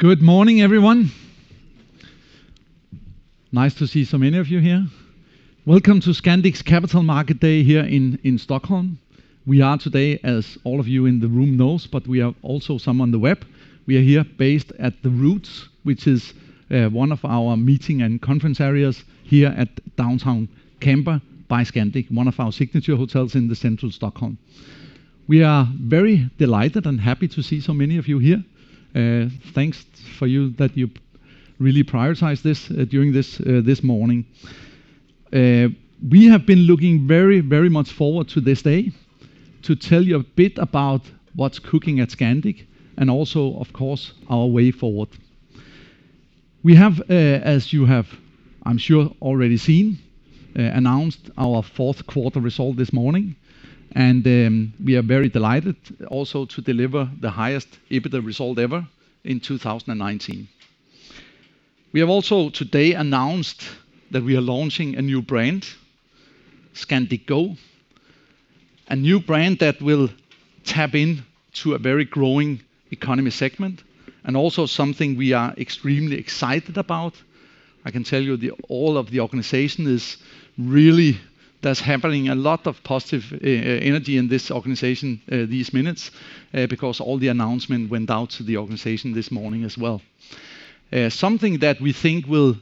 Good morning, everyone. Nice to see so many of you here. Welcome to Scandic's Capital Market Day here in Stockholm. We are today, as all of you in the room knows, but we have also some on the web. We are here based at the Roots, which is one of our meeting and conference areas here at Downtown Camper by Scandic, one of our signature hotels in the central Stockholm. We are very delighted and happy to see so many of you here. Thanks for that you really prioritize this during this morning. We have been looking very much forward to this day to tell you a bit about what's cooking at Scandic and also, of course, our way forward. We have, as you have, I'm sure, already seen, announced our fourth quarter result this morning, and we are very delighted also to deliver the highest EBITDA result ever in 2019. We have also today announced that we are launching a new brand, Scandic Go. A new brand that will tap into a very growing economy segment and also something we are extremely excited about. I can tell you there's happening a lot of positive energy in this organization these minutes, because all the announcement went out to the organization this morning as well. Something that we think will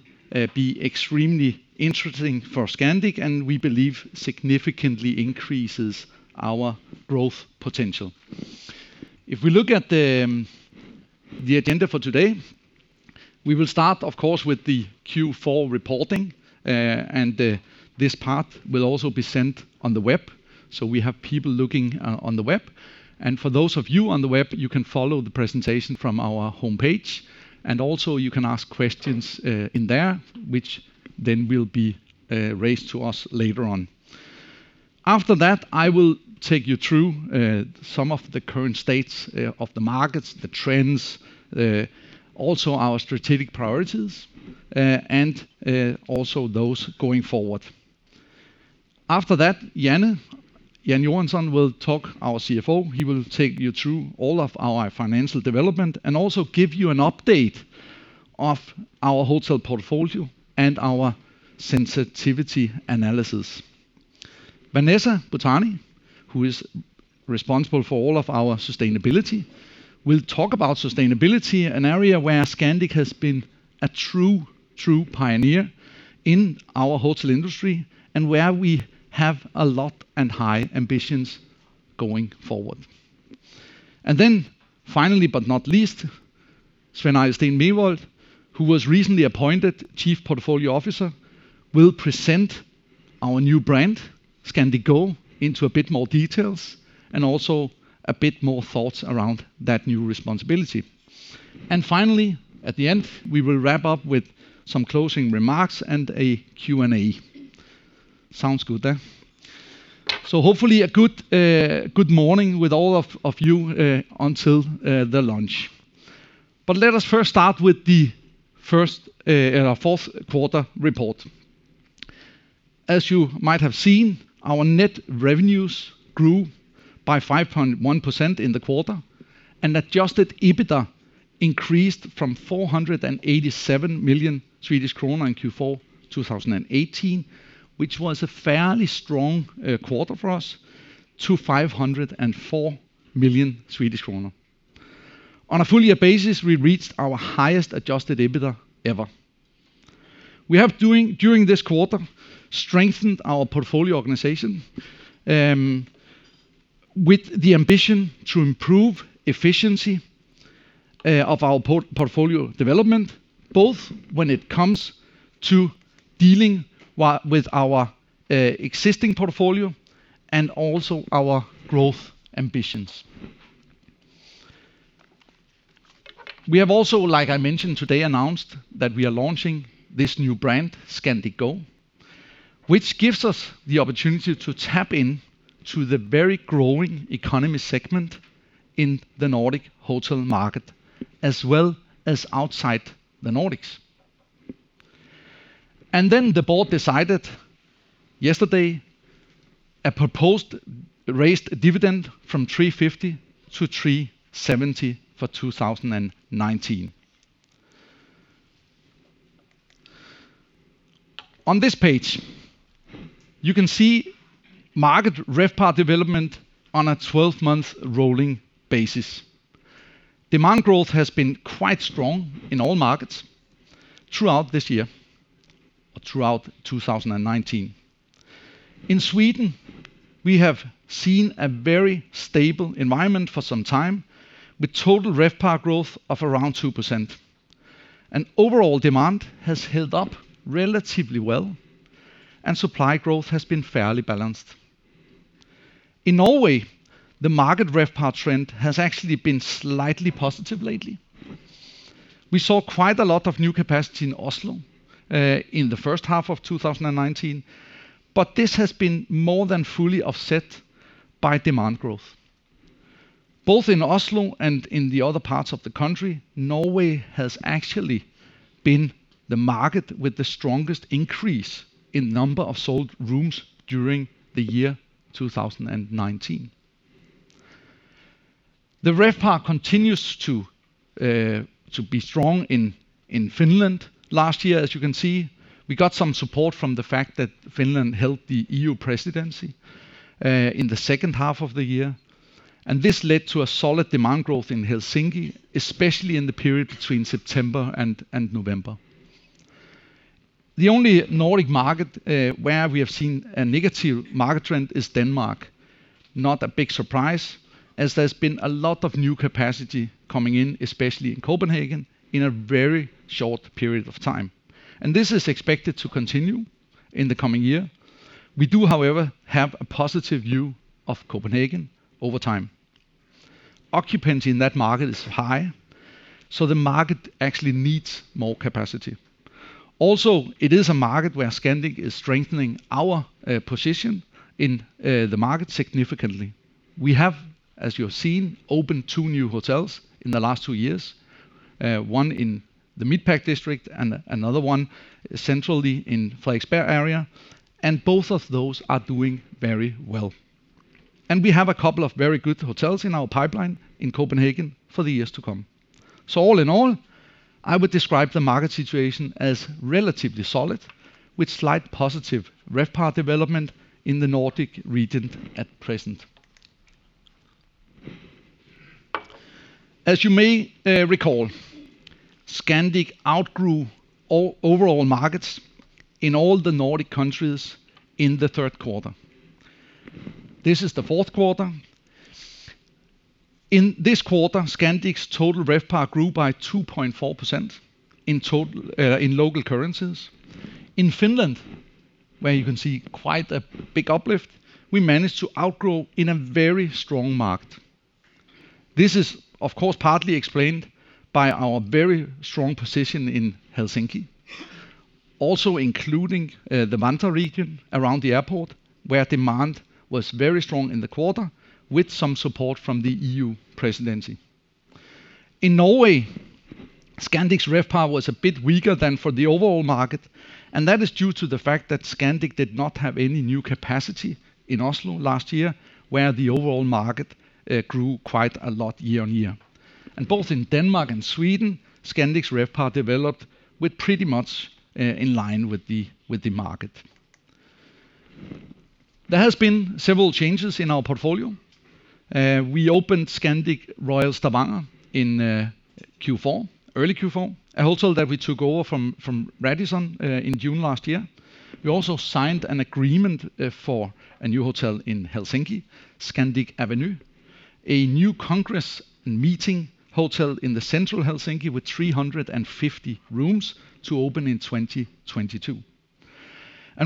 be extremely interesting for Scandic and we believe significantly increases our growth potential. If we look at the agenda for today, we will start, of course, with the Q4 reporting. This part will also be sent on the web, so we have people looking on the web. For those of you on the web, you can follow the presentation from our homepage. Also you can ask questions in there, which then will be raised to us later on. After that, I will take you through some of the current states of the markets, the trends, also our strategic priorities, and also those going forward. After that, Jan Johansson, our CFO, will talk. He will take you through all of our financial development and also give you an update of our hotel portfolio and our sensitivity analysis. Vanessa Butani, who is responsible for all of our sustainability, will talk about sustainability, an area where Scandic has been a true pioneer in our hotel industry and where we have a lot and high ambitions going forward. Then finally, but not least, Svein Arild Steen-Mevold, who was recently appointed Chief Portfolio Officer, will present our new brand, Scandic Go, into a bit more details and also a bit more thoughts around that new responsibility. Finally, at the end, we will wrap up with some closing remarks and a Q&A. Sounds good? Hopefully a good morning with all of you until the lunch. Let us first start with the fourth quarter report. As you might have seen, our net revenues grew by 5.1% in the quarter, and Adjusted EBITDA increased from 487 million Swedish kronor in Q4 2018, which was a fairly strong quarter for us, to 504 million Swedish kronor. On a full year basis, we reached our highest Adjusted EBITDA ever. We have, during this quarter, strengthened our portfolio organization, with the ambition to improve efficiency of our portfolio development, both when it comes to dealing with our existing portfolio and also our growth ambitions. We have also, like I mentioned today, announced that we are launching this new brand, Scandic Go, which gives us the opportunity to tap into the very growing economy segment in the Nordic hotel market, as well as outside the Nordics. The board decided yesterday, a proposed raised dividend from 3.50 to 3.70 for 2019. On this page, you can see market RevPAR development on a 12-month rolling basis. Demand growth has been quite strong in all markets throughout this year or throughout 2019. In Sweden, we have seen a very stable environment for some time with total RevPAR growth of around 2%. Overall demand has held up relatively well, and supply growth has been fairly balanced. In Norway, the market RevPAR trend has actually been slightly positive lately. We saw quite a lot of new capacity in Oslo in the first half of 2019, but this has been more than fully offset by demand growth. Both in Oslo and in the other parts of the country, Norway has actually been the market with the strongest increase in number of sold rooms during the year 2019. The RevPAR continues to be strong in Finland. Last year, as you can see, we got some support from the fact that Finland held the EU presidency in the second half of the year, and this led to a solid demand growth in Helsinki, especially in the period between September and November. The only Nordic market where we have seen a negative market trend is Denmark. Not a big surprise, as there's been a lot of new capacity coming in, especially in Copenhagen, in a very short period of time. This is expected to continue in the coming year. We do, however, have a positive view of Copenhagen over time. Occupancy in that market is high, so the market actually needs more capacity. It is a market where Scandic is strengthening our position in the market significantly. We have, as you have seen, opened two new hotels in the last two years, one in the Midtpark district and another one centrally in Frederiksberg area, and both of those are doing very well. We have a couple of very good hotels in our pipeline in Copenhagen for the years to come. All in all, I would describe the market situation as relatively solid with slight positive RevPAR development in the Nordic region at present. As you may recall, Scandic outgrew overall markets in all the Nordic countries in the third quarter. This is the fourth quarter. In this quarter, Scandic's total RevPAR grew by 2.4% in local currencies. In Finland, where you can see quite a big uplift, we managed to outgrow in a very strong market. This is, of course, partly explained by our very strong position in Helsinki. Also including the Vantaa region around the airport, where demand was very strong in the quarter with some support from the EU Presidency. In Norway, Scandic's RevPAR was a bit weaker than for the overall market, that is due to the fact that Scandic did not have any new capacity in Oslo last year, where the overall market grew quite a lot year-on-year. Both in Denmark and Sweden, Scandic's RevPAR developed with pretty much in line with the market. There has been several changes in our portfolio. We opened Scandic Royal Stavanger in early Q4, a hotel that we took over from Radisson in June last year. We also signed an agreement for a new hotel in Helsinki, Scandic Avenue, a new congress meeting hotel in the central Helsinki with 350 rooms to open in 2022.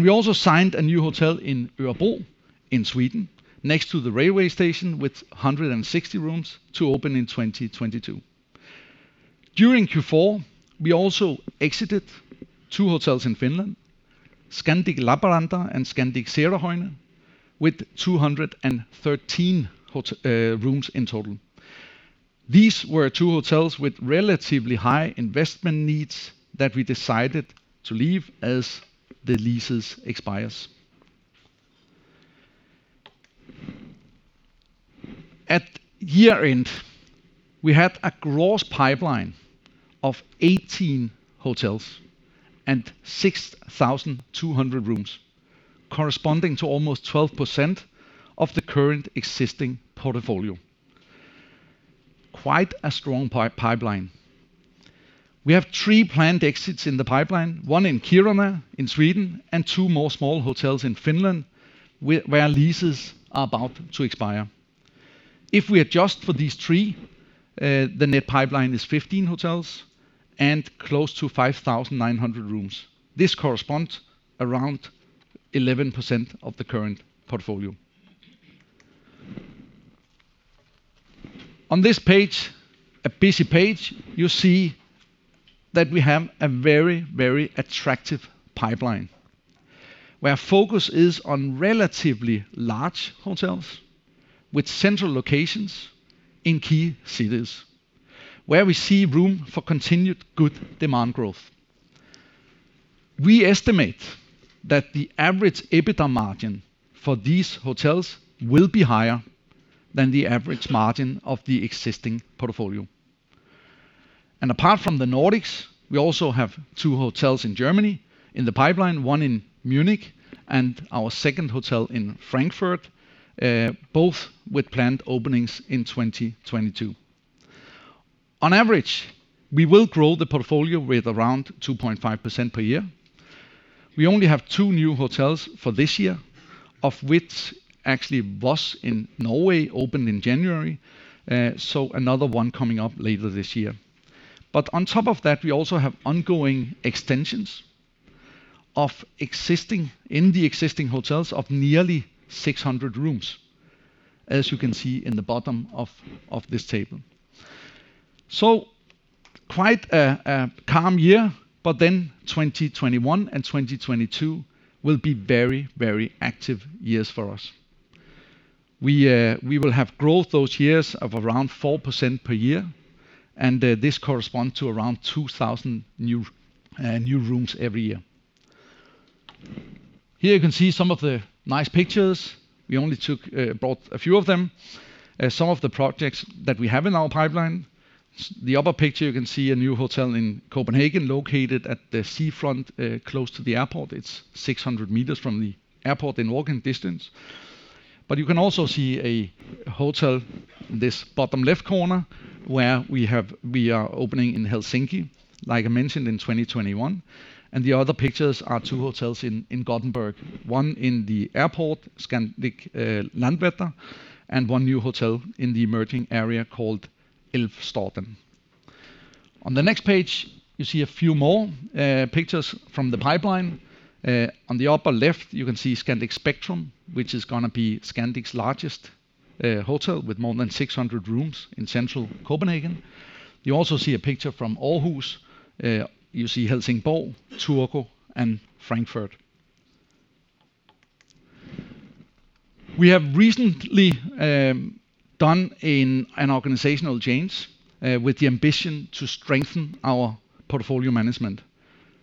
We also signed a new hotel in Örebro in Sweden, next to the railway station with 160 rooms to open in 2022. During Q4, we also exited two hotels in Finland, Scandic Lappeenranta and Scandic Seurahuone, with 213 rooms in total. These were two hotels with relatively high investment needs that we decided to leave as the leases expires. At year-end, we had a gross pipeline of 18 hotels and 6,200 rooms, corresponding to almost 12% of the current existing portfolio. Quite a strong pipeline. We have three planned exits in the pipeline, one in Kiruna in Sweden and two more small hotels in Finland, where leases are about to expire. If we adjust for these three, the net pipeline is 15 hotels and close to 5,900 rooms. This corresponds around 11% of the current portfolio. On this page, a busy page, you see that we have a very attractive pipeline where our focus is on relatively large hotels with central locations in key cities where we see room for continued good demand growth. We estimate that the average EBITDA margin for these hotels will be higher than the average margin of the existing portfolio. Apart from the Nordics, we also have two hotels in Germany in the pipeline, one in Munich and our second hotel in Frankfurt, both with planned openings in 2022. On average, we will grow the portfolio with around 2.5% per year. We only have two new hotels for this year, of which actually Voss in Norway opened in January. Another one coming up later this year. On top of that, we also have ongoing extensions in the existing hotels of nearly 600 rooms, as you can see in the bottom of this table. Quite a calm year, but then 2021 and 2022 will be very active years for us. We will have growth those years of around 4% per year, and this corresponds to around 2,000 new rooms every year. Here you can see some of the nice pictures. We only brought a few of them. Some of the projects that we have in our pipeline. The upper picture, you can see a new hotel in Copenhagen located at the seafront, close to the airport. It's 600 m from the airport in walking distance. You can also see a hotel in this bottom left corner, where we are opening in Helsinki, like I mentioned, in 2021. The other pictures are two hotels in Gothenburg, one in the airport, Scandic Landvetter, and one new hotel in the emerging area called Älvstaden. On the next page, you see a few more pictures from the pipeline. On the upper left, you can see Scandic Spectrum, which is going to be Scandic's largest hotel with more than 600 rooms in central Copenhagen. You also see a picture from Aarhus. You see Helsingborg, Turku, and Frankfurt. We have recently done an organizational change with the ambition to strengthen our portfolio management.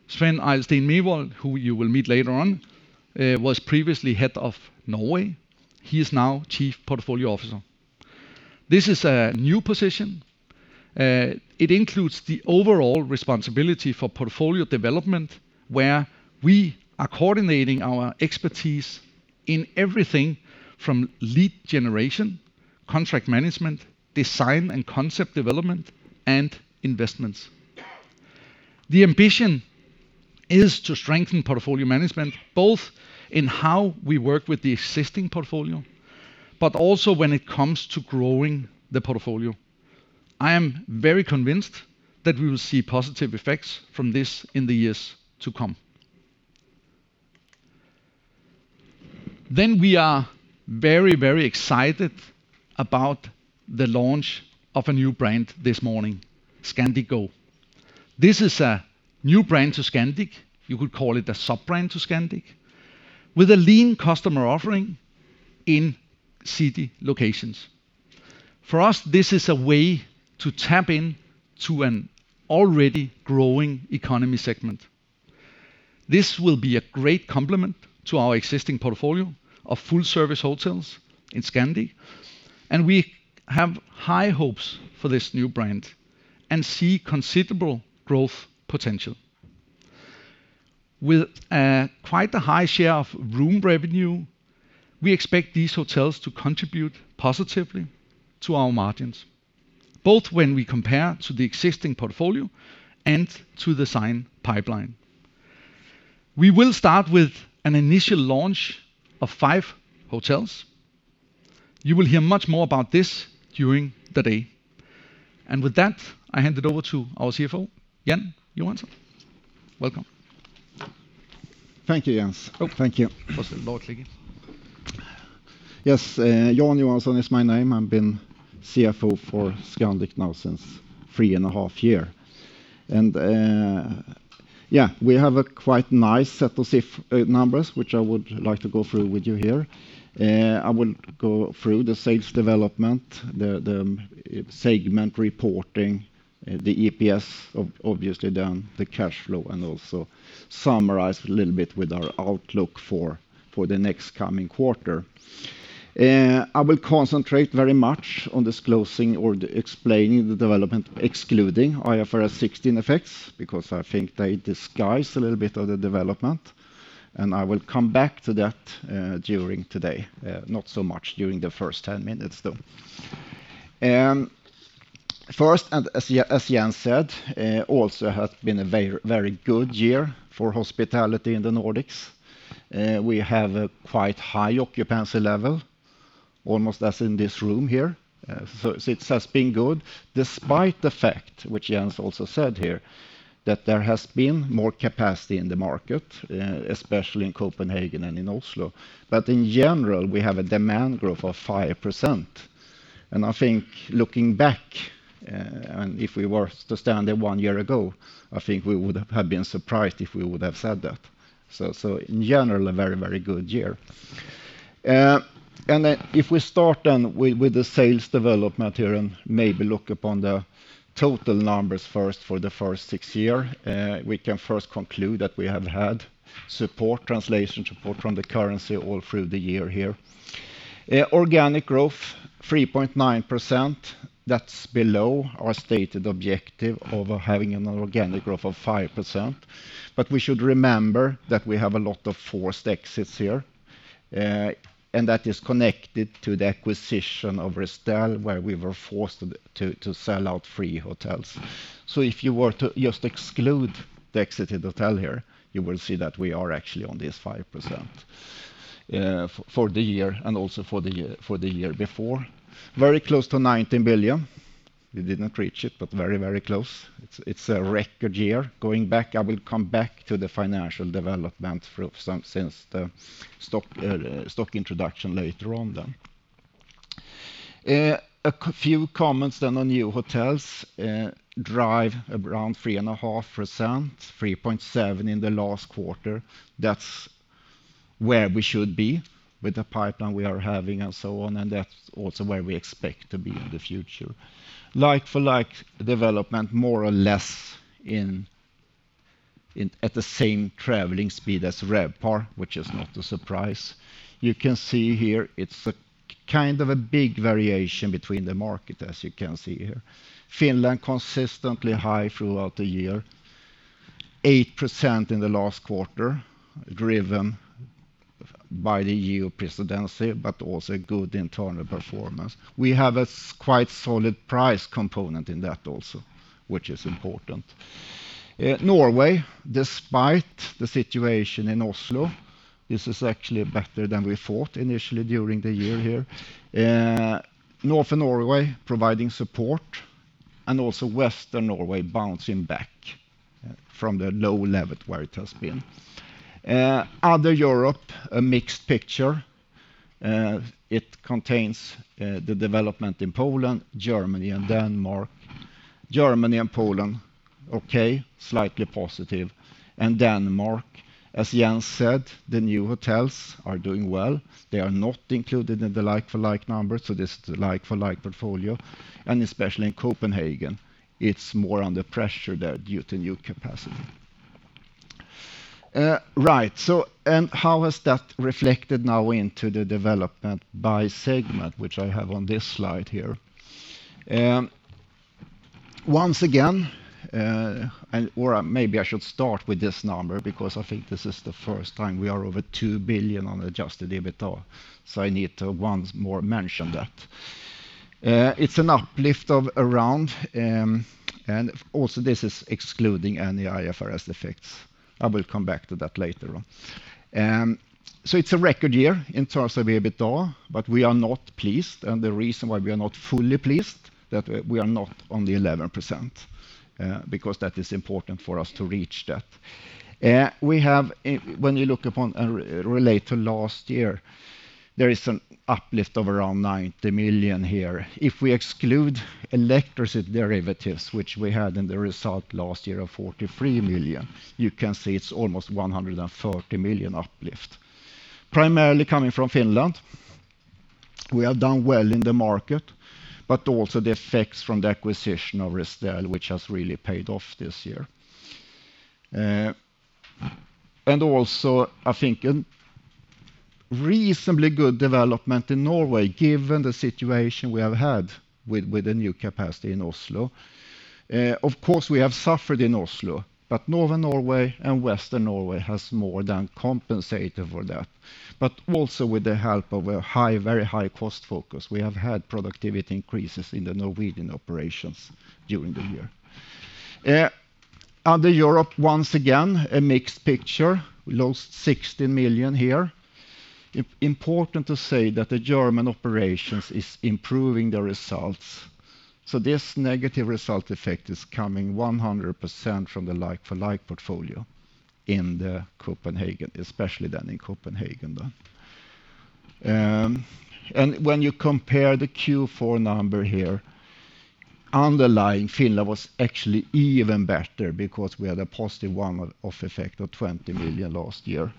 Svein Arild Steen-Mevold, who you will meet later on, was previously head of Norway. He is now Chief Portfolio Officer. This is a new position. It includes the overall responsibility for portfolio development, where we are coordinating our expertise in everything from lead generation, contract management, design and concept development, and investments. The ambition is to strengthen portfolio management, both in how we work with the existing portfolio, but also when it comes to growing the portfolio. I am very convinced that we will see positive effects from this in the years to come. We are very excited about the launch of a new brand this morning, Scandic Go. This is a new brand to Scandic. You could call it a sub-brand to Scandic with a lean customer offering in city locations. For us, this is a way to tap in to an already growing economy segment. This will be a great complement to our existing portfolio of full-service hotels in Scandic, and we have high hopes for this new brand and see considerable growth potential. With quite a high share of room revenue, we expect these hotels to contribute positively to our margins, both when we compare to the existing portfolio and to the signed pipeline. We will start with an initial launch of five hotels. You will hear much more about this during the day. With that, I hand it over to our CFO, Jan Johansson. Welcome. Thank you, Jens. Oh. Thank you. Yes. Jan Johansson is my name. I've been CFO for Scandic now since three and a half years. Yeah, we have a quite nice set of numbers, which I would like to go through with you here. I will go through the sales development, the segment reporting, the EPS, obviously, then the cash flow, also summarize a little bit with our outlook for the next coming quarter. I will concentrate very much on disclosing or explaining the development, excluding IFRS 16 effects, because I think they disguise a little bit of the development, and I will come back to that during today. Not so much during the first 10 minutes, though. First, as Jens said, also has been a very good year for hospitality in the Nordics. We have a quite high occupancy level, almost as in this room here. It has been good, despite the fact, which Jens also said here, that there has been more capacity in the market, especially in Copenhagen and in Oslo. In general, we have a demand growth of 5%. I think looking back, if we were to stand there one year ago, I think we would have been surprised if we would have said that. In general, a very good year. If we start with the sales development here and maybe look upon the total numbers first for the first six year. We can first conclude that we have had support, translation support from the currency all through the year here. Organic growth, 3.9%. That's below our stated objective of having an organic growth of 5%. We should remember that we have a lot of forced exits here, and that is connected to the acquisition of Restel, where we were forced to sell out three hotels. If you were to just exclude the exited hotel here, you will see that we are actually on this 5% for the year and also for the year before. Very close to 19 billion. We did not reach it, but very close. It's a record year. Going back, I will come back to the financial development since the stock introduction later on. A few comments then on new hotels. Drive around 3.5%, 3.7% in the last quarter. That's where we should be with the pipeline we are having and so on, and that's also where we expect to be in the future. Like-for-like development, more or less at the same traveling speed as RevPAR, which is not a surprise. You can see here, it's a big variation between the market as you can see here. Finland consistently high throughout the year, 8% in the last quarter, driven by the EU presidency, but also good internal performance. We have a quite solid price component in that also, which is important. Norway, despite the situation in Oslo, this is actually better than we thought initially during the year here. Northern Norway providing support and also Western Norway bouncing back from the low level where it has been. Other Europe, a mixed picture. It contains the development in Poland, Germany, and Denmark. Germany and Poland, okay, slightly positive. Denmark, as Jens said, the new hotels are doing well. They are not included in the like-for-like numbers. This is the like-for-like portfolio, especially in Copenhagen, it's more under pressure there due to new capacity. Right. How has that reflected now into the development by segment, which I have on this slide here? I should start with this number because I think this is the first time we are over 2 billion on Adjusted EBITDA. I need to once more mention that. It's an uplift of around. Also, this is excluding any IFRS effects. I will come back to that later on. It's a record year in terms of EBITDA. We are not pleased. The reason why we are not fully pleased, that we are not on the 11%, that is important for us to reach that. When you look upon relate to last year, there is an uplift of around 90 million here. If we exclude electricity derivatives, which we had in the result last year of 43 million, you can see it's almost 140 million uplift. Primarily coming from Finland. We have done well in the market, but also the effects from the acquisition of Restel, which has really paid off this year. Also, I think a reasonably good development in Norway, given the situation we have had with the new capacity in Oslo. Of course, we have suffered in Oslo, but Northern Norway and Western Norway has more than compensated for that. Also with the help of a very high cost focus. We have had productivity increases in the Norwegian operations during the year. Other Europe, once again, a mixed picture. We lost 16 million here. Important to say that the German operations is improving the results. This negative result effect is coming 100% from the like-for-like portfolio, especially than in Copenhagen. When you compare the Q4 number here, underlying Finland was actually even better because we had a positive one-off effect of 20 million last year.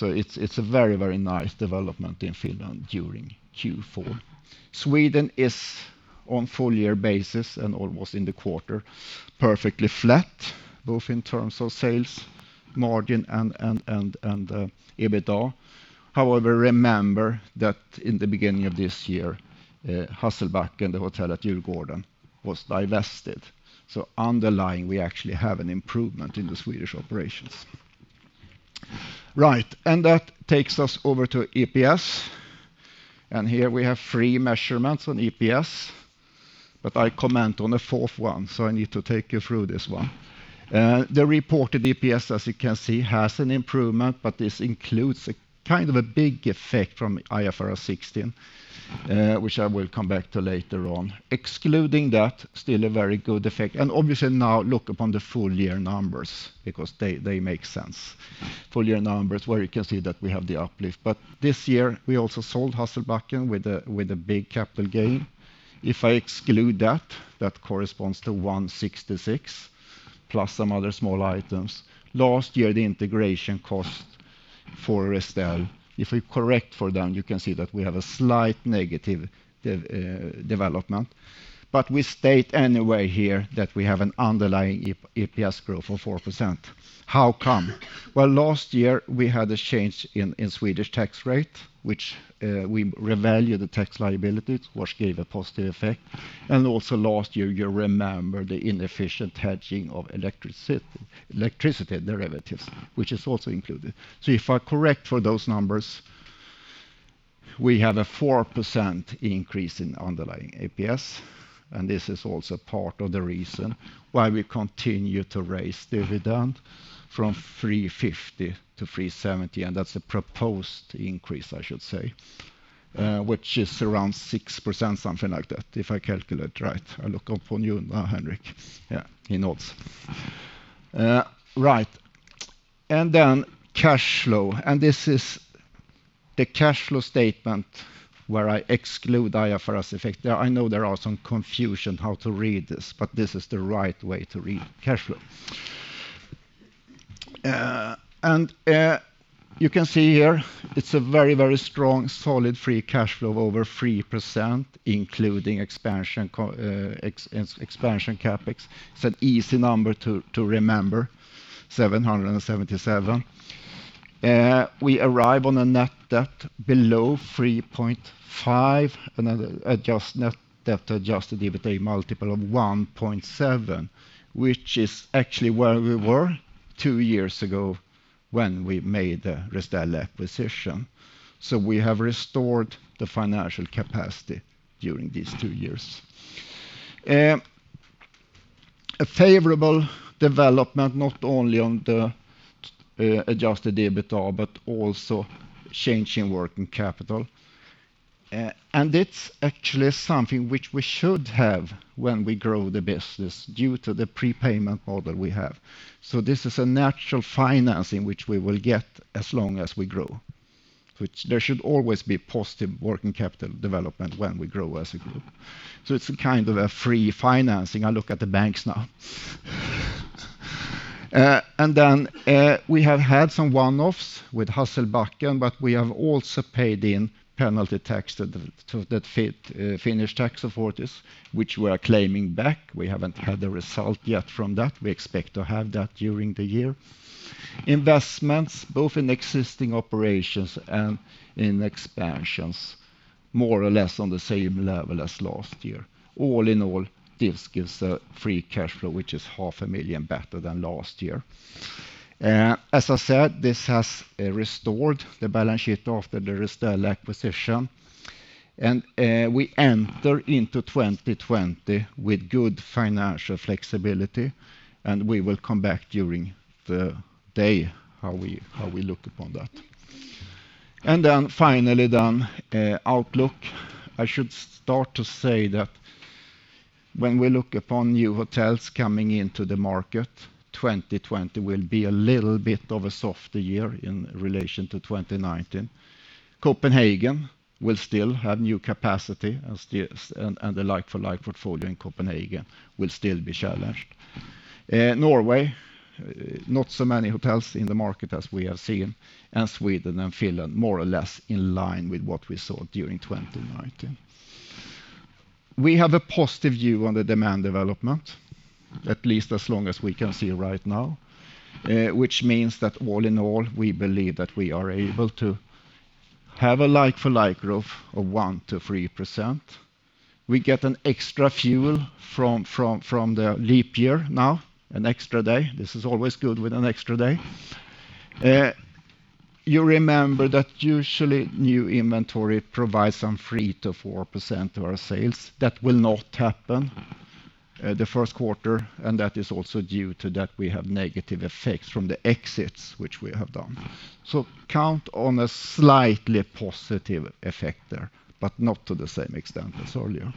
It's a very nice development in Finland during Q4. Sweden is on full year basis and almost in the quarter, perfectly flat, both in terms of sales margin and EBITDA. However, remember that in the beginning of this year, Hasselbacken, the hotel at Djurgården, was divested. Underlying, we actually have an improvement in the Swedish operations. Right. That takes us over to EPS. Here we have three measurements on EPS. I comment on a fourth one, so I need to take you through this one. The reported EPS, as you can see, has an improvement, but this includes a big effect from IFRS 16, which I will come back to later on. Excluding that, still a very good effect. Obviously now look upon the full year numbers because they make sense. Full year numbers where you can see that we have the uplift. This year, we also sold Hasselbacken with a big capital gain. If I exclude that corresponds to 166 plus some other small items. Last year, the integration cost for Restel. If we correct for them, you can see that we have a slight negative development. We state anyway here that we have an underlying EPS growth of 4%. How come? Last year, we had a change in Swedish tax rate, which we revalued the tax liabilities, which gave a positive effect. Also last year, you remember the inefficient hedging of electricity derivatives, which is also included. If I correct for those numbers, we have a 4% increase in underlying EPS. This is also part of the reason why we continue to raise dividend from 3.50 to 3.70. That's a proposed increase, I should say, which is around 6%, something like that, if I calculate right. I look up on you now, Henrik. Yeah, he nods. Right. Then cash flow. This is the cash flow statement where I exclude IFRS effects. I know there is some confusion how to read this, but this is the right way to read cash flow. You can see here it's a very strong, solid free cash flow of over 3%, including expansion CapEx. It's an easy number to remember, 777. We arrive on a net debt below 3.5, another adjusted net debt to Adjusted EBITDA multiple of 1.7, which is actually where we were two years ago when we made the Restel acquisition. We have restored the financial capacity during these two years. A favorable development not only on the Adjusted EBITDA but also change in working capital. It's actually something which we should have when we grow the business due to the prepayment model we have. This is a natural financing which we will get as long as we grow, which there should always be positive working capital development when we grow as a group. It's a kind of a free financing. I look at the banks now. We have had some one-offs with Hasselbacken, we have also paid in penalty tax to the Finnish tax authorities, which we are claiming back. We haven't had the result yet from that. We expect to have that during the year. Investments, both in existing operations and in expansions, more or less on the same level as last year. All in all, this gives a free cash flow, which is half a million better than last year. As I said, this has restored the balance sheet after the Restel acquisition. We enter into 2020 with good financial flexibility, and we will come back during the day how we look upon that. Finally, outlook. I should start to say that when we look upon new hotels coming into the market, 2020 will be a little bit of a softer year in relation to 2019. Copenhagen will still have new capacity, and the like-for-like portfolio in Copenhagen will still be challenged. Norway, not so many hotels in the market as we have seen, and Sweden and Finland, more or less in line with what we saw during 2019. We have a positive view on the demand development, at least as long as we can see right now. Which means that all in all, we believe that we are able to have a like-for-like growth of 1%-3%. We get an extra fuel from the leap year now, an extra day. This is always good with an extra day. You remember that usually new inventory provides some 3%-4% of our sales. That will not happen the first quarter. That is also due to that we have negative effects from the exits which we have done. Count on a slightly positive effect there, but not to the same extent as earlier.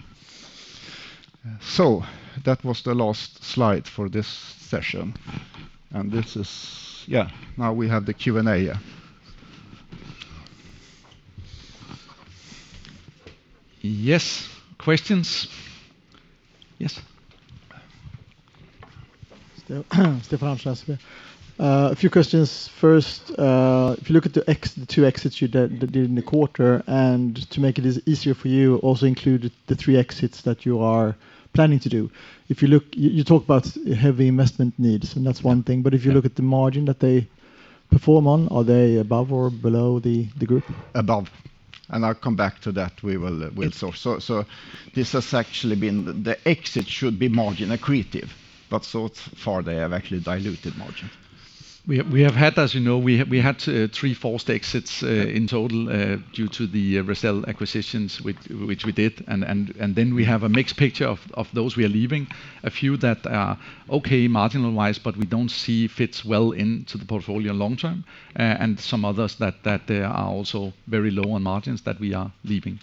That was the last slide for this session. Now we have the Q&A. Yes, questions? Yes. Stefan Schlanske. A few questions. First, if you look at the two exits you did in the quarter, and to make it easier for you, also include the three exits that you are planning to do. You talk about heavy investment needs, and that's one thing. If you look at the margin that they perform on, are they above or below the group? Above. I'll come back to that. The exit should be margin accretive, but so far, they have actually diluted margin. We have had, as you know, we had three forced exits in total due to the Restel acquisitions which we did. We have a mixed picture of those we are leaving. A few that are okay marginal-wise, but we don't see fits well into the portfolio long term, and some others that there are also very low on margins that we are leaving.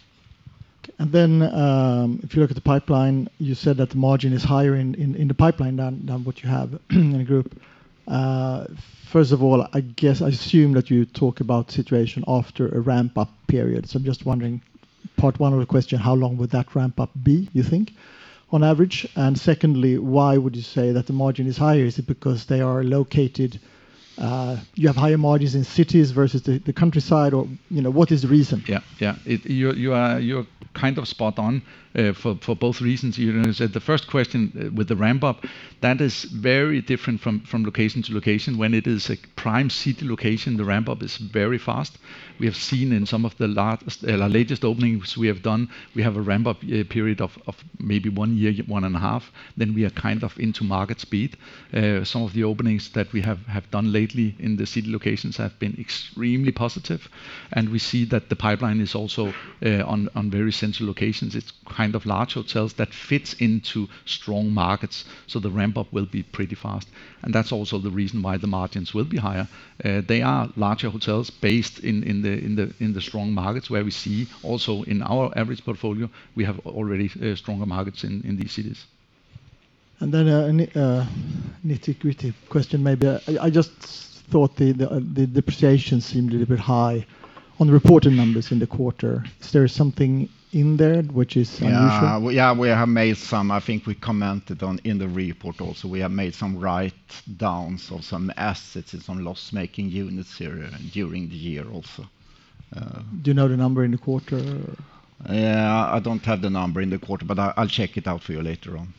If you look at the pipeline, you said that the margin is higher in the pipeline than what you have in the group. First of all, I assume that you talk about situation after a ramp-up period. I'm just wondering, part one of the question, how long would that ramp-up be, you think, on average? Secondly, why would you say that the margin is higher? Is it because you have higher margins in cities versus the countryside, or what is the reason? Yeah. You're spot on for both reasons. The first question with the ramp-up, that is very different from location to location. When it is a prime city location, the ramp-up is very fast. We have seen in some of the latest openings we have done, we have a ramp-up period of maybe one year, one and a half. We are into market speed. Some of the openings that we have done lately in the city locations have been extremely positive, and we see that the pipeline is also on very central locations. It's large hotels that fits into strong markets, the ramp-up will be pretty fast. That's also the reason why the margins will be higher. They are larger hotels based in the strong markets where we see also in our average portfolio, we have already stronger markets in these cities. A nitty-gritty question, maybe. I just thought the depreciation seemed a little bit high on the reported numbers in the quarter. Is there something in there which is unusual? I think we commented on in the report also, we have made some write-downs of some assets in some loss-making units here during the year also. Do you know the number in the quarter? I don't have the number in the quarter, but I'll check it out for you later on.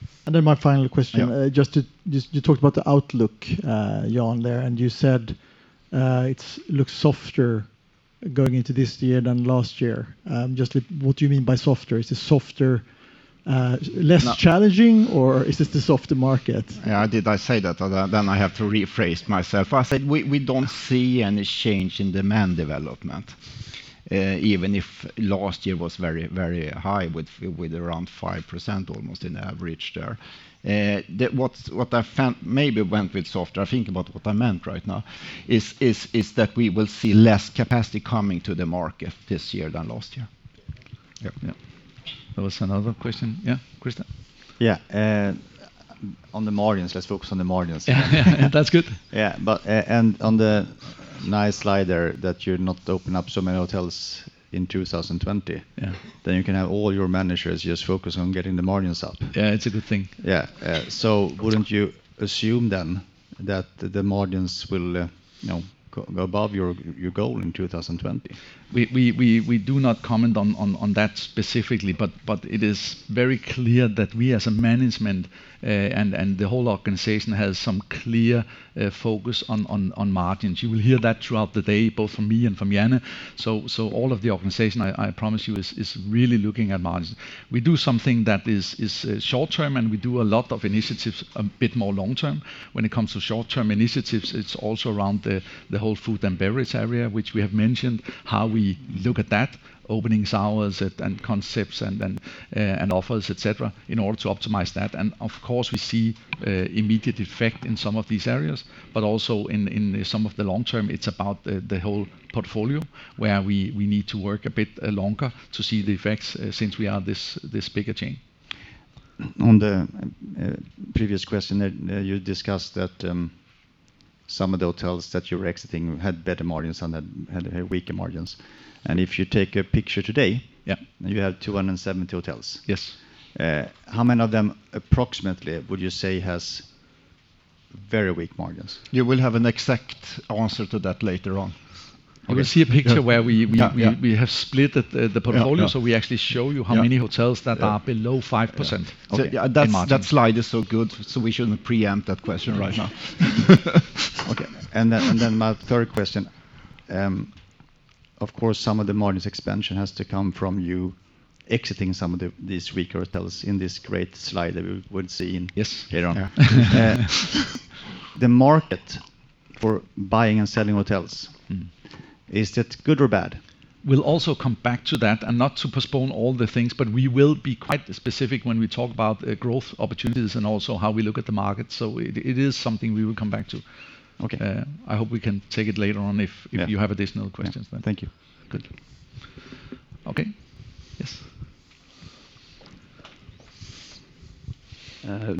My final question. Yeah. You talked about the outlook, Jan, there, and you said it looks softer going into this year than last year. Just what do you mean by softer? Is it softer, less challenging, or is this the softer market? Yeah, did I say that? I have to rephrase myself. I said we don't see any change in demand development. Even if last year was very high with around 5% almost in average there. What I found maybe went with softer, I think about what I meant right now, is that we will see less capacity coming to the market this year than last year. Yep. Yeah. There was another question. Yeah, Christian. Yeah. On the margins, let's focus on the margins. That's good. Yeah. On the nice slide there that you're not open up so many hotels in 2020. Yeah. You can have all your managers just focus on getting the margins up. Yeah, it's a good thing. Yeah. Wouldn't you assume then that the margins will go above your goal in 2020? We do not comment on that specifically, but it is very clear that we as a management, and the whole organization, has some clear focus on margins. You will hear that throughout the day, both from me and from Jan. All of the organization, I promise you, is really looking at margins. We do something that is short-term, and we do a lot of initiatives a bit more long-term. When it comes to short-term initiatives, it's also around the whole food and beverage area, which we have mentioned, how we look at that, openings, hours, and concepts, and offers, et cetera, in order to optimize that. Of course, we see immediate effect in some of these areas, but also in some of the long-term, it's about the whole portfolio, where we need to work a bit longer to see the effects since we are this bigger chain. On the previous question, you discussed that some of the hotels that you were exiting had better margins than had weaker margins. If you take a picture today- Yeah You have 270 hotels. Yes. How many of them, approximately, would you say has very weak margins? You will have an exact answer to that later on. You will see a picture where we have split the portfolio, so we actually show you how many hotels that are below 5%. Okay. Yeah. That slide is so good, so we shouldn't preempt that question right now. Okay. Then my third question. Of course, some of the margins expansion has to come from you exiting some of these weaker hotels in this great slide that we would see- Yes Later on. The market for buying and selling hotels, is that good or bad? We'll also come back to that, and not to postpone all the things, but we will be quite specific when we talk about growth opportunities and also how we look at the market. It is something we will come back to. Okay. I hope we can take it later on if you have additional questions then. Thank you. Good. Okay. Yes.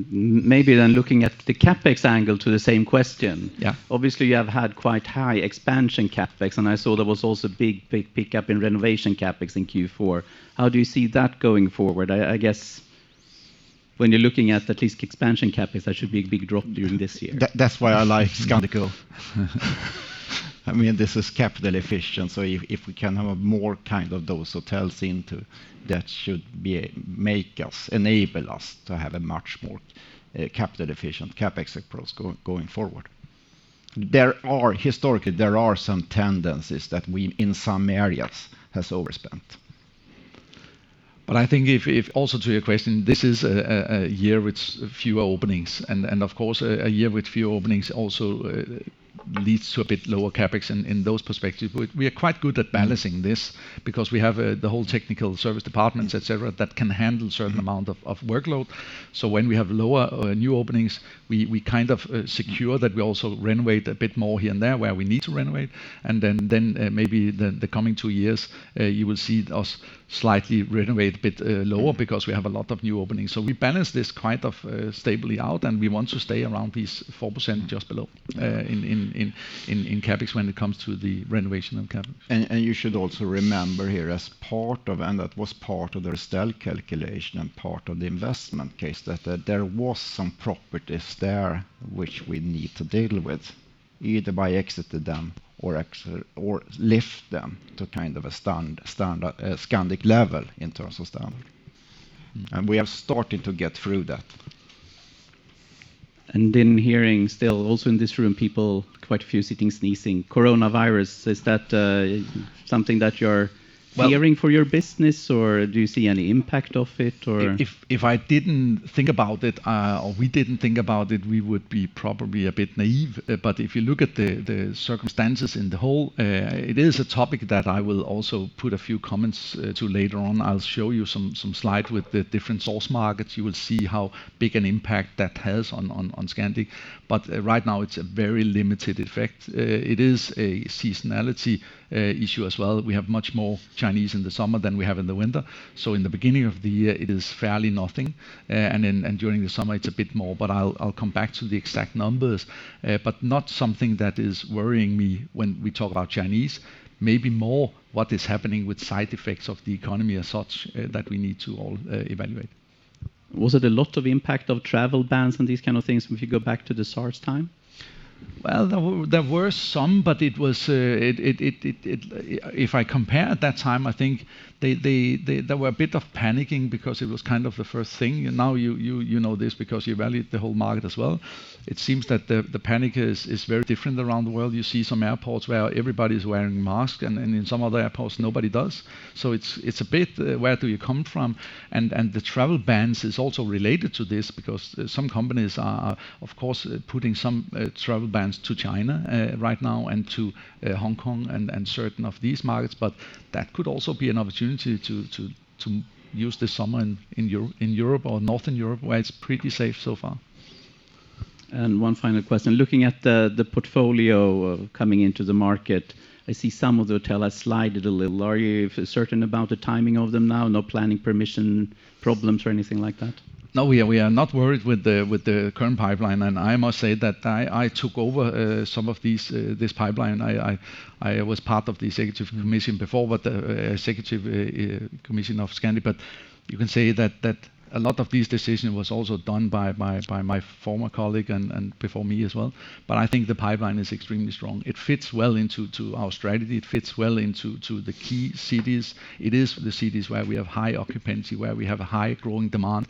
Maybe looking at the CapEx angle to the same question. Yeah. Obviously, you have had quite high expansion CapEx. I saw there was also big pick-up in renovation CapEx in Q4. How do you see that going forward? I guess when you're looking at least expansion CapEx, that should be a big drop during this year. That's why I like Scandic. This is capital efficient. If we can have a more those hotels into, that should enable us to have a much more capital-efficient CapEx approach going forward. Historically, there are some tendencies that we, in some areas, has overspent. I think, also to your question, this is a year with fewer openings, and of course, a year with fewer openings also leads to a bit lower CapEx in those perspective. We are quite good at balancing this because we have the whole technical service departments, et cetera, that can handle certain amount of workload. When we have lower new openings, we secure that we also renovate a bit more here and there where we need to renovate. Maybe the coming two years, you will see us slightly renovate a bit lower because we have a lot of new openings. We balance this quite stably out, and we want to stay around this 4%, just below, in CapEx when it comes to the renovation of CapEx. You should also remember here, and that was part of the Restel calculation and part of the investment case, that there was some properties there which we need to deal with, either by exiting them or lift them to a standard Scandic level in terms of standard. We are starting to get through that. I'm hearing still, also in this room, people, quite a few sitting sneezing. Coronavirus, is that something that you're fearing for your business, or do you see any impact of it? If I didn't think about it, or we didn't think about it, we would be probably a bit naive. If you look at the circumstances in the whole, it is a topic that I will also put a few comments to later on. I'll show you some slide with the different source markets. You will see how big an impact that has on Scandic. Right now, it's a very limited effect. It is a seasonality issue as well. We have much more Chinese in the summer than we have in the winter. In the beginning of the year, it is fairly nothing, and during the summer, it's a bit more. I'll come back to the exact numbers. Not something that is worrying me when we talk about Chinese. Maybe more what is happening with side effects of the economy as such that we need to all evaluate. Was it a lot of impact of travel bans and these kind of things if you go back to the SARS time? Well, there were some, but if I compare at that time, I think there were a bit of panicking because it was kind of the first thing. You know this because you valued the whole market as well. It seems that the panic is very different around the world. You see some airports where everybody's wearing mask, and in some other airports, nobody does. It's a bit where do you come from? The travel bans is also related to this because some companies are, of course, putting some travel bans to China right now and to Hong Kong and certain of these markets. That could also be an opportunity to use the summer in Europe or Northern Europe, where it's pretty safe so far. One final question. Looking at the portfolio coming into the market, I see some of the hotel has slided a little. Are you certain about the timing of them now? No planning permission problems or anything like that? No, we are not worried with the current pipeline, and I must say that I took over some of this pipeline. I was part of the executive commission before, but the executive commission of Scandic. You can say that a lot of these decision was also done by my former colleague and before me as well. I think the pipeline is extremely strong. It fits well into our strategy. It fits well into the key cities. It is the cities where we have high occupancy, where we have a high growing demand.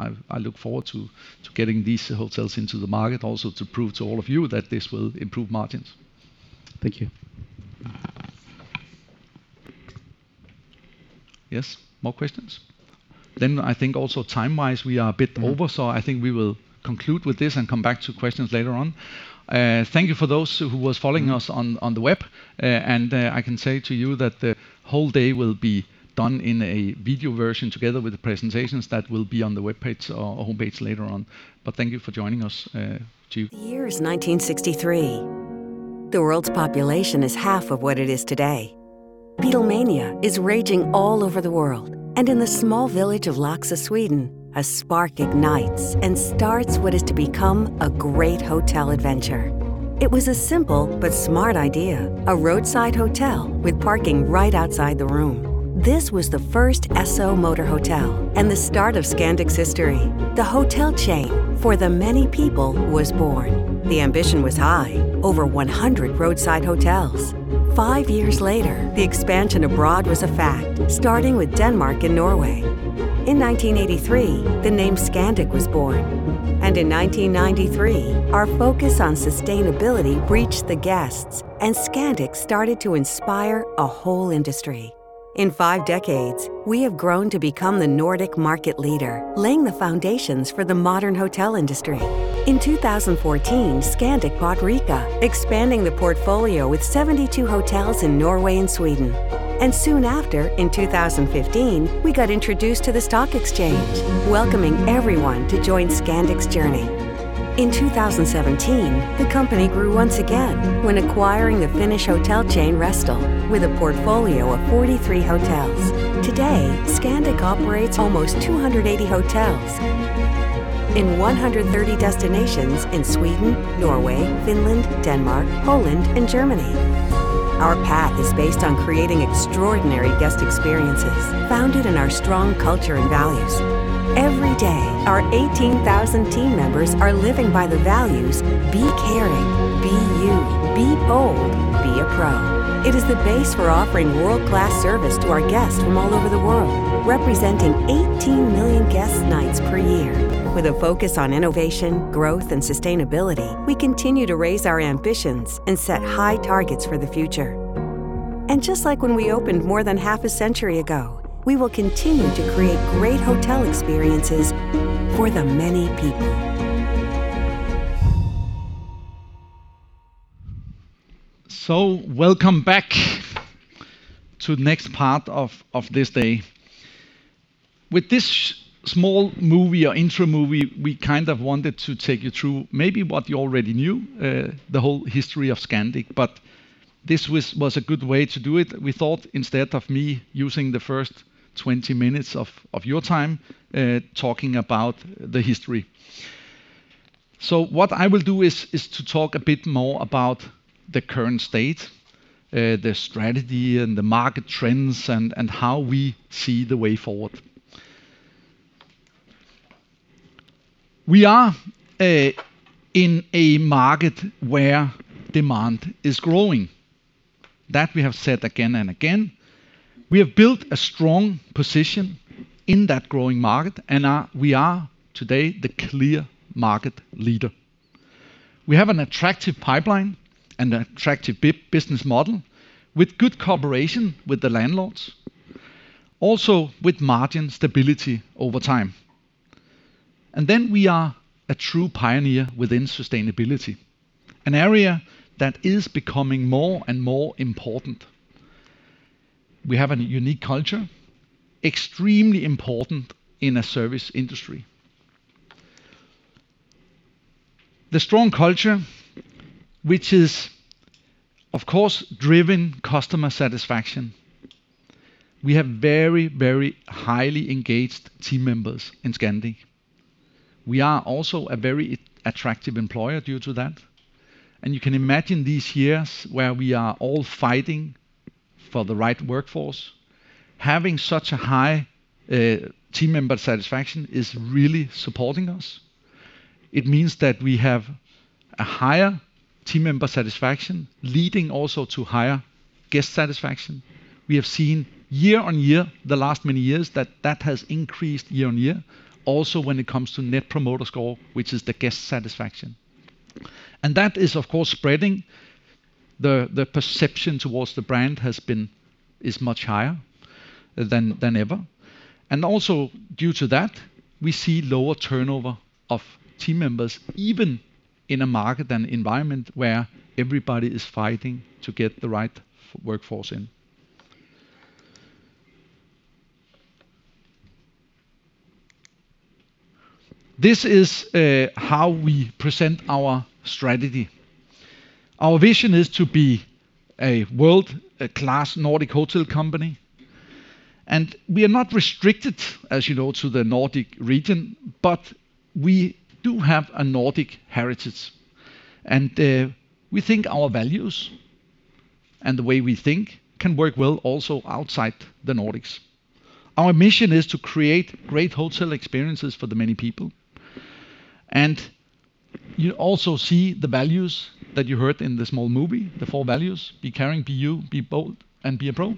I look forward to getting these hotels into the market, also to prove to all of you that this will improve margins. Thank you. Yes. More questions? I think also time-wise, we are a bit over. I think we will conclude with this and come back to questions later on. Thank you for those who was following us on the web. I can say to you that the whole day will be done in a video version together with the presentations. That will be on the webpage or homepage later on. Thank you for joining us. The year is 1963. The world's population is half of what it is today. Beatlemania is raging all over the world. In the small village of Laxå, Sweden, a spark ignites and starts what is to become a great hotel adventure. It was a simple but smart idea, a roadside hotel with parking right outside the room. This was the first Esso Motorhotell and the start of Scandic's history. The hotel chain for the many people was born. The ambition was high, over 100 roadside hotels. Five years later, the expansion abroad was a fact, starting with Denmark and Norway. In 1983, the name Scandic was born, and in 1993, our focus on sustainability reached the guests, and Scandic started to inspire a whole industry. In five decades, we have grown to become the Nordic market leader, laying the foundations for the modern hotel industry. In 2014, Scandic bought Rica, expanding the portfolio with 72 hotels in Norway and Sweden. Soon after, in 2015, we got introduced to the stock exchange, welcoming everyone to join Scandic's journey. In 2017, the company grew once again when acquiring the Finnish hotel chain Restel with a portfolio of 43 hotels. Today, Scandic operates almost 280 hotels in 130 destinations in Sweden, Norway, Finland, Denmark, Poland, and Germany. Our path is based on creating extraordinary guest experiences, founded in our strong culture and values. Every day, our 18,000 team members are living by the values, Be Caring, Be You, Be Bold, Be a Pro. It is the base for offering world-class service to our guests from all over the world, representing 18 million guest nights per year. With a focus on innovation, growth, and sustainability, we continue to raise our ambitions and set high targets for the future. Just like when we opened more than half a century ago, we will continue to create great hotel experiences for the many people. Welcome back to the next part of this day. With this small movie or intro movie, we kind of wanted to take you through maybe what you already knew, the whole history of Scandic, but this was a good way to do it, we thought, instead of me using the first 20 minutes of your time, talking about the history. What I will do is to talk a bit more about the current state, the strategy, and the market trends, and how we see the way forward. We are in a market where demand is growing. That we have said again and again. We have built a strong position in that growing market, and we are today the clear market leader. We have an attractive pipeline and an attractive business model with good cooperation with the landlords, also with margin stability over time. We are a true pioneer within sustainability, an area that is becoming more and more important. We have a unique culture, extremely important in a service industry. The strong culture, which is, of course, driven customer satisfaction. We have very highly engaged team members in Scandic. We are also a very attractive employer due to that. You can imagine these years where we are all fighting for the right workforce, having such a high team member satisfaction is really supporting us. It means that we have a higher team member satisfaction, leading also to higher guest satisfaction. We have seen year-on-year the last many years that has increased year-on-year, also when it comes to Net Promoter Score, which is the guest satisfaction. That is, of course, spreading the perception towards the brand is much higher than ever. Also due to that, we see lower turnover of team members, even in a market and environment where everybody is fighting to get the right workforce in. This is how we present our strategy. Our vision is to be a world-class Nordic hotel company. We are not restricted, as you know, to the Nordic region, but we do have a Nordic heritage. We think our values and the way we think can work well also outside the Nordics. Our mission is to create great hotel experiences for the many people. You also see the values that you heard in the small movie, the four values, Be Caring, Be You, Be Bold, and Be a Pro.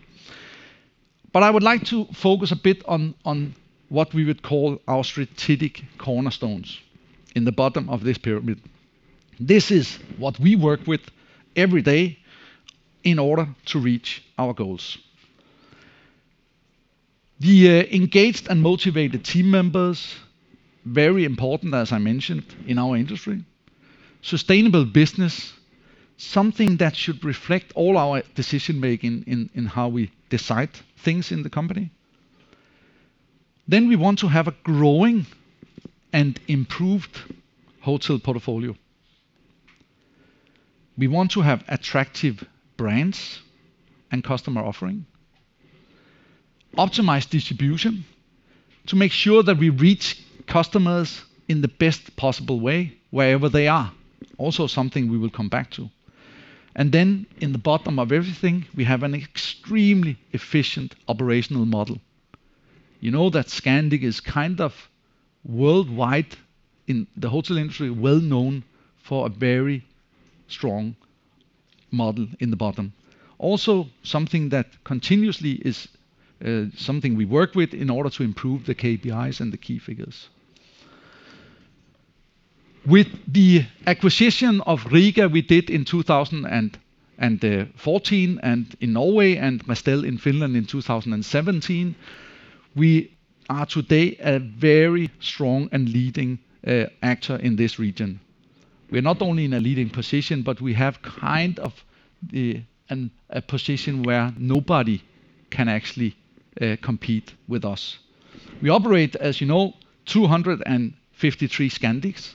I would like to focus a bit on what we would call our strategic cornerstones in the bottom of this pyramid. This is what we work with every day in order to reach our goals. The engaged and motivated team members, very important, as I mentioned, in our industry. Sustainable business, something that should reflect all our decision-making in how we decide things in the company. We want to have a growing and improved hotel portfolio. We want to have attractive brands and customer offering. Optimized distribution to make sure that we reach customers in the best possible way wherever they are, also something we will come back to. In the bottom of everything, we have an extremely efficient operational model. You know that Scandic is kind of worldwide in the hotel industry, well-known for a very strong model in the bottom. Also, something that continuously is something we work with in order to improve the KPIs and the key figures. With the acquisition of Rica we did in 2014, and in Norway and Restel in Finland in 2017, we are today a very strong and leading actor in this region. We are not only in a leading position, but we have a position where nobody can actually compete with us. We operate, as you know, 253 Scandics,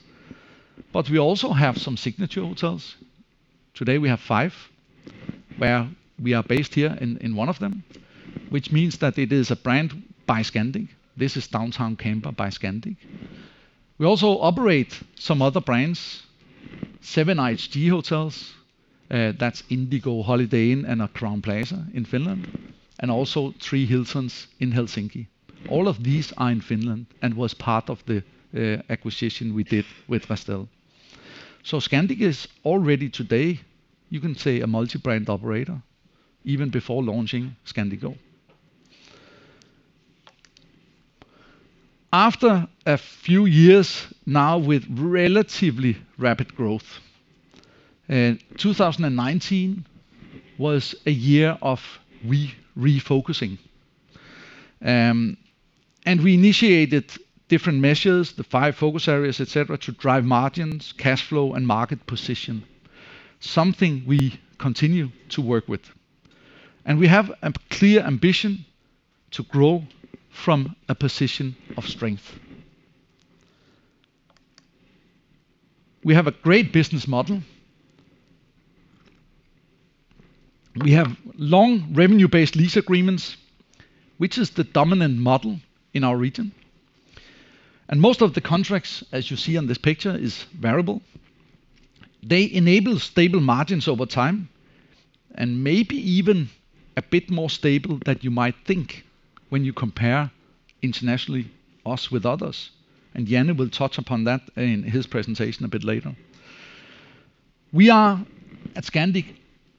but we also have some Signature hotels. Today, we have five, where we are based here in one of them, which means that it is a brand by Scandic. This is Downtown Camper by Scandic. We also operate some other brands, seven IHG Hotels, that is Indigo, Holiday Inn, and a Crowne Plaza in Finland, and also three Hiltons in Helsinki. All of these are in Finland and was part of the acquisition we did with Restel. Scandic is already today, you can say, a multi-brand operator even before launching Scandic Go. After a few years now with relatively rapid growth, 2019 was a year of refocusing. We initiated different measures, the five focus areas, et cetera, to drive margins, cash flow, and market position, something we continue to work with. We have a clear ambition to grow from a position of strength. We have a great business model. We have long revenue-based lease agreements, which is the dominant model in our region. Most of the contracts, as you see on this picture, is variable. They enable stable margins over time, and maybe even a bit more stable than you might think when you compare internationally us with others. Jan will touch upon that in his presentation a bit later. We are, at Scandic,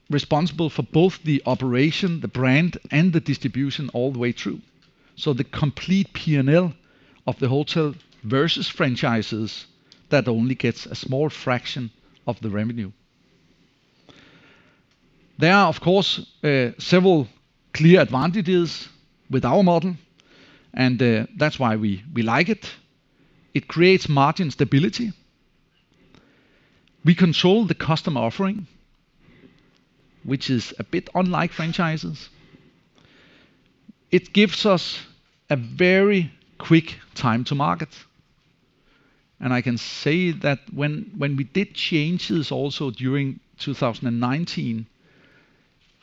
responsible for both the operation, the brand, and the distribution all the way through. The complete P&L of the hotel versus franchises that only gets a small fraction of the revenue. There are, of course, several clear advantages with our model, and that's why we like it. It creates margin stability. We control the customer offering, which is a bit unlike franchises. It gives us a very quick time to market. I can say that when we did changes also during 2019,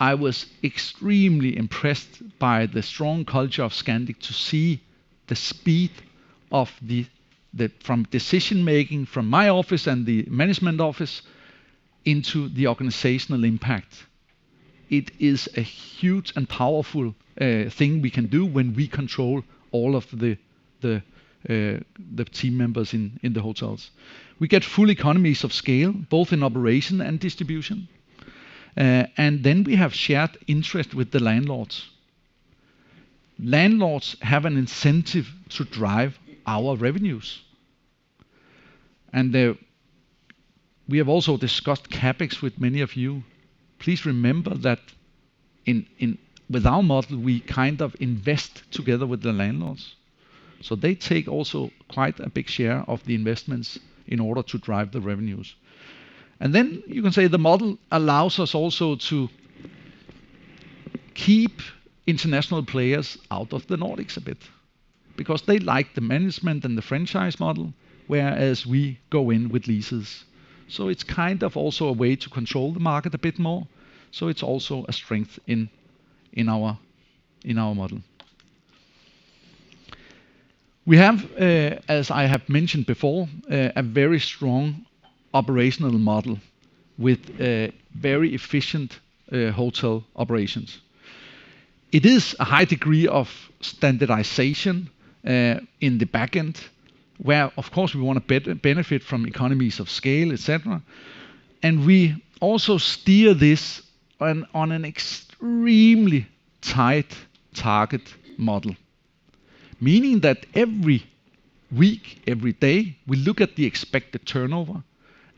I was extremely impressed by the strong culture of Scandic to see the speed from decision-making from my office and the management office into the organizational impact. It is a huge and powerful thing we can do when we control all of the team members in the hotels. We get full economies of scale, both in operation and distribution. We have shared interest with the landlords. Landlords have an incentive to drive our revenues. We have also discussed CapEx with many of you. Please remember that with our model, we invest together with the landlords. They take also quite a big share of the investments in order to drive the revenues. Then you can say the model allows us also to keep international players out of the Nordics a bit, because they like the management and the franchise model, whereas we go in with leases. It's also a way to control the market a bit more. It's also a strength in our model. We have, as I have mentioned before, a very strong operational model with very efficient hotel operations. It is a high degree of standardization, in the back end, where of course we want to benefit from economies of scale, et cetera. We also steer this on an extremely tight target model, meaning that every week, every day, we look at the expected turnover,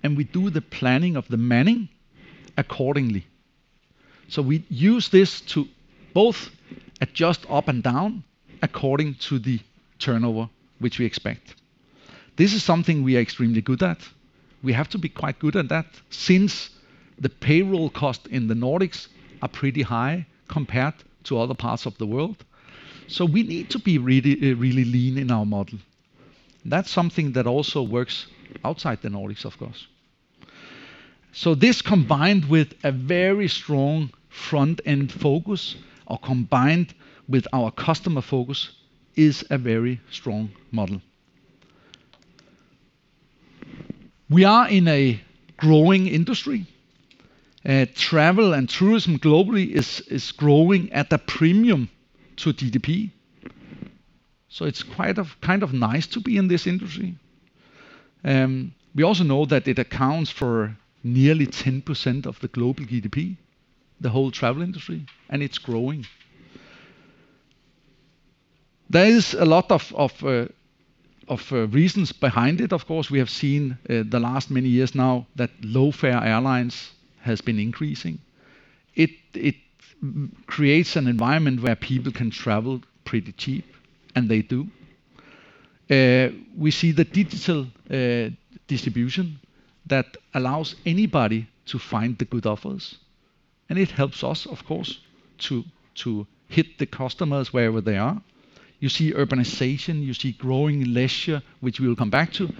and we do the planning of the manning accordingly. We use this to both adjust up and down according to the turnover which we expect. This is something we are extremely good at. We have to be quite good at that since the payroll cost in the Nordics are pretty high compared to other parts of the world. We need to be really lean in our model. That's something that also works outside the Nordics, of course. This combined with a very strong front-end focus or combined with our customer focus, is a very strong model. We are in a growing industry. Travel and tourism globally is growing at a premium to GDP. It's quite nice to be in this industry. We also know that it accounts for nearly 10% of the global GDP, the whole travel industry, and it's growing. There is a lot of reasons behind it, of course. We have seen the last many years now that low-fare airlines has been increasing. It creates an environment where people can travel pretty cheap, and they do. We see the digital distribution that allows anybody to find the good offers, and it helps us, of course, to hit the customers wherever they are. You see urbanization, you see growing leisure, which we'll come back to,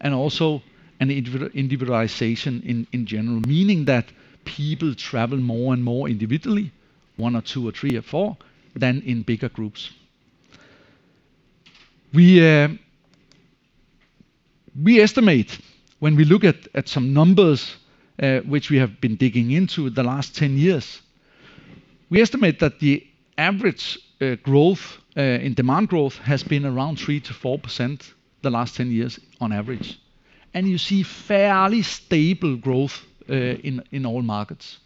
and also an individualization in general, meaning that people travel more and more individually, one or two or three or four, than in bigger groups. We estimate when we look at some numbers, which we have been digging into the last 10 years, we estimate that the average growth, in demand growth, has been around 3%-4% the last 10 years on average. You see fairly stable growth, in all markets.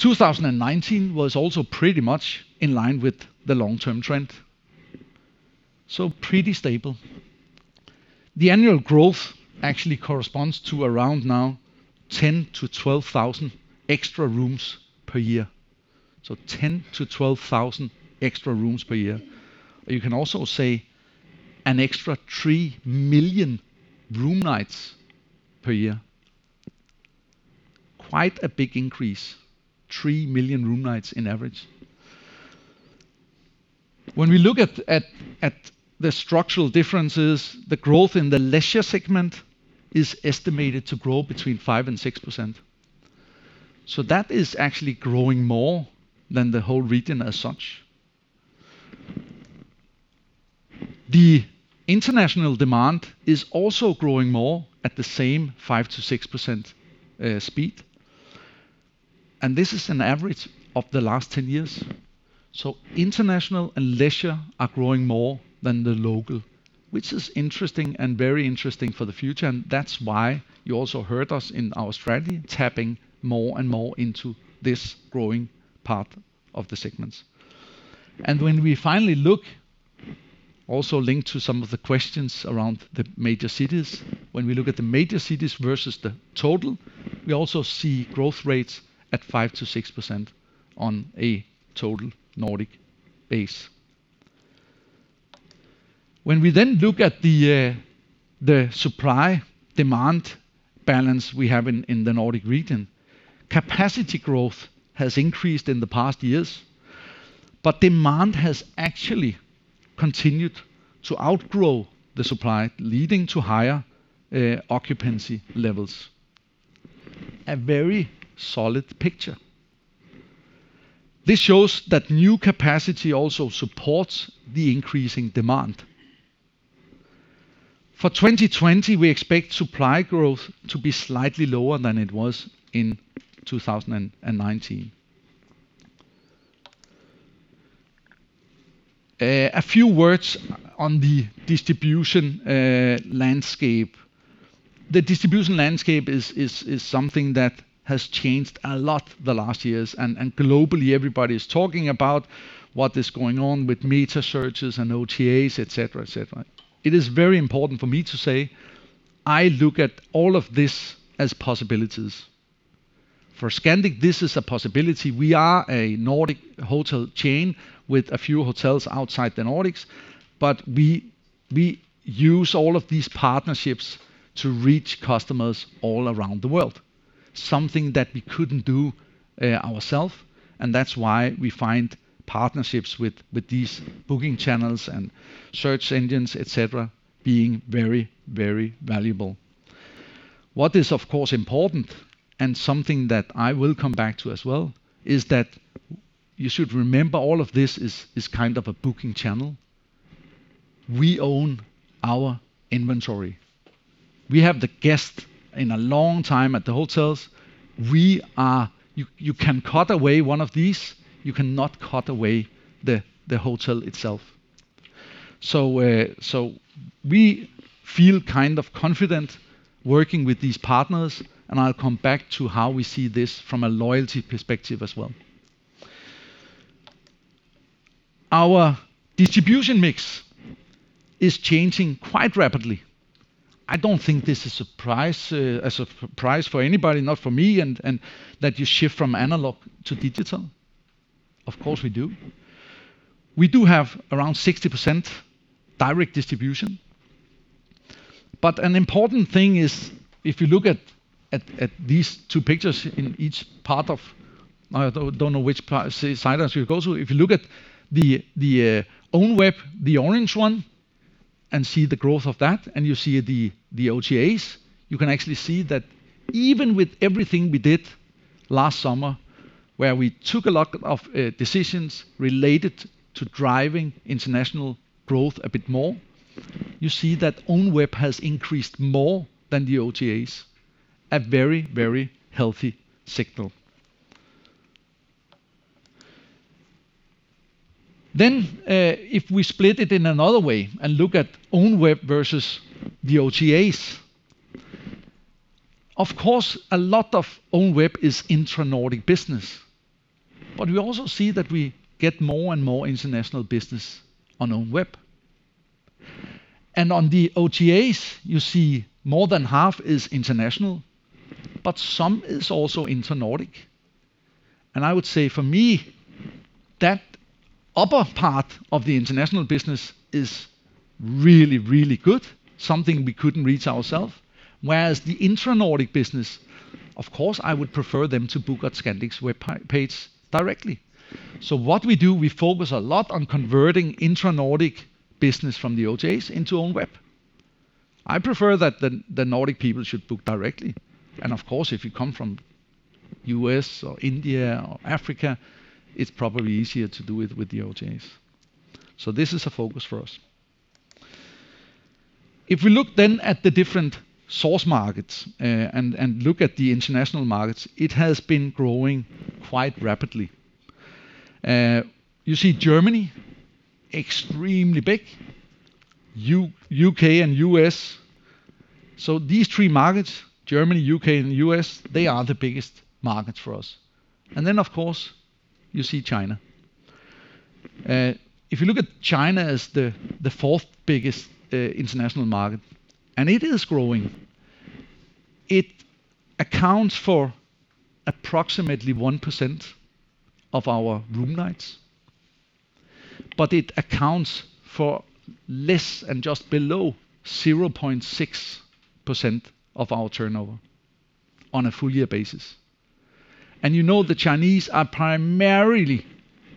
2019 was also pretty much in line with the long-term trend. Pretty stable. The annual growth actually corresponds to around now 10,000-12,000 extra rooms per year. 10,000-12,000 extra rooms per year. You can also say an extra 3 million room nights per year. Quite a big increase, 3 million room nights on average. When we look at the structural differences, the growth in the leisure segment is estimated to grow between 5% and 6%. That is actually growing more than the whole region as such. The international demand is also growing more at the same 5%-6% speed. This is an average of the last 10 years. International and leisure are growing more than the local, which is interesting and very interesting for the future, and that's why you also heard us in our strategy tapping more and more into this growing part of the segments. When we finally look, also linked to some of the questions around the major cities, when we look at the major cities versus the total, we also see growth rates at 5%-6% on a total Nordic base. When we look at the supply-demand balance we have in the Nordic region, capacity growth has increased in the past years. But demand has actually continued to outgrow the supply, leading to higher occupancy levels. A very solid picture. This shows that new capacity also supports the increasing demand. For 2020, we expect supply growth to be slightly lower than it was in 2019. A few words on the distribution landscape. The distribution landscape is something that has changed a lot the last years, and globally everybody's talking about what is going on with meta searches and OTAs, et cetera. It is very important for me to say, I look at all of this as possibilities. For Scandic, this is a possibility. We are a Nordic hotel chain with a few hotels outside the Nordics, but we use all of these partnerships to reach customers all around the world, something that we couldn't do ourself, and that's why we find partnerships with these booking channels and search engines, et cetera, being very valuable. What is, of course, important, and something that I will come back to as well, is that you should remember all of this is kind of a booking channel. We own our inventory. We have the guest in a long time at the hotels. You can cut away one of these, you cannot cut away the hotel itself. We feel kind of confident working with these partners, and I'll come back to how we see this from a loyalty perspective as well. Our distribution mix is changing quite rapidly. I don't think this is a surprise for anybody, not for me, and that you shift from analog to digital. Of course, we do. We do have around 60% direct distribution. An important thing is, if you look at these two pictures in each part of I don't know which side I should go to. If you look at the own web, the orange one, and see the growth of that, and you see the OTAs, you can actually see that even with everything we did last summer, where we took a lot of decisions related to driving international growth a bit more, you see that own web has increased more than the OTAs. A very healthy signal. If we split it in another way and look at own web versus the OTAs, of course, a lot of own web is intra-Nordic business, but we also see that we get more and more international business on own web. On the OTAs, you see more than half is international, but some is also intra-Nordic. I would say, for me, that upper part of the international business is really good, something we couldn't reach ourself. The intra-Nordic business, of course, I would prefer them to book at Scandic's web page directly. What we do, we focus a lot on converting intra-Nordic business from the OTAs into own web. I prefer that the Nordic people should book directly, of course, if you come from U.S. or India or Africa, it's probably easier to do it with the OTAs. This is a focus for us. If we look then at the different source markets, look at the international markets, it has been growing quite rapidly. You see Germany, extremely big. U.K. and U.S. These three markets, Germany, U.K., and U.S., they are the biggest markets for us. Then, of course, you see China. If you look at China as the fourth biggest international market, and it is growing, it accounts for approximately 1% of our room nights, but it accounts for less and just below 0.6% of our turnover on a full year basis. You know the Chinese are primarily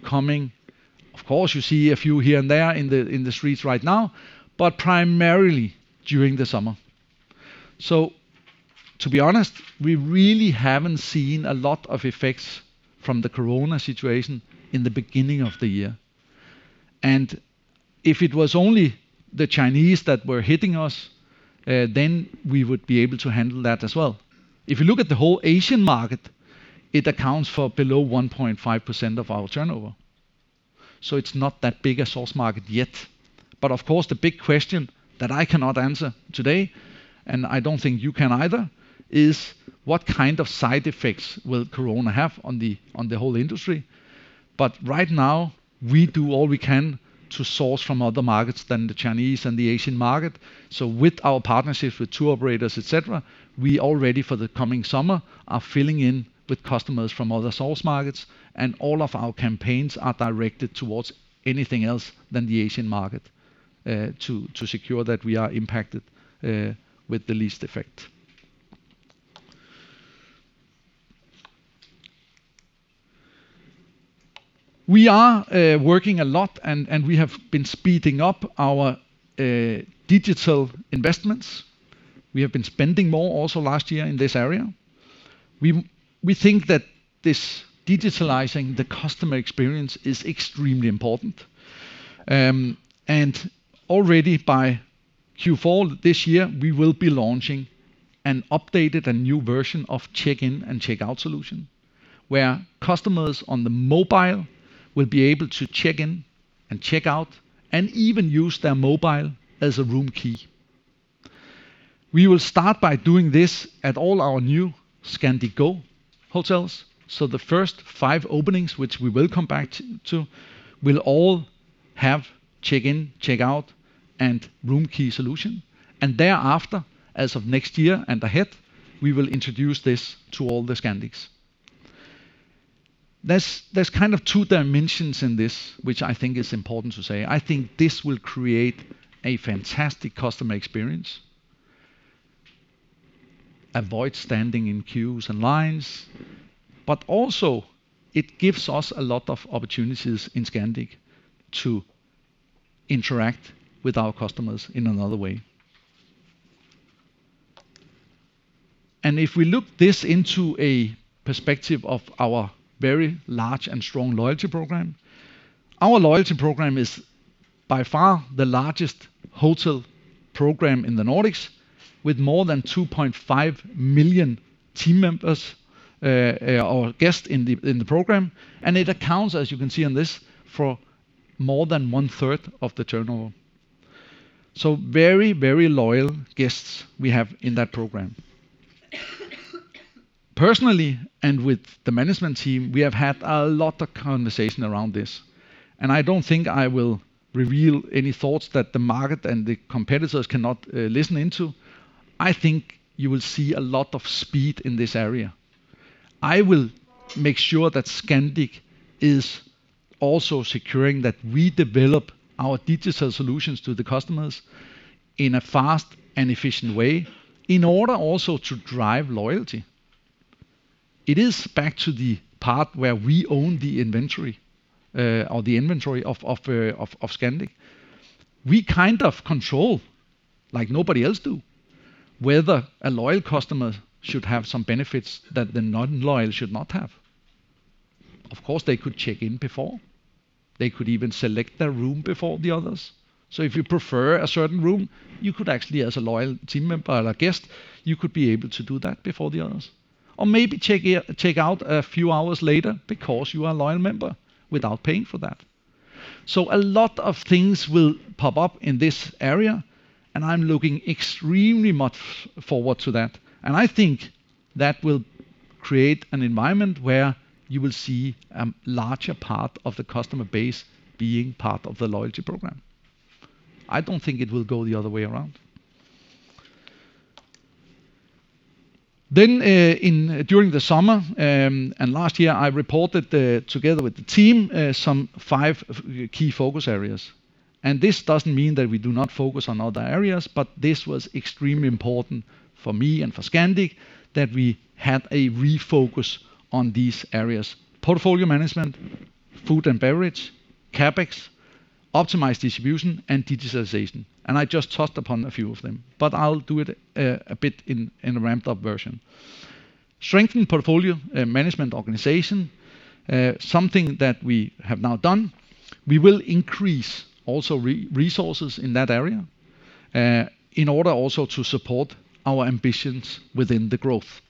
coming, of course, you see a few here and there in the streets right now, but primarily during the summer. To be honest, we really haven't seen a lot of effects from the corona situation in the beginning of the year. If it was only the Chinese that were hitting us, we would be able to handle that as well. If you look at the whole Asian market, it accounts for below 1.5% of our turnover. It's not that big a source market yet. Of course, the big question that I cannot answer today, and I don't think you can either, is what kind of side effects will corona have on the whole industry? Right now, we do all we can to source from other markets than the Chinese and the Asian market. With our partnerships with tour operators, et cetera, we already for the coming summer are filling in with customers from other source markets, and all of our campaigns are directed towards anything else than the Asian market, to secure that we are impacted with the least effect. We are working a lot and we have been speeding up our digital investments. We have been spending more also last year in this area. We think that this digitalizing the customer experience is extremely important. Already by Q4 this year, we will be launching an updated and new version of check-in and check-out solution, where customers on the mobile will be able to check in and check out and even use their mobile as a room key. We will start by doing this at all our new Scandic Go hotels. The first five openings, which we will come back to, will all have check-in, check-out, and room key solution. Thereafter, as of next year and ahead, we will introduce this to all the Scandics. There's two dimensions in this, which I think is important to say. I think this will create a fantastic customer experience, avoid standing in queues and lines, but also it gives us a lot of opportunities in Scandic to interact with our customers in another way. If we look this into a perspective of our very large and strong loyalty program, our loyalty program is by far the largest hotel program in the Nordics with more than 2.5 million team members or guests in the program. It accounts, as you can see on this, for more than one-third of the turnover. Very loyal guests we have in that program. Personally, and with the management team, we have had a lot of conversation around this, and I don't think I will reveal any thoughts that the market and the competitors cannot listen into. I think you will see a lot of speed in this area. I will make sure that Scandic is also securing that we develop our digital solutions to the customers in a fast and efficient way in order also to drive loyalty. It is back to the part where we own the inventory of Scandic. We kind of control like nobody else do, whether a loyal customer should have some benefits that the non-loyal should not have. They could check in before. They could even select their room before the others. If you prefer a certain room, you could actually, as a loyal team member or a guest, you could be able to do that before the others. Maybe check out a few hours later because you are a loyal member without paying for that. A lot of things will pop up in this area, and I'm looking extremely much forward to that. I think that will create an environment where you will see a larger part of the customer base being part of the loyalty program. I don't think it will go the other way around. During the summer, and last year, I reported together with the team, some five key focus areas. This doesn't mean that we do not focus on other areas, but this was extremely important for me and for Scandic that we had a refocus on these areas: portfolio management, food and beverage, CapEx, optimized distribution, and digitalization. I just touched upon a few of them, but I'll do it a bit in a ramped-up version. Strengthen portfolio management organization, something that we have now done. We will increase also resources in that area, in order also to support our ambitions within the growth.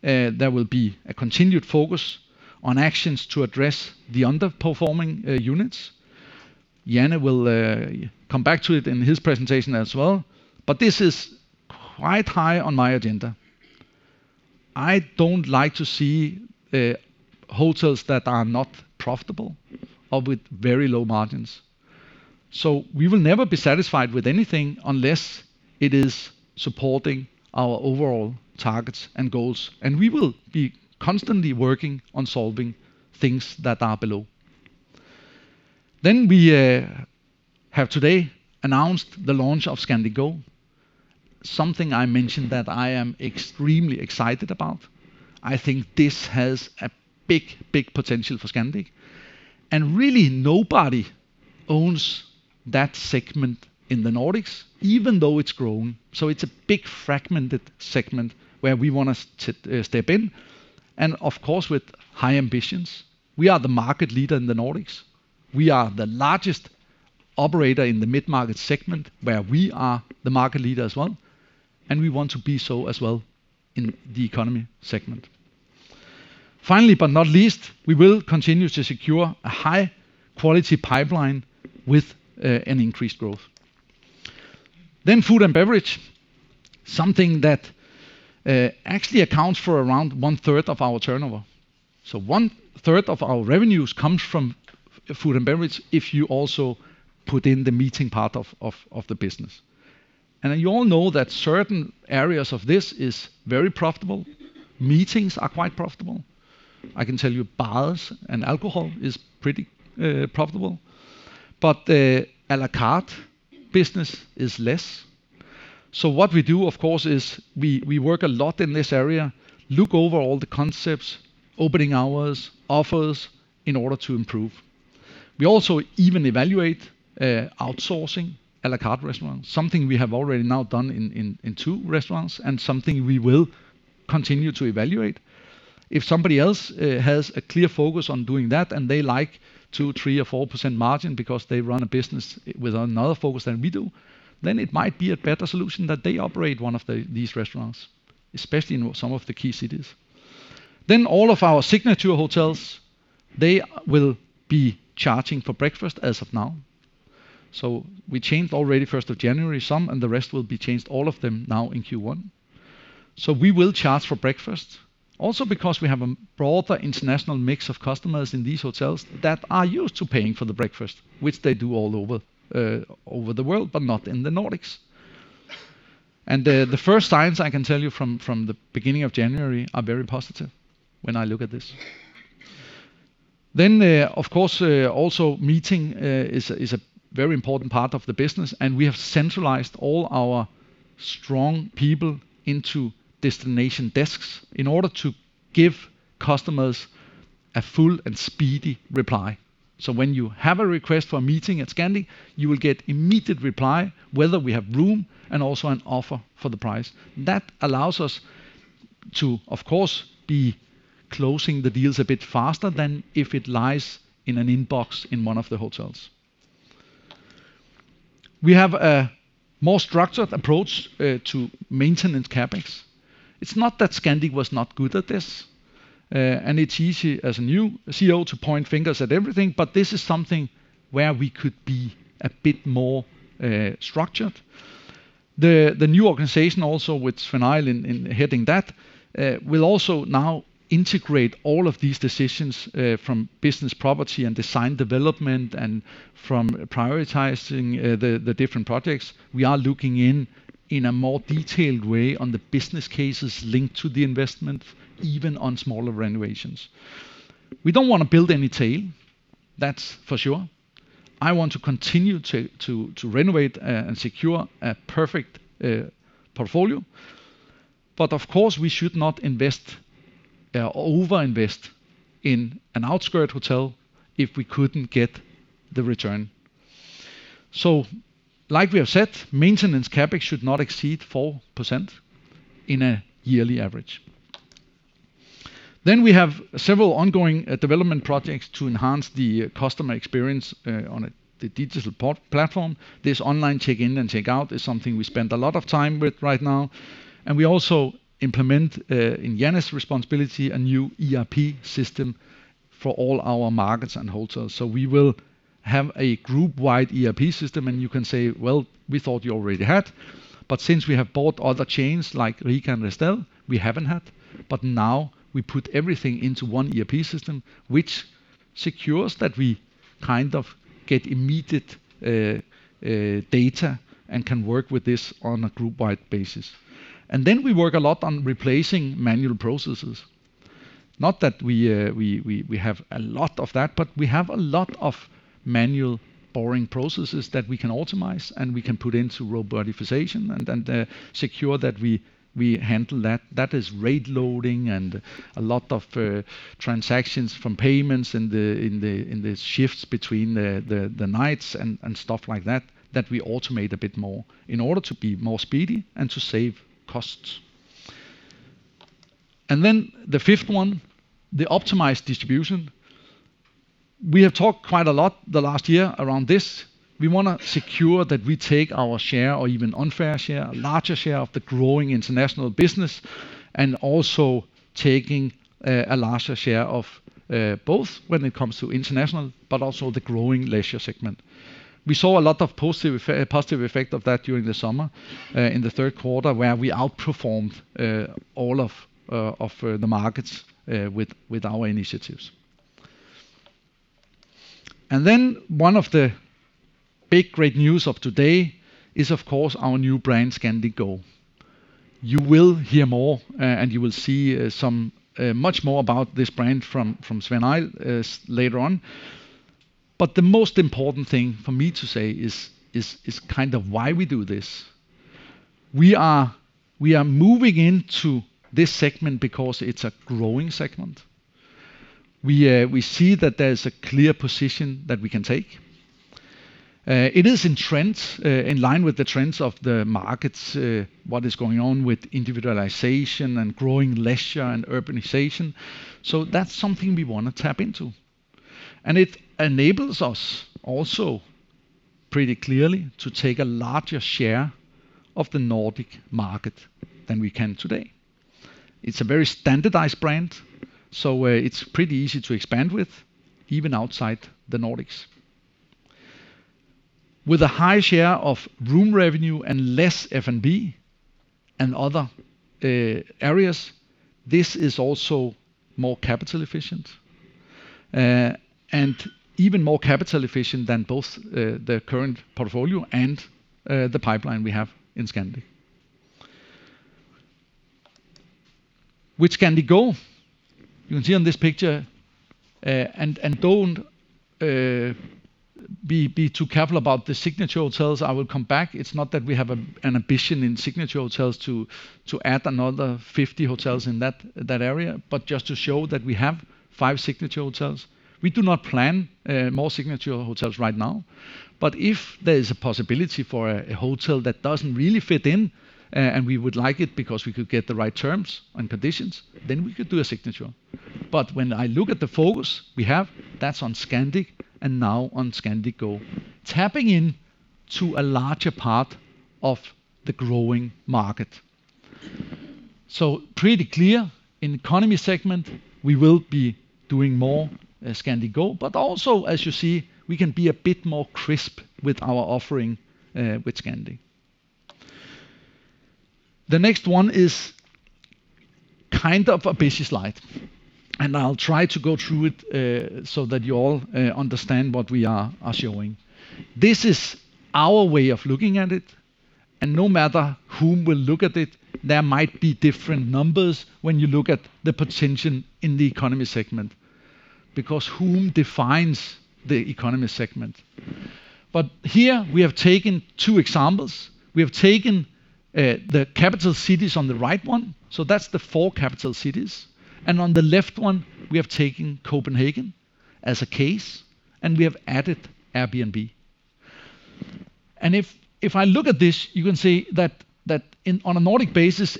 There will be a continued focus on actions to address the underperforming units. Jan will come back to it in his presentation as well, but this is quite high on my agenda. I don't like to see hotels that are not profitable or with very low margins. We will never be satisfied with anything unless it is supporting our overall targets and goals. We will be constantly working on solving things that are below. We have today announced the launch of Scandic Go, something I mentioned that I am extremely excited about. I think this has a big potential for Scandic. Really, nobody owns that segment in the Nordics, even though it's grown. It's a big fragmented segment where we want to step in, and of course, with high ambitions. We are the market leader in the Nordics. We are the largest operator in the mid-market segment, where we are the market leader as well, and we want to be so as well in the economy segment. Finally, but not least, we will continue to secure a high-quality pipeline with an increased growth. Food and beverage, something that actually accounts for around 1/3 of our turnover. 1/3 of our revenues comes from food and beverage if you also put in the meeting part of the business. You all know that certain areas of this is very profitable. Meetings are quite profitable. I can tell you bars and alcohol is pretty profitable, but the a la carte business is less. What we do, of course, is we work a lot in this area, look over all the concepts, opening hours, offers in order to improve. We also even evaluate outsourcing a la carte restaurants, something we have already now done in two restaurants and something we will continue to evaluate. If somebody else has a clear focus on doing that, and they like 2%, 3%, or 4% margin because they run a business with another focus than we do, then it might be a better solution that they operate one of these restaurants, especially in some of the key cities. All of our signature hotels, they will be charging for breakfast as of now. We changed already 1st of January some, and the rest will be changed, all of them now in Q1. We will charge for breakfast. Also because we have a broader international mix of customers in these hotels that are used to paying for the breakfast, which they do all over the world, but not in the Nordics. The first signs, I can tell you from the beginning of January, are very positive when I look at this. Of course, also meeting is a very important part of the business, and we have centralized all our strong people into destination desks in order to give customers a full and speedy reply. When you have a request for a meeting at Scandic, you will get immediate reply whether we have room and also an offer for the price. That allows us to, of course, be closing the deals a bit faster than if it lies in an inbox in one of the hotels. We have a more structured approach to maintenance CapEx. It's not that Scandic was not good at this. It's easy as a new CEO to point fingers at everything, but this is something where we could be a bit more structured. The new organization also with Sven-Arild heading that, will also now integrate all of these decisions, from business property and design development and from prioritizing the different projects. We are looking in a more detailed way on the business cases linked to the investment, even on smaller renovations. We don't want to build any tail, that's for sure. I want to continue to renovate and secure a perfect portfolio. Of course, we should not over-invest in an outskirt hotel if we couldn't get the return. Like we have said, maintenance CapEx should not exceed 4% in a yearly average. We have several ongoing development projects to enhance the customer experience on the digital platform. This online check-in and check-out is something we spend a lot of time with right now. We also implement, in Jan's responsibility, a new ERP system for all our markets and hotels. We will have a group-wide ERP system and you can say, "Well, we thought you already had," but since we have bought other chains like Rica and Restel, we haven't had. Now we put everything into one ERP system, which secures that we get immediate data and can work with this on a group-wide basis. Then we work a lot on replacing manual processes. Not that we have a lot of that, but we have a lot of manual boring processes that we can optimize, and we can put into robotization and then secure that we handle that. That is rate loading and a lot of transactions from payments in the shifts between the nights and stuff like that we automate a bit more in order to be more speedy and to save costs. Then the fifth one, the optimized distribution. We have talked quite a lot the last year around this. We want to secure that we take our share or even unfair share, a larger share of the growing international business, and also taking a larger share of, both when it comes to international, but also the growing leisure segment. We saw a lot of positive effect of that during the summer, in the third quarter, where we outperformed all of the markets with our initiatives. Then one of the big great news of today is, of course, our new brand, Scandic Go. You will hear more, and you will see much more about this brand from Svein Arild later on. The most important thing for me to say is why we do this. We are moving into this segment because it's a growing segment. We see that there's a clear position that we can take. It is in line with the trends of the markets, what is going on with individualization and growing leisure and urbanization. That's something we want to tap into. It enables us also pretty clearly to take a larger share of the Nordic market than we can today. It's a very standardized brand, so it's pretty easy to expand with, even outside the Nordics. With a high share of room revenue and less F&B and other areas, this is also more capital efficient. Even more capital efficient than both the current portfolio and the pipeline we have in Scandic. With Scandic Go, you can see on this picture, don't be too careful about the Signature hotels. I will come back. It's not that we have an ambition in Signature hotels to add another 50 hotels in that area, but just to show that we have five Signature hotels. We do not plan more Signature hotels right now. If there is a possibility for a hotel that doesn't really fit in, and we would like it because we could get the right terms and conditions, then we could do a Signature. When I look at the focus we have, that's on Scandic, and now on Scandic Go. Tapping into a larger part of the growing market. Pretty clear, in economy segment, we will be doing more Scandic Go, but also, as you see, we can be a bit more crisp with our offering with Scandic. The next one is kind of a busy slide, and I'll try to go through it, so that you all understand what we are showing. This is our way of looking at it, and no matter whom will look at it, there might be different numbers when you look at the potential in the economy segment, because whom defines the economy segment? Here, we have taken two examples. We have taken the capital cities on the right one, so that's the four capital cities. On the left one, we have taken Copenhagen as a case, and we have added Airbnb. If I look at this, you can see that on a Nordic basis,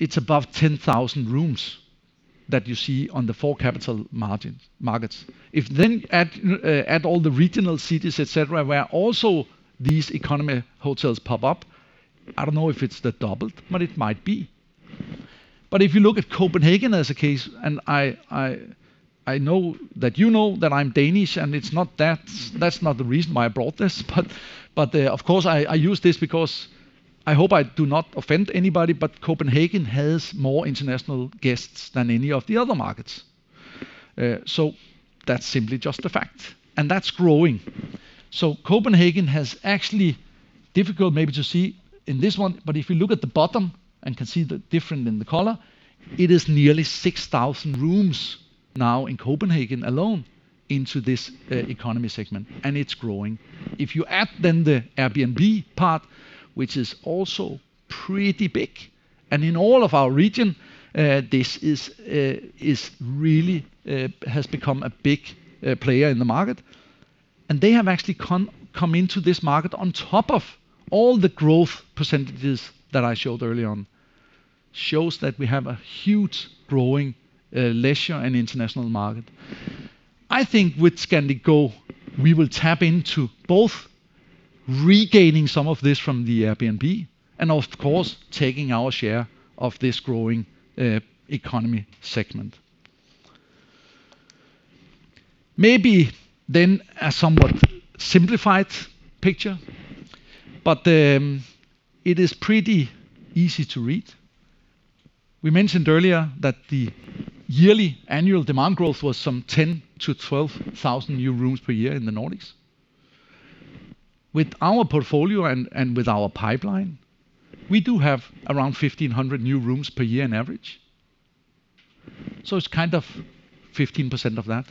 it's above 10,000 rooms that you see on the four capital markets. If I then add all the regional cities, et cetera, where also these economy hotels pop up, I don't know if it's the double, but it might be. If you look at Copenhagen as a case, I know that you know that I'm Danish, and that's not the reason why I brought this. Of course, I use this because I hope I do not offend anybody. Copenhagen has more international guests than any of the other markets. That's simply just a fact, and that's growing. Copenhagen has actually, difficult maybe to see in this one, but if you look at the bottom and can see the different in the color, it is nearly 6,000 rooms now in Copenhagen alone into this economy segment, and it's growing. If you add the Airbnb part, which is also pretty big, and in all of our region, this really has become a big player in the market. They have actually come into this market on top of all the growth percentages that I showed early on. Shows that we have a huge growing leisure and international market. I think with Scandic Go, we will tap into both regaining some of this from the Airbnb and, of course, taking our share of this growing economy segment. Maybe a somewhat simplified picture, but it is pretty easy to read. We mentioned earlier that the yearly annual demand growth was some 10,000-12,000 new rooms per year in the Nordics. With our portfolio and with our pipeline, we do have around 1,500 new rooms per year on average. It's kind of 15% of that.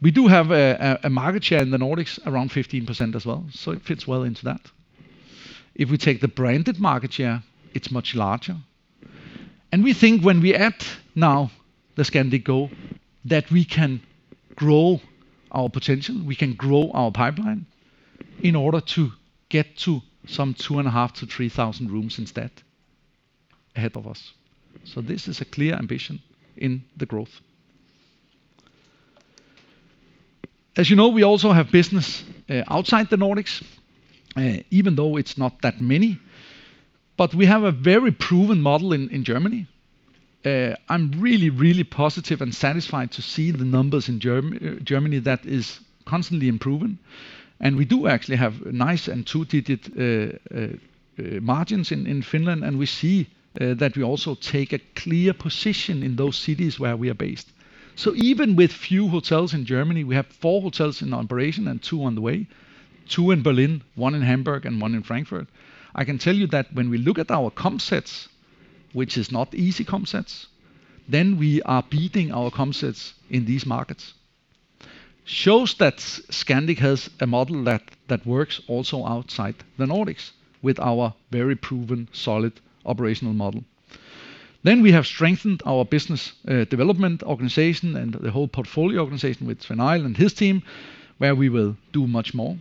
We do have a market share in the Nordics around 15% as well, so it fits well into that. If we take the branded market share, it's much larger. We think when we add now the Scandic Go, that we can grow our potential, we can grow our pipeline in order to get to some 2,500-3,000 rooms instead ahead of us. This is a clear ambition in the growth. As you know, we also have business outside the Nordics, even though it's not that many. We have a very proven model in Germany. I'm really, really positive and satisfied to see the numbers in Germany that is constantly improving. We do actually have nice and two-digit margins in Finland, and we see that we also take a clear position in those cities where we are based. Even with few hotels in Germany, we have four hotels in operation and two on the way, two in Berlin, one in Hamburg, and one in Frankfurt. I can tell you that when we look at our comp sets, which is not easy comp sets, then we are beating our comp sets in these markets. Shows that Scandic has a model that works also outside the Nordics with our very proven solid operational model. We have strengthened our business development organization and the whole portfolio organization with Svein Arild and his team, where we will do much more.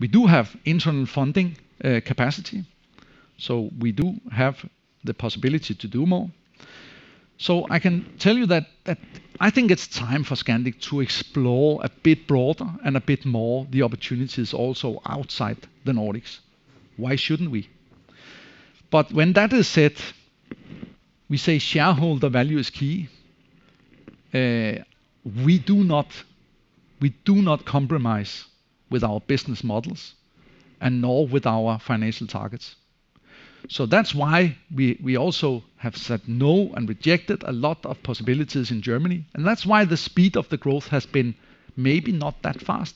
We do have internal funding capacity. We do have the possibility to do more. I can tell you that I think it's time for Scandic to explore a bit broader and a bit more the opportunities also outside the Nordics. Why shouldn't we? When that is said, we say shareholder value is key. We do not compromise with our business models and nor with our financial targets. That's why we also have said no and rejected a lot of possibilities in Germany, and that's why the speed of the growth has been maybe not that fast.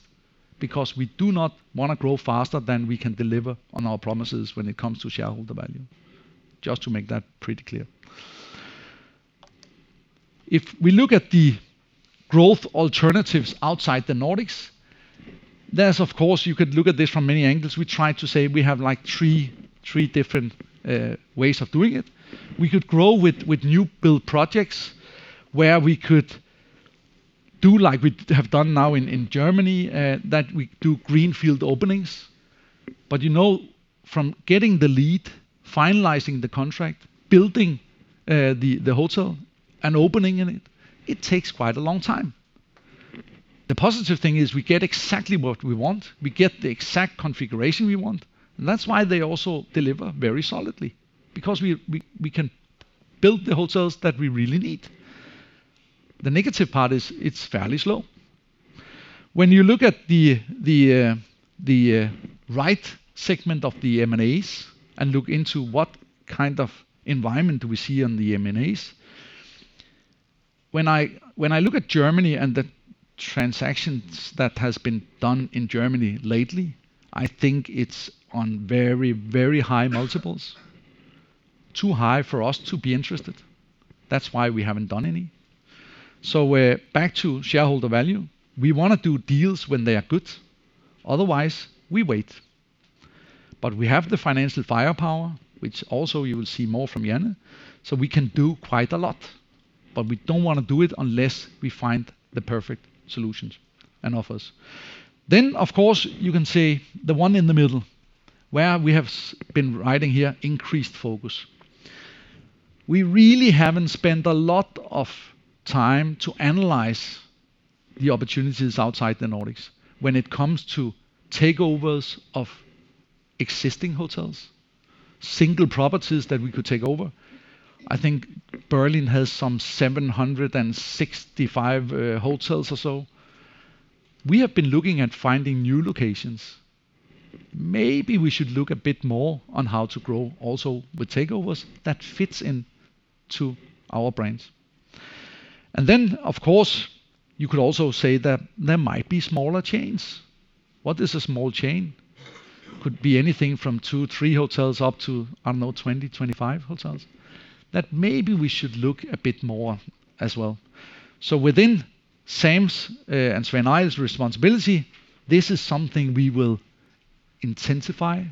We do not want to grow faster than we can deliver on our promises when it comes to shareholder value. Just to make that pretty clear. If we look at the growth alternatives outside the Nordics, you could look at this from many angles. We try to say we have three different ways of doing it. We could grow with new build projects, where we could do like we have done now in Germany, that we do greenfield openings. From getting the lead, finalizing the contract, building the hotel and opening it takes quite a long time. The positive thing is we get exactly what we want. We get the exact configuration we want, and that's why they also deliver very solidly, because we can build the hotels that we really need. The negative part is it's fairly slow. When you look at the right segment of the M&As and look into what kind of environment do we see on the M&As. When I look at Germany and the transactions that has been done in Germany lately, I think it's on very high multiples, too high for us to be interested. That's why we haven't done any. Back to shareholder value. We want to do deals when they are good, otherwise, we wait. We have the financial firepower, which also you will see more from Jan, so we can do quite a lot. We don't want to do it unless we find the perfect solutions and offers. Of course, you can say the one in the middle, where we have been writing here, increased focus. We really haven't spent a lot of time to analyze the opportunities outside the Nordics when it comes to takeovers of existing hotels, single properties that we could take over. I think Berlin has some 765 hotels or so. We have been looking at finding new locations. Maybe we should look a bit more on how to grow also with takeovers that fits into our brands. Of course, you could also say that there might be smaller chains. What is a small chain? Could be anything from two, three hotels up to, I don't know, 20, 25 hotels, that maybe we should look a bit more as well. Within Sam's and Svein Arild's responsibility, this is something we will intensify.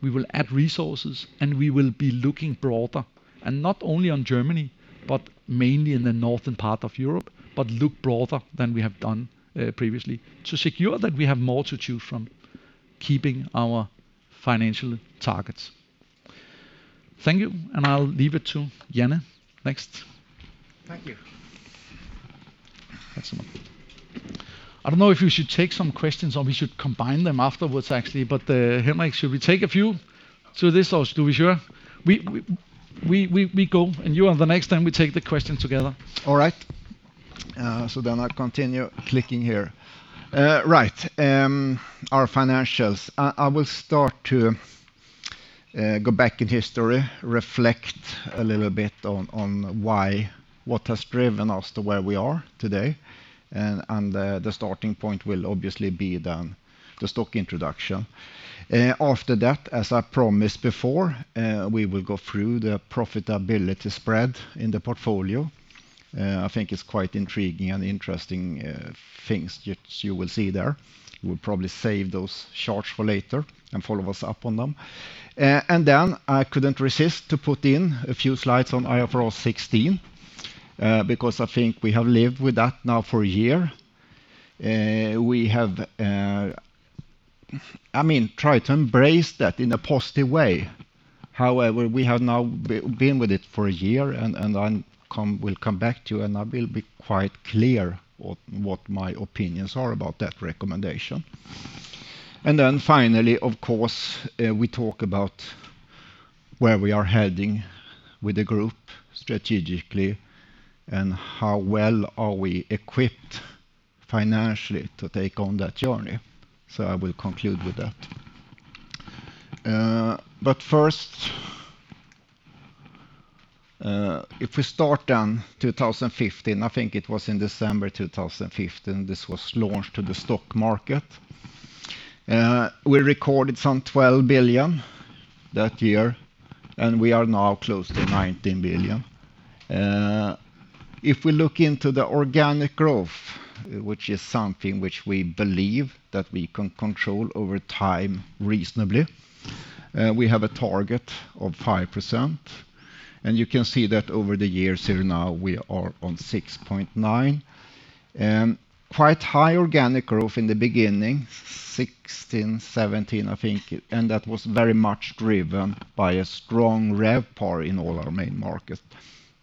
We will add resources, and we will be looking broader, and not only on Germany, but mainly in the northern part of Europe, but look broader than we have done previously to secure that we have more to choose from, keeping our financial targets. Thank you, and I'll leave it to Jan next. Thank you. Excellent. I don't know if we should take some questions or we should combine them afterwards, actually. Henrik, should we take a few to this or should we share? We go, and you are the next time we take the questions together. All right. I'll continue clicking here. Right. Our financials. I will start to go back in history, reflect a little bit on what has driven us to where we are today, and the starting point will obviously be the stock introduction. After that, as I promised before, we will go through the profitability spread in the portfolio. I think it's quite intriguing and interesting things you will see there. We'll probably save those charts for later and follow us up on them. I couldn't resist to put in a few slides on IFRS 16, because I think we have lived with that now for a year. We have tried to embrace that in a positive way. However, we have now been with it for a year, and I will come back to you, and I will be quite clear on what my opinions are about that recommendation. Then finally, of course, we talk about where we are heading with the group strategically and how well are we equipped financially to take on that journey. I will conclude with that. First, if we start on 2015, I think it was in December 2015, this was launched to the stock market. We recorded some 12 billion that year, and we are now close to 19 billion. If we look into the organic growth, which is something which we believe that we can control over time reasonably, we have a target of 5%. You can see that over the years here now, we are on 6.9%. Quite high organic growth in the beginning, 2016, 2017, I think, that was very much driven by a strong RevPAR in all our main markets.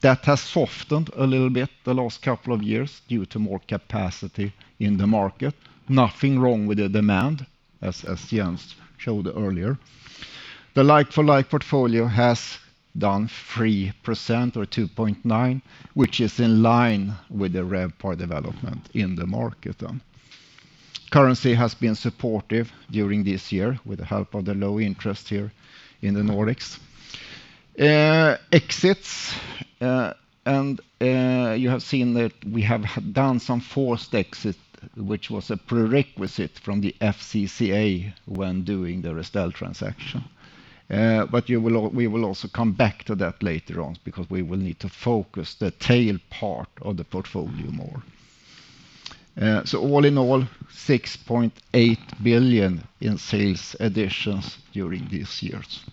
That has softened a little bit the last couple of years due to more capacity in the market. Nothing wrong with the demand, as Jens showed earlier. The like-for-like portfolio has done 3% or 2.9%, which is in line with the RevPAR development in the market. Currency has been supportive during this year with the help of the low interest here in the Nordics. Exits. You have seen that we have done some forced exits, which was a prerequisite from the FCCA when doing the Restel transaction. We will also come back to that later on because we will need to focus the tail part of the portfolio more. All in all, 6.8 billion in sales additions during these years.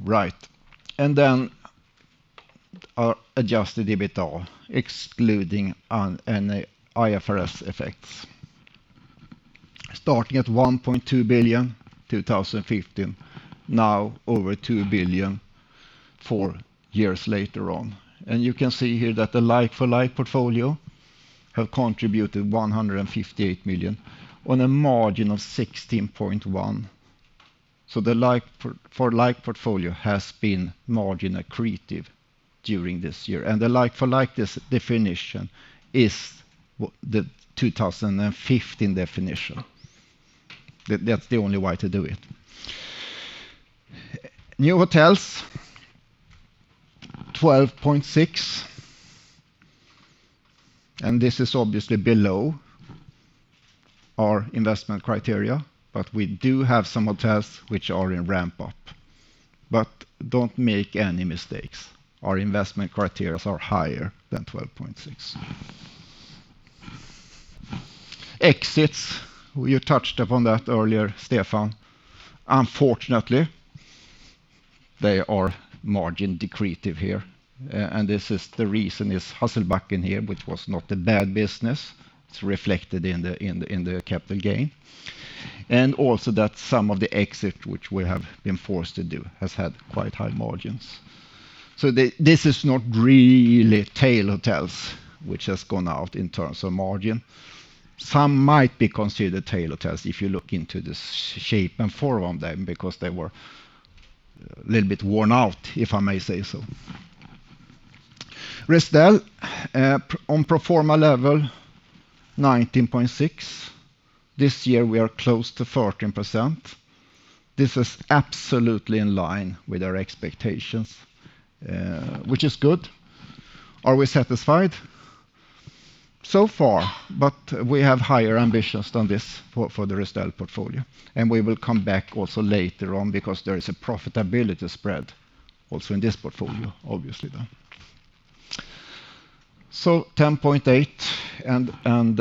Right. Our Adjusted EBITDA, excluding on any IFRS effects. Starting at 1.2 billion, 2015, now over 2 billion four years later on. You can see here that the like-for-like portfolio have contributed 158 million on a margin of 16.1%. The like-for-like portfolio has been margin accretive during this year. The like-for-like definition is the 2015 definition. That's the only way to do it. New hotels, 12.6%. This is obviously below our investment criteria, but we do have some hotels which are in ramp-up. Don't make any mistakes. Our investment criteria are higher than 12.6%. Exits. We touched upon that earlier, Stefan. Unfortunately, they are margin decretive here. The reason is Hasselbacken here, which was not a bad business. It's reflected in the capital gain. Also that some of the exit, which we have been forced to do, has had quite high margins. This is not really tail hotels, which has gone out in terms of margin. Some might be considered tail hotels if you look into the shape and form of them because they were a little bit worn out, if I may say so. Restel, on pro forma level, 19.6%. This year, we are close to 14%. This is absolutely in line with our expectations, which is good. Are we satisfied? So far, but we have higher ambitions than this for the Restel portfolio. We will come back also later on because there is a profitability spread also in this portfolio, obviously. 10.8%, and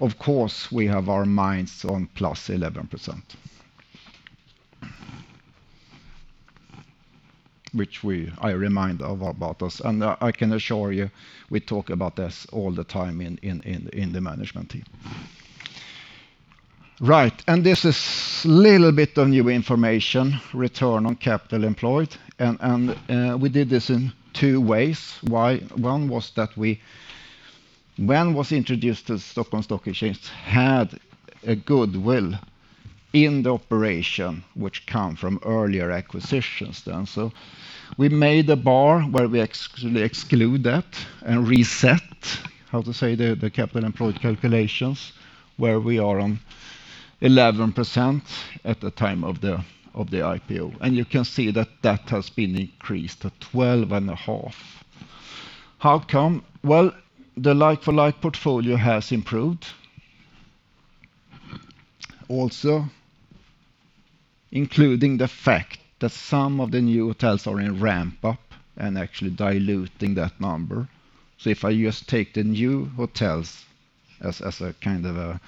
of course, we have our minds on 11%+, which I remind about us. I can assure you, we talk about this all the time in the management team. Right. This is little bit of new information, return on capital employed. We did this in two ways. Why? One was that when was introduced to Stockholm Stock Exchange had a goodwill in the operation, which come from earlier acquisitions then. We made a bar where we exclude that and reset, how to say, the capital employed calculations, where we are on 11% at the time of the IPO. You can see that that has been increased to 12.5%. How come? Well, the like-for-like portfolio has improved. Also, including the fact that some of the new hotels are in ramp-up and actually diluting that number. If I just take the new hotels as a kind of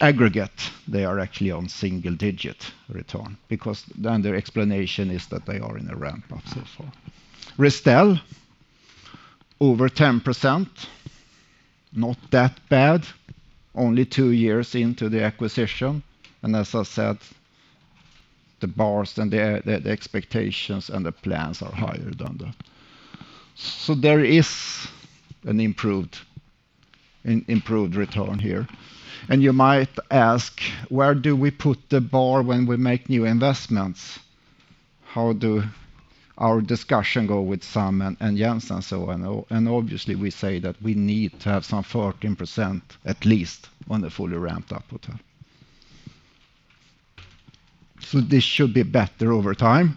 aggregate, they are actually on single-digit return, because then their explanation is that they are in a ramp-up so far. Restel, over 10%, not that bad. Only two years into the acquisition. As I said, the bars and the expectations and the plans are higher than that. There is an improved return here. You might ask, where do we put the bar when we make new investments? How do our discussion go with Sam and Jens? I know. Obviously we say that we need to have some 14%, at least, on the fully ramped-up hotel. This should be better over time.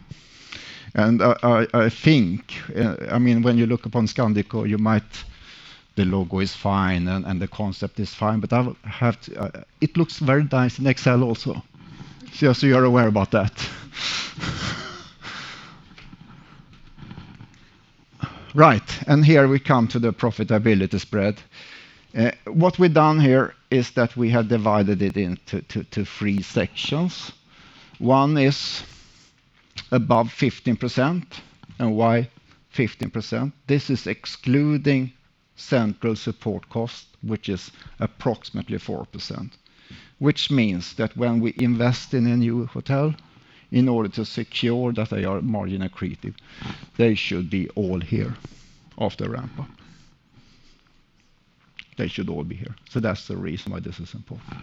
I think, when you look upon Scandic, or the logo is fine and the concept is fine, but it looks very nice in Excel also. Just so you are aware about that. Here we come to the profitability spread. What we have done here is that we have divided it into three sections. One is above 15%. Why 15%? This is excluding central support cost, which is approximately 4%. Which means that when we invest in a new hotel, in order to secure that they are margin accretive, they should be all here of the ramp-up. They should all be here. That is the reason why this is important.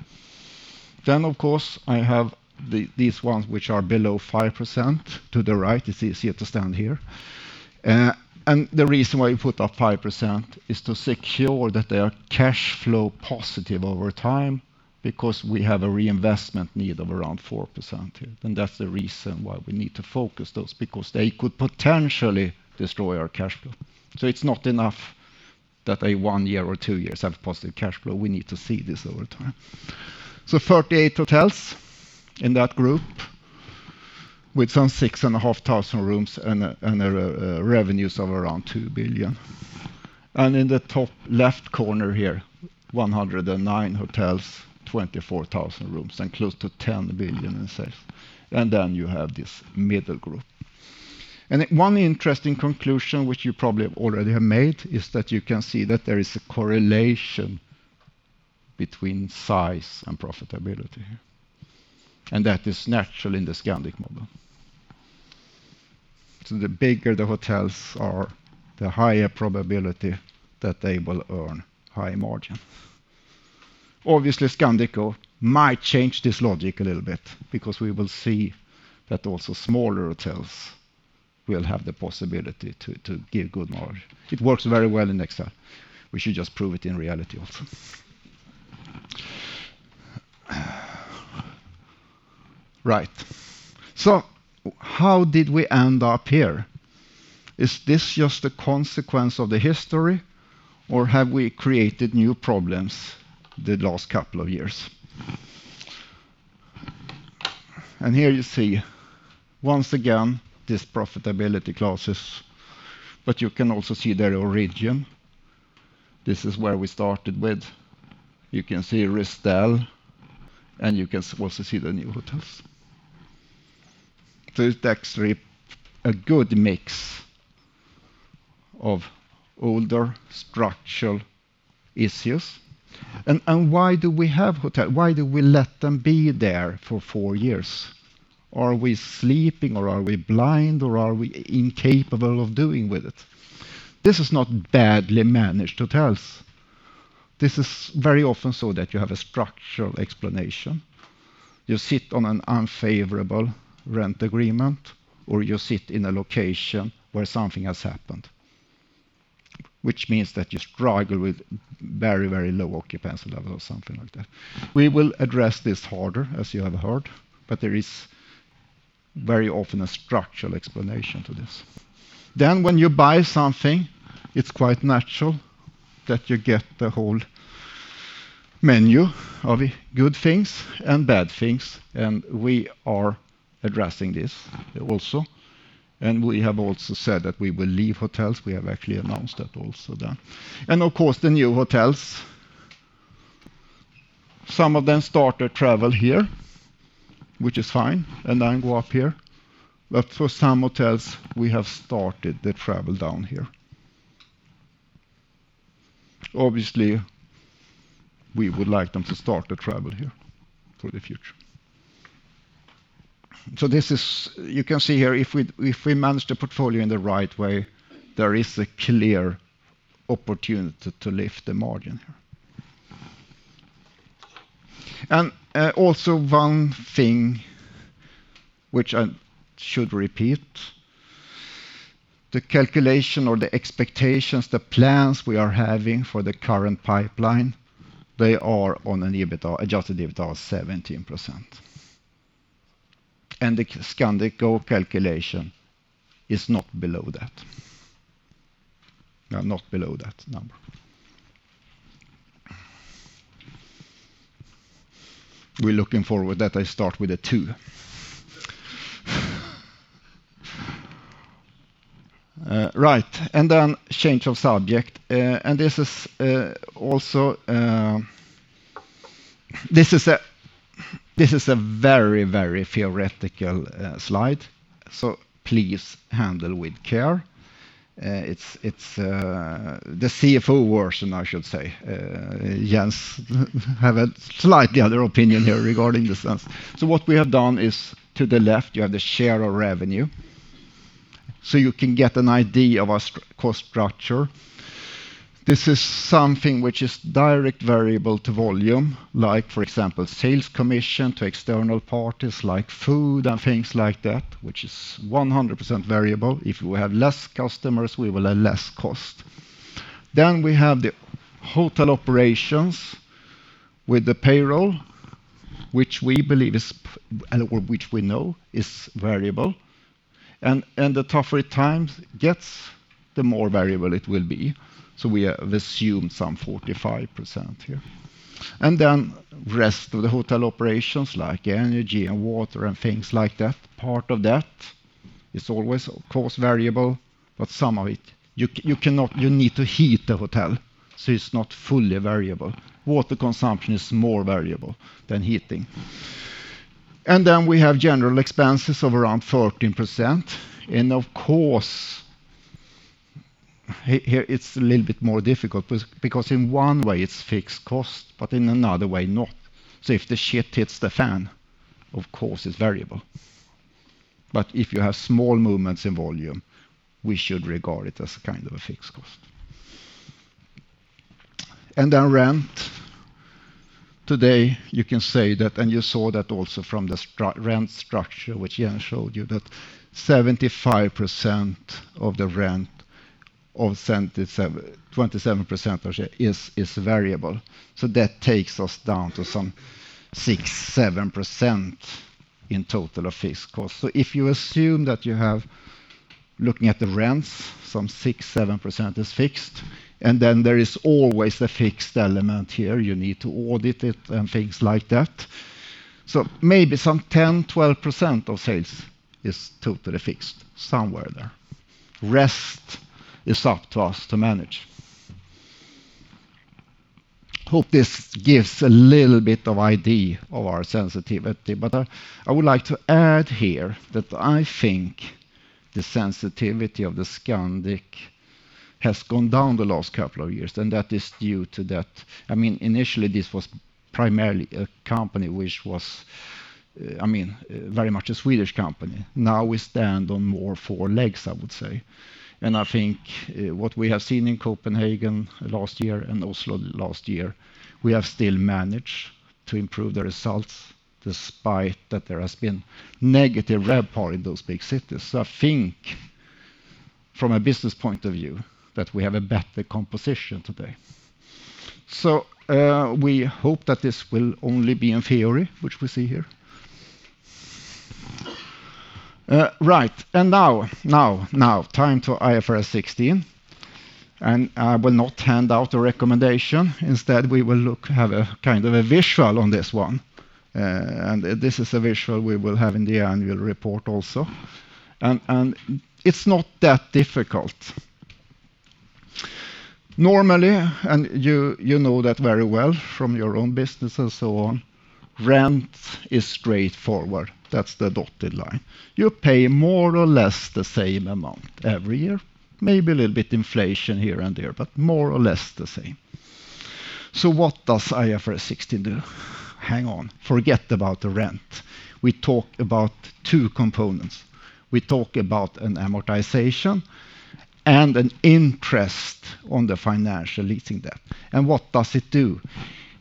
Of course, I have these ones which are below 5% to the right. It is easier to understand here. The reason why we put up 5% is to secure that they are cash flow positive over time, because we have a reinvestment need of around 4% here. That is the reason why we need to focus those, because they could potentially destroy our cash flow. It's not enough that one year or two years have positive cash flow. We need to see this over time. 38 hotels in that group with some 6,500 rooms and revenues of around 2 billion. In the top left corner here, 109 hotels, 24,000 rooms and close to 10 billion in sales. You have this middle group. One interesting conclusion, which you probably already have made, is that you can see that there is a correlation between size and profitability. That is natural in the Scandic model. The bigger the hotels are, the higher probability that they will earn high margin. Obviously, Scandic Go might change this logic a little bit because we will see that also smaller hotels will have the possibility to give good margin. It works very well in Excel. We should just prove it in reality also. Right. How did we end up here? Is this just a consequence of the history, or have we created new problems the last couple of years? Here you see, once again, these profitability classes, but you can also see their origin. This is where we started with. You can see Restel, and you can also see the new hotels. It's actually a good mix of older structural issues. Why do we let them be there for four years? Are we sleeping, or are we blind, or are we incapable of doing with it? This is not badly managed hotels. This is very often so that you have a structural explanation. You sit on an unfavorable rent agreement, or you sit in a location where something has happened. Which means that you struggle with very low occupancy level or something like that. We will address this harder, as you have heard. There is very often a structural explanation to this. When you buy something, it's quite natural that you get the whole menu of good things and bad things. We are addressing this also. We have also said that we will leave hotels. We have actually announced that also then. Of course, the new hotels. Some of them start their travel here, which is fine, and then go up here. For some hotels, we have started the travel down here. Obviously, we would like them to start to travel here for the future. You can see here, if we manage the portfolio in the right way, there is a clear opportunity to lift the margin here. Also one thing which I should repeat, the calculation or the expectations, the plans we are having for the current pipeline, they are on an Adjusted EBITDA of 17%. The Scandic Go calculation is not below that number. We're looking forward that I start with a two. Right. Then change of subject. This is a very theoretical slide, so please handle with care. It's the CFO version, I should say. Jens have a slightly other opinion here regarding this. What we have done is to the left, you have the share of revenue. You can get an idea of our cost structure. This is something which is direct variable to volume, for example, sales commission to external parties, like food and things like that, which is 100% variable. If we have less customers, we will have less cost. We have the hotel operations with the payroll, which we know is variable. The tougher times gets, the more variable it will be. We have assumed some 45% here. Rest of the hotel operations, like energy and water and things like that, part of that is always, of course, variable, but some of it, you need to heat the hotel, so it's not fully variable. Water consumption is more variable than heating. We have general expenses of around 13%. Of course, here it's a little bit more difficult because in one way, it's fixed cost, but in another way, not. If the shit hits the fan, of course, it's variable. If you have small movements in volume, we should regard it as a kind of a fixed cost. And then rent. Today, you can say that, and you saw that also from the rent structure, which Jens showed you, that 75% of the rent, or 27% is variable. That takes us down to some 6%, 7% in total of fixed costs. If you assume that you have, looking at the rents, some 6%, 7% is fixed, and then there is always a fixed element here. You need to audit it and things like that. Maybe some 10%, 12% of sales is totally fixed, somewhere there. Rest is up to us to manage. Hope this gives a little bit of idea of our sensitivity. I would like to add here that I think the sensitivity of the Scandic has gone down the last couple of years, and that is due to that. Initially, this was primarily a company which was very much a Swedish company. We stand on more four legs, I would say. I think what we have seen in Copenhagen last year and Oslo last year, we have still managed to improve the results despite that there has been negative RevPAR in those big cities. I think from a business point of view, that we have a better composition today. We hope that this will only be in theory, which we see here. Right. Now, time to IFRS 16. I will not hand out a recommendation. Instead, we will have a visual on this one. This is a visual we will have in the annual report also. It's not that difficult. Normally, you know that very well from your own business and so on, rent is straightforward. That's the dotted line. You pay more or less the same amount every year. Maybe a little bit inflation here and there, but more or less the same. What does IFRS 16 do? Hang on, forget about the rent. We talk about two components. We talk about an amortization and an interest on the financial leasing debt. What does it do?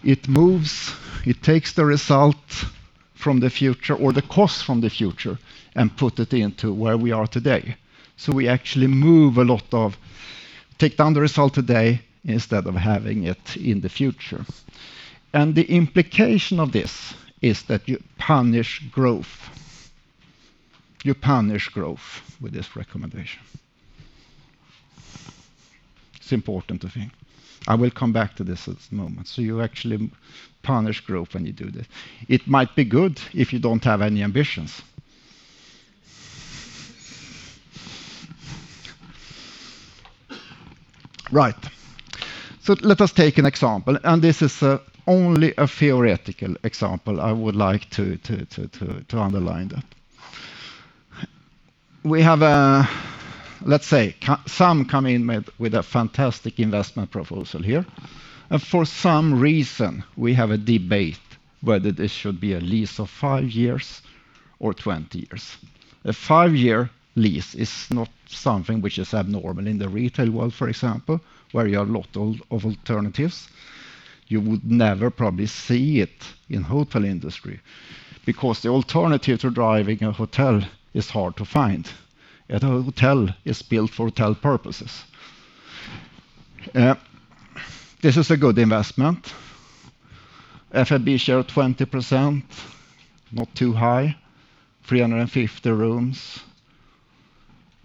It takes the result from the future or the cost from the future and put it into where we are today. We actually take down the result today instead of having it in the future. The implication of this is that you punish growth. You punish growth with this recommendation. It's important, I think. I will come back to this in a moment. You actually punish growth when you do this. It might be good if you don't have any ambitions. Right. Let us take an example, and this is only a theoretical example. I would like to underline that. Let's say some come in with a fantastic investment proposal here. For some reason, we have a debate whether this should be a lease of five years or 20 years. A five-year lease is not something which is abnormal in the retail world, for example, where you have a lot of alternatives. You would never probably see it in hotel industry because the alternative to driving a hotel is hard to find. A hotel is built for hotel purposes. This is a good investment. F&B share of 20%, not too high, 350 rooms,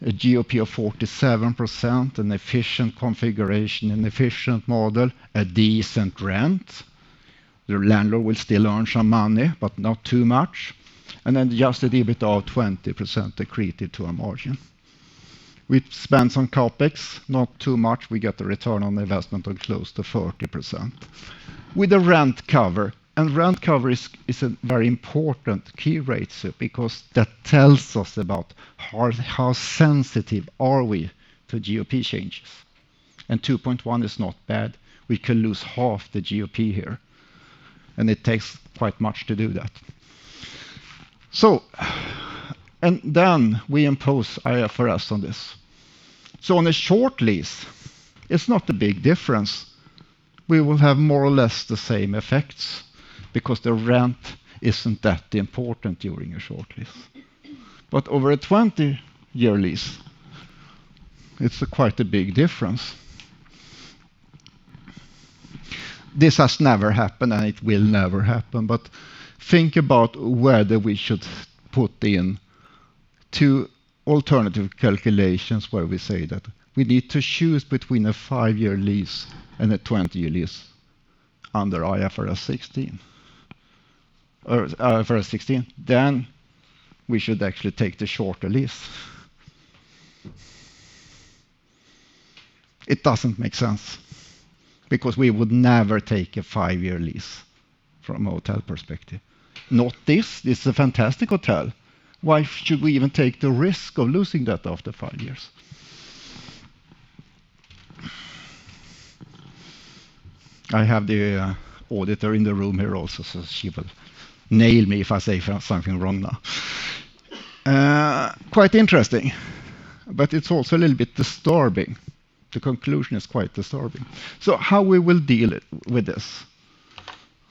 a GOP of 47%, an efficient configuration, an efficient model, a decent rent. The landlord will still earn some money, but not too much. An Adjusted EBITDA of 20% accreted to our margin. We spend some CapEx, not too much. We get the return on investment on close to 40%. With the rent cover, and rent cover is a very important key rate because that tells us about how sensitive are we to GOP changes. 2.1 is not bad. We could lose half the GOP here, and it takes quite much to do that. Then we impose IFRS on this. On a short lease, it's not a big difference. We will have more or less the same effects because the rent isn't that important during a short lease. Over a 20-year lease, it's quite a big difference. This has never happened, and it will never happen. Think about whether we should put in two alternative calculations where we say that we need to choose between a five-year lease and a 20-year lease under IFRS 16. We should actually take the shorter lease. It doesn't make sense because we would never take a five-year lease from a hotel perspective. Not this. This is a fantastic hotel. Why should we even take the risk of losing that after five years? I have the auditor in the room here also, so she will nail me if I say something wrong now. Quite interesting, but it's also a little bit disturbing. The conclusion is quite disturbing. How we will deal with this?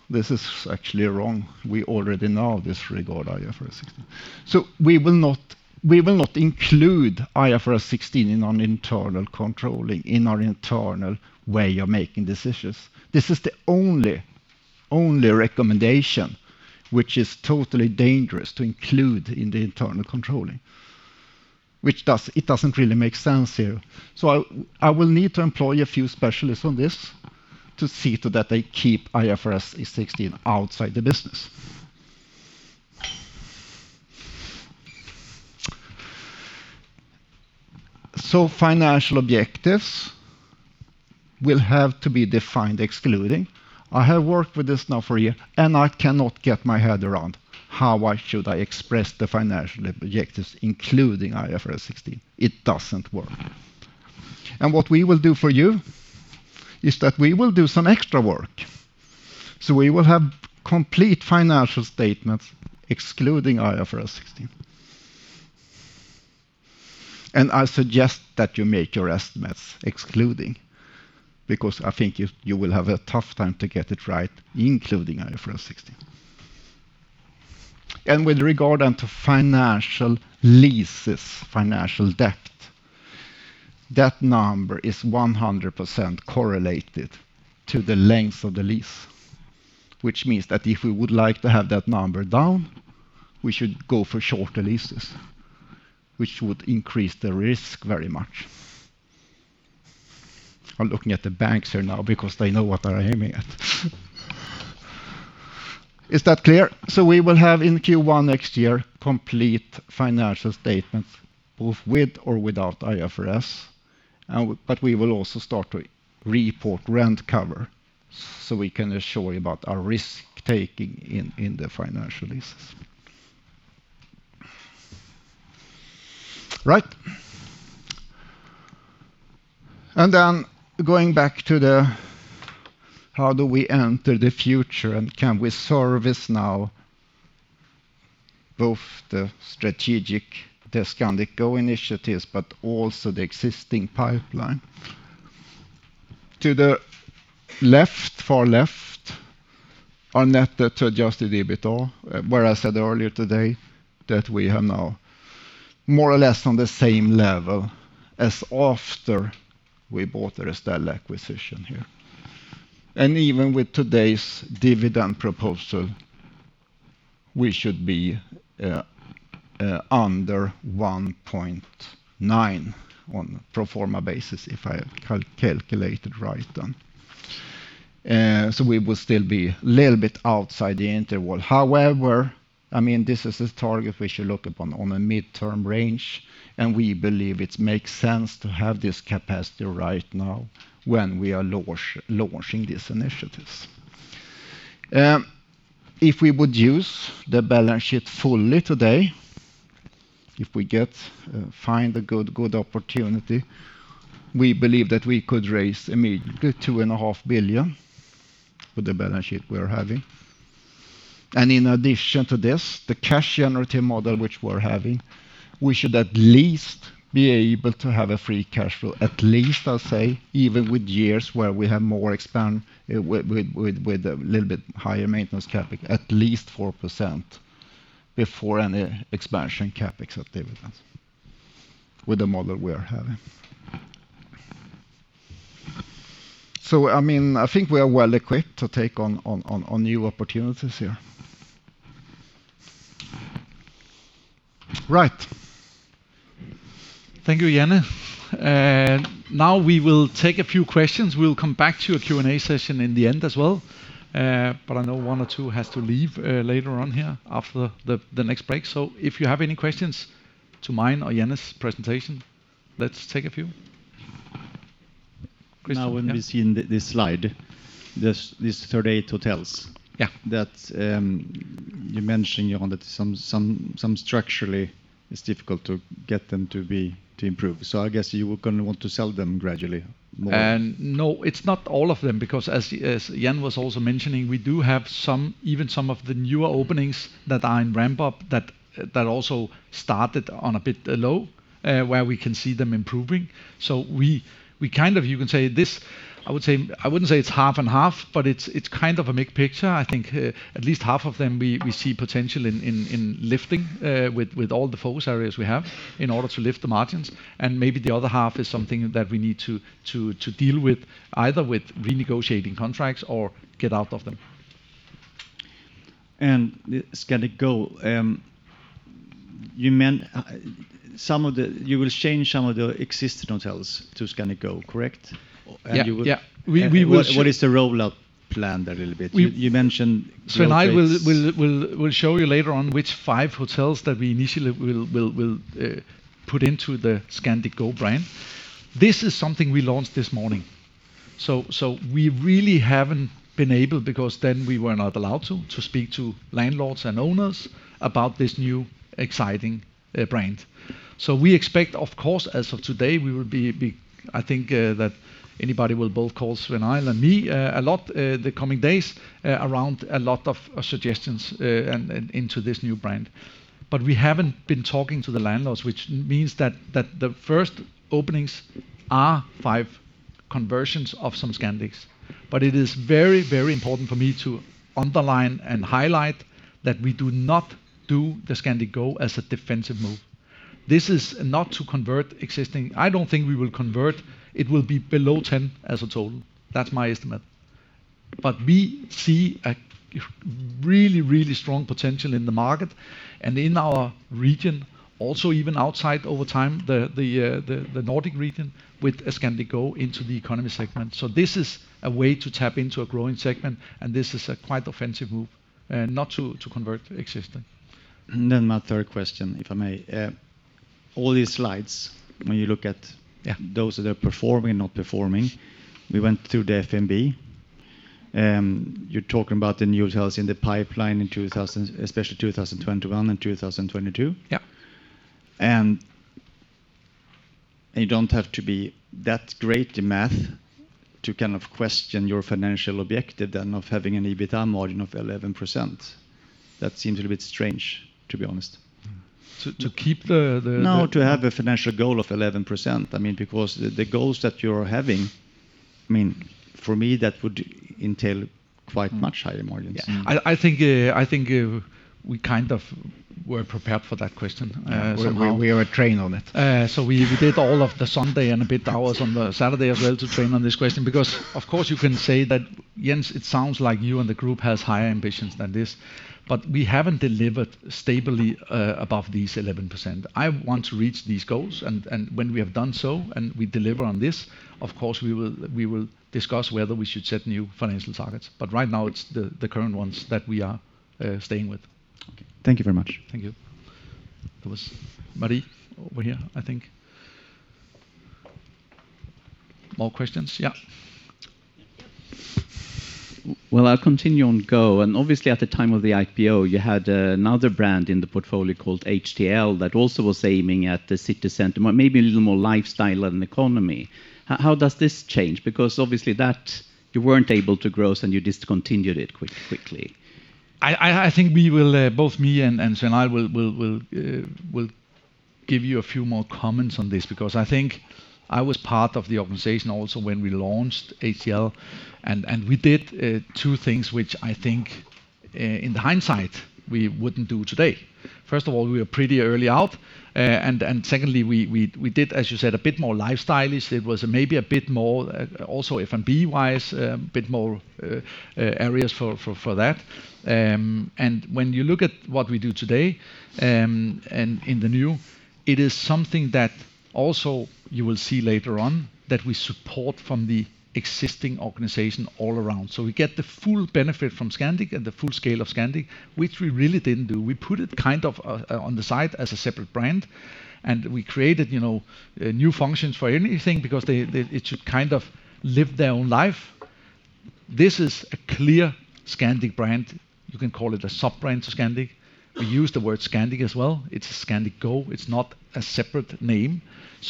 This is actually wrong. We already know this regard IFRS 16. We will not include IFRS 16 in our internal controlling, in our internal way of making decisions. This is the only recommendation which is totally dangerous to include in the internal controlling. It doesn't really make sense here. I will need to employ a few specialists on this to see to that they keep IFRS 16 outside the business. Financial objectives will have to be defined excluding. I have worked with this now for a year, and I cannot get my head around how should I express the financial objectives, including IFRS 16. It doesn't work. What we will do for you is that we will do some extra work. We will have complete financial statements excluding IFRS 16. I suggest that you make your estimates excluding, because I think you will have a tough time to get it right, including IFRS 16. With regard onto financial leases, financial debt, that number is 100% correlated to the length of the lease, which means that if we would like to have that number down, we should go for shorter leases, which would increase the risk very much. I'm looking at the banks here now because they know what they're aiming at. Is that clear? We will have in Q1 next year, complete financial statements, both with or without IFRS. We will also start to report rent cover so we can assure you about our risk-taking in the financial leases. Right. Going back to how do we enter the future, and can we service now both the strategic Scandic Go initiatives, but also the existing pipeline? To the far left, our net debt to Adjusted EBITDA, where I said earlier today that we are now more or less on the same level as after we bought the Restel acquisition here. Even with today's dividend proposal, we should be under 1.9 on pro forma basis, if I have calculated right. We will still be a little bit outside the interval. This is a target we should look upon on a midterm range, and we believe it makes sense to have this capacity right now when we are launching these initiatives. If we would use the balance sheet fully today, if we find a good opportunity, we believe that we could raise a immediate 2.5 billion with the balance sheet we're having. In addition to this, the cash generator model which we're having, we should at least be able to have a free cash flow, at least I'll say, even with years where we have more expand, with a little bit higher maintenance CapEx, at least 4% before any expansion CapEx activities with the model we are having. I think we are well equipped to take on new opportunities here. Right. Thank you, Jan. Now we will take a few questions. We'll come back to a Q&A session in the end as well. I know one or two has to leave later on here after the next break. If you have any questions to mine or Jan's presentation, let's take a few. Now when we see this slide, these 38 hotels. Yeah. That you're mentioning, Jan, that some structurally, it's difficult to get them to improve. I guess you were going to want to sell them gradually more. It's not all of them because as Jan was also mentioning, we do have even some of the newer openings that are in ramp-up that also started on a bit low, where we can see them improving. You can say this, I wouldn't say it's half and half, but it's kind of a mixed picture. I think at least half of them, we see potential in lifting, with all the focus areas we have in order to lift the margins. Maybe the other half is something that we need to deal with, either with renegotiating contracts or get out of them. Scandic Go. You will change some of the existing hotels to Scandic Go, correct? Yeah. What is the rollout plan there a little bit? I will show you later on which five hotels that we initially will put into the Scandic Go brand. This is something we launched this morning. We really haven't been able, because then we were not allowed to speak to landlords and owners about this new exciting brand. We expect, of course, as of today, I think that anybody will both call Svein Arild and me a lot the coming days around a lot of suggestions into this new brand. We haven't been talking to the landlords, which means that the first openings are five conversions of some Scandics. It is very important for me to underline and highlight that we do not do the Scandic Go as a defensive move. This is not to convert existing. I don't think we will convert. It will be below 10 as a total. That's my estimate. We see a really strong potential in the market, and in our region, also even outside over time, the Nordic region, with Scandic Go into the economy segment. This is a way to tap into a growing segment, and this is a quite offensive move, not to convert existing. My third question, if I may. All these slides, when you look at- Yeah Those that are performing, not performing, we went through the F&B. You're talking about the new hotels in the pipeline, especially 2021 and 2022. Yeah. You don't have to be that great in math to question your financial objective then of having an EBITDA margin of 11%. That seems a little bit strange, to be honest. To keep the- No, to have a financial goal of 11%. Because the goals that you're having, for me, that would entail quite much higher margins. Yeah. I think we were prepared for that question. We are trained on it. We did all of the Sunday and a bit hours on the Saturday as well to train on this question, because of course you can say that, "Jens, it sounds like you and the group has higher ambitions than this," but we haven't delivered stably above these 11%. I want to reach these goals, and when we have done so, and we deliver on this, of course, we will discuss whether we should set new financial targets. Right now, it's the current ones that we are staying with. Okay. Thank you very much. Thank you. There was Marie over here, I think. More questions? Yeah. Well, I'll continue on Go, and obviously at the time of the IPO, you had another brand in the portfolio called HTL that also was aiming at the city center, maybe a little more lifestyle and economy. How does this change? Obviously that you weren't able to grow, so you discontinued it quite quickly. I think both me and Svein Arild will give you a few more comments on this because I think I was part of the organization also when we launched HTL. We did two things which I think in hindsight we wouldn't do today. First of all, we were pretty early out. Secondly, we did, as you said, a bit more lifestyle-ish. It was maybe a bit more, also F&B-wise, a bit more areas for that. When you look at what we do today, in the new, it is something that also you will see later on that we support from the existing organization all around. We get the full benefit from Scandic and the full scale of Scandic, which we really didn't do. We put it on the side as a separate brand. We created new functions for anything because it should live their own life. This is a clear Scandic brand. You can call it a sub-brand to Scandic. We use the word Scandic as well. It's a Scandic Go. It's not a separate name.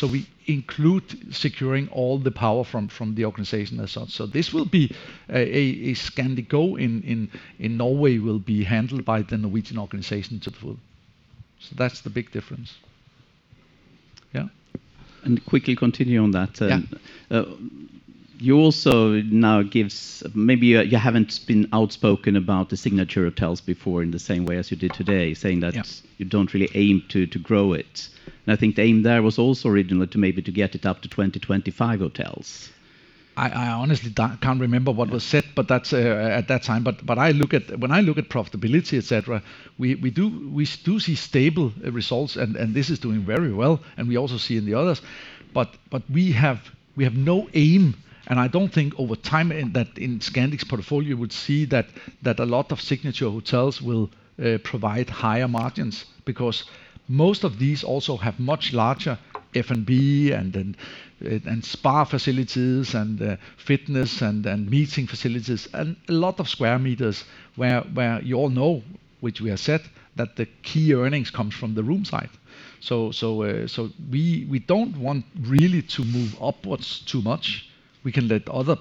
We include securing all the power from the organization as such. This will be a Scandic Go in Norway will be handled by the Norwegian organization to the full. That's the big difference. Yeah. Quickly continue on that. Yeah. You also now gives, maybe you haven't been outspoken about the Signature hotels before in the same way as you did today, saying that- Yeah You don't really aim to grow it. I think the aim there was also originally to maybe to get it up to 20, 25 hotels. I honestly can't remember what was said, but that's at that time. When I look at profitability, et cetera, we do see stable results, and this is doing very well, and we also see in the others. We have no aim, and I don't think over time that in Scandic's portfolio you would see that a lot of Signature hotels will provide higher margins, because most of these also have much larger F&B and spa facilities and fitness and meeting facilities, and a lot of square meters, where you all know, which we have said, that the key earnings comes from the room side. We don't want really to move upwards too much. We can let other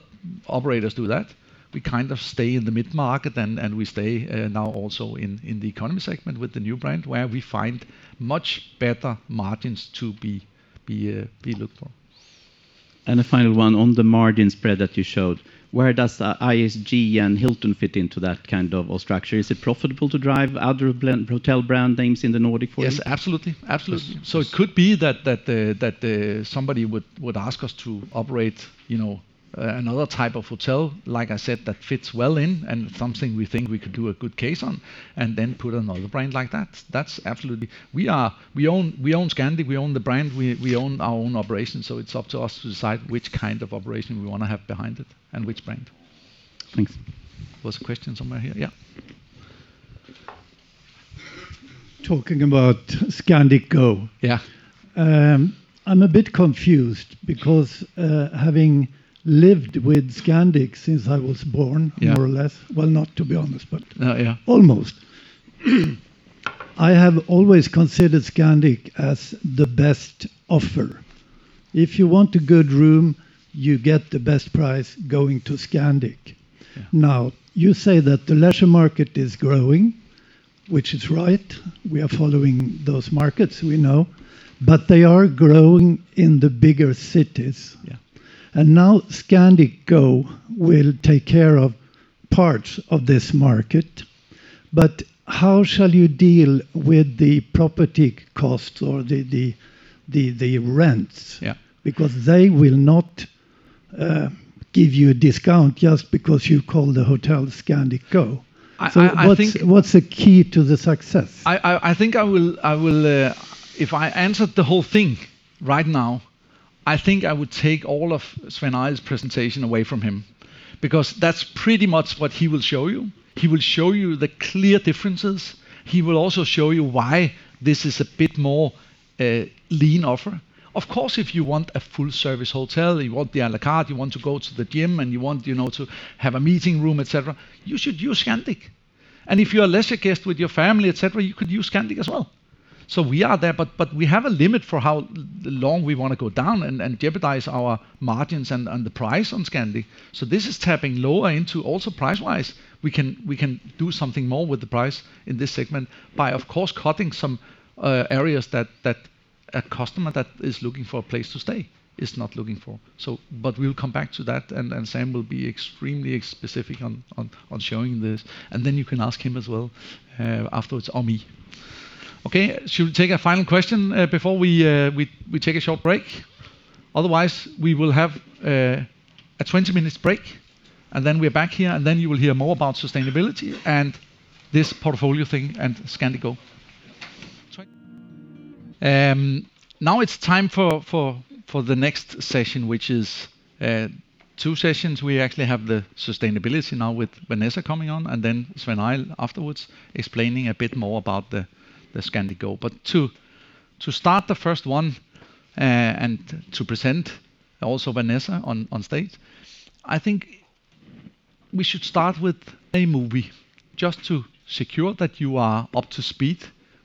operators do that. We stay in the mid-market, and we stay now also in the economy segment with the new brand, where we find much better margins to be looked for. A final one on the margin spread that you showed, where does IHG and Hilton fit into that kind of structure? Is it profitable to drive other hotel brand names in the Nordic for you? Yes, absolutely. It could be that somebody would ask us to operate another type of hotel, like I said, that fits well in, and something we think we could do a good case on, and then put another brand like that. That's absolutely. We own Scandic, we own the brand, we own our own operation, so it's up to us to decide which kind of operation we want to have behind it and which brand. Thanks. There was a question somewhere here. Yeah. Talking about Scandic Go. Yeah. I'm a bit confused because, having lived with Scandic since I was born- Yeah More or less. Well, not to be honest- Yeah Almost. I have always considered Scandic as the best offer. If you want a good room, you get the best price going to Scandic. Yeah. Now, you say that the leisure market is growing, which is right. We are following those markets, you know, but they are growing in the bigger cities. Yeah. Now Scandic Go will take care of parts of this market, but how shall you deal with the property costs or the rents? Yeah. They will not give you a discount just because you call the hotel Scandic Go. I think- What's the key to the success? If I answered the whole thing right now, I think I would take all of Svein Arild's presentation away from him, because that's pretty much what he will show you. He will show you the clear differences. He will also show you why this is a bit more a lean offer. Of course, if you want a full service hotel, you want the a la carte, you want to go to the gym, and you want to have a meeting room, et cetera, you should use Scandic. If you're a leisure guest with your family, et cetera, you could use Scandic as well. We are there, but we have a limit for how long we want to go down and jeopardize our margins and the price on Scandic. This is tapping lower into also price-wise. We can do something more with the price in this segment by, of course, cutting some areas that a customer that is looking for a place to stay is not looking for. We'll come back to that, and Sam will be extremely specific on showing this, and then you can ask him as well, afterwards, or me. Okay, should we take a final question before we take a short break? Otherwise, we will have a 20-minute break, and then we are back here, and then you will hear more about sustainability and this portfolio thing and Scandic Go. Now it's time for the next session, which is two sessions. We actually have the sustainability now with Vanessa coming on, and then Svein Arild afterwards explaining a bit more about the Scandic Go. To start the first one, and to present also Vanessa on stage, I think we should start with a movie just to secure that you are up to speed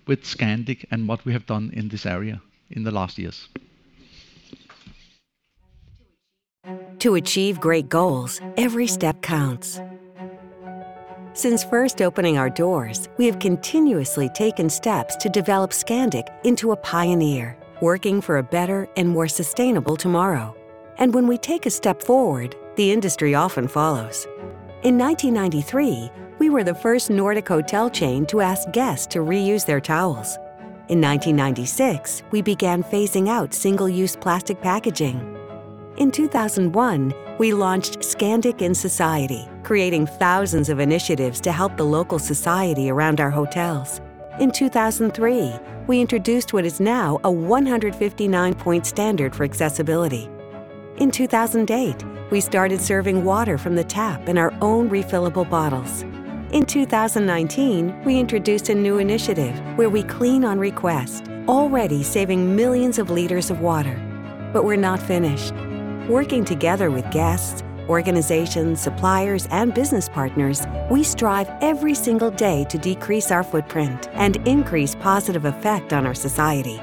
with Scandic and what we have done in this area in the last years. To achieve great goals, every step counts. Since first opening our doors, we have continuously taken steps to develop Scandic into a pioneer, working for a better and more sustainable tomorrow. When we take a step forward, the industry often follows. In 1993, we were the first Nordic hotel chain to ask guests to reuse their towels. In 1996, we began phasing out single-use plastic packaging. In 2001, we launched Scandic in Society, creating thousands of initiatives to help the local society around our hotels. In 2003, we introduced what is now a 159-point standard for accessibility. In 2008, we started serving water from the tap in our own refillable bottles. In 2019, we introduced a new initiative where we clean on request, already saving millions of liters of water. We're not finished. Working together with guests, organizations, suppliers, and business partners, we strive every single day to decrease our footprint and increase positive effect on our society.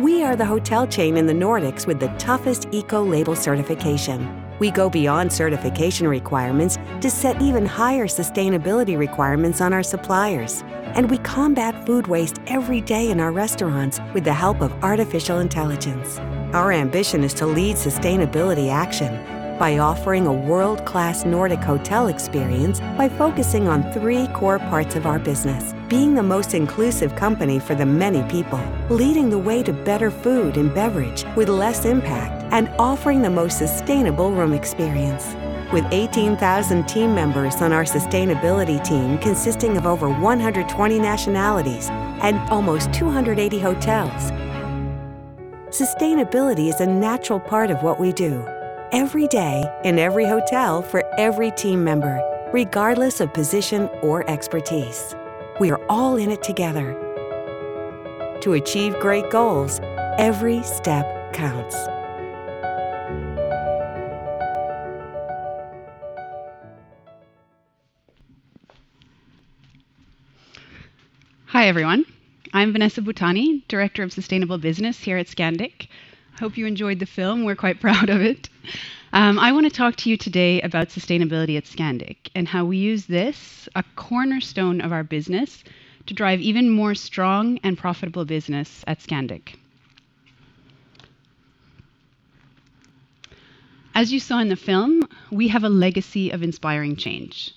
We are the hotel chain in the Nordics with the toughest ecolabel certification. We go beyond certification requirements to set even higher sustainability requirements on our suppliers, and we combat food waste every day in our restaurants with the help of artificial intelligence. Our ambition is to lead sustainability action by offering a world-class Nordic hotel experience by focusing on three core parts of our business, being the most inclusive company for the many people, leading the way to better food and beverage with less impact, and offering the most sustainable room experience. With 18,000 team members on our sustainability team, consisting of over 120 nationalities and almost 280 hotels, sustainability is a natural part of what we do every day in every hotel for every team member, regardless of position or expertise. We are all in it together. To achieve great goals, every step counts. Hi, everyone. I'm Vanessa Butani, Director of Sustainable Business here at Scandic. Hope you enjoyed the film. We're quite proud of it. I want to talk to you today about sustainability at Scandic and how we use this, a cornerstone of our business, to drive even more strong and profitable business at Scandic. As you saw in the film, we have a legacy of inspiring change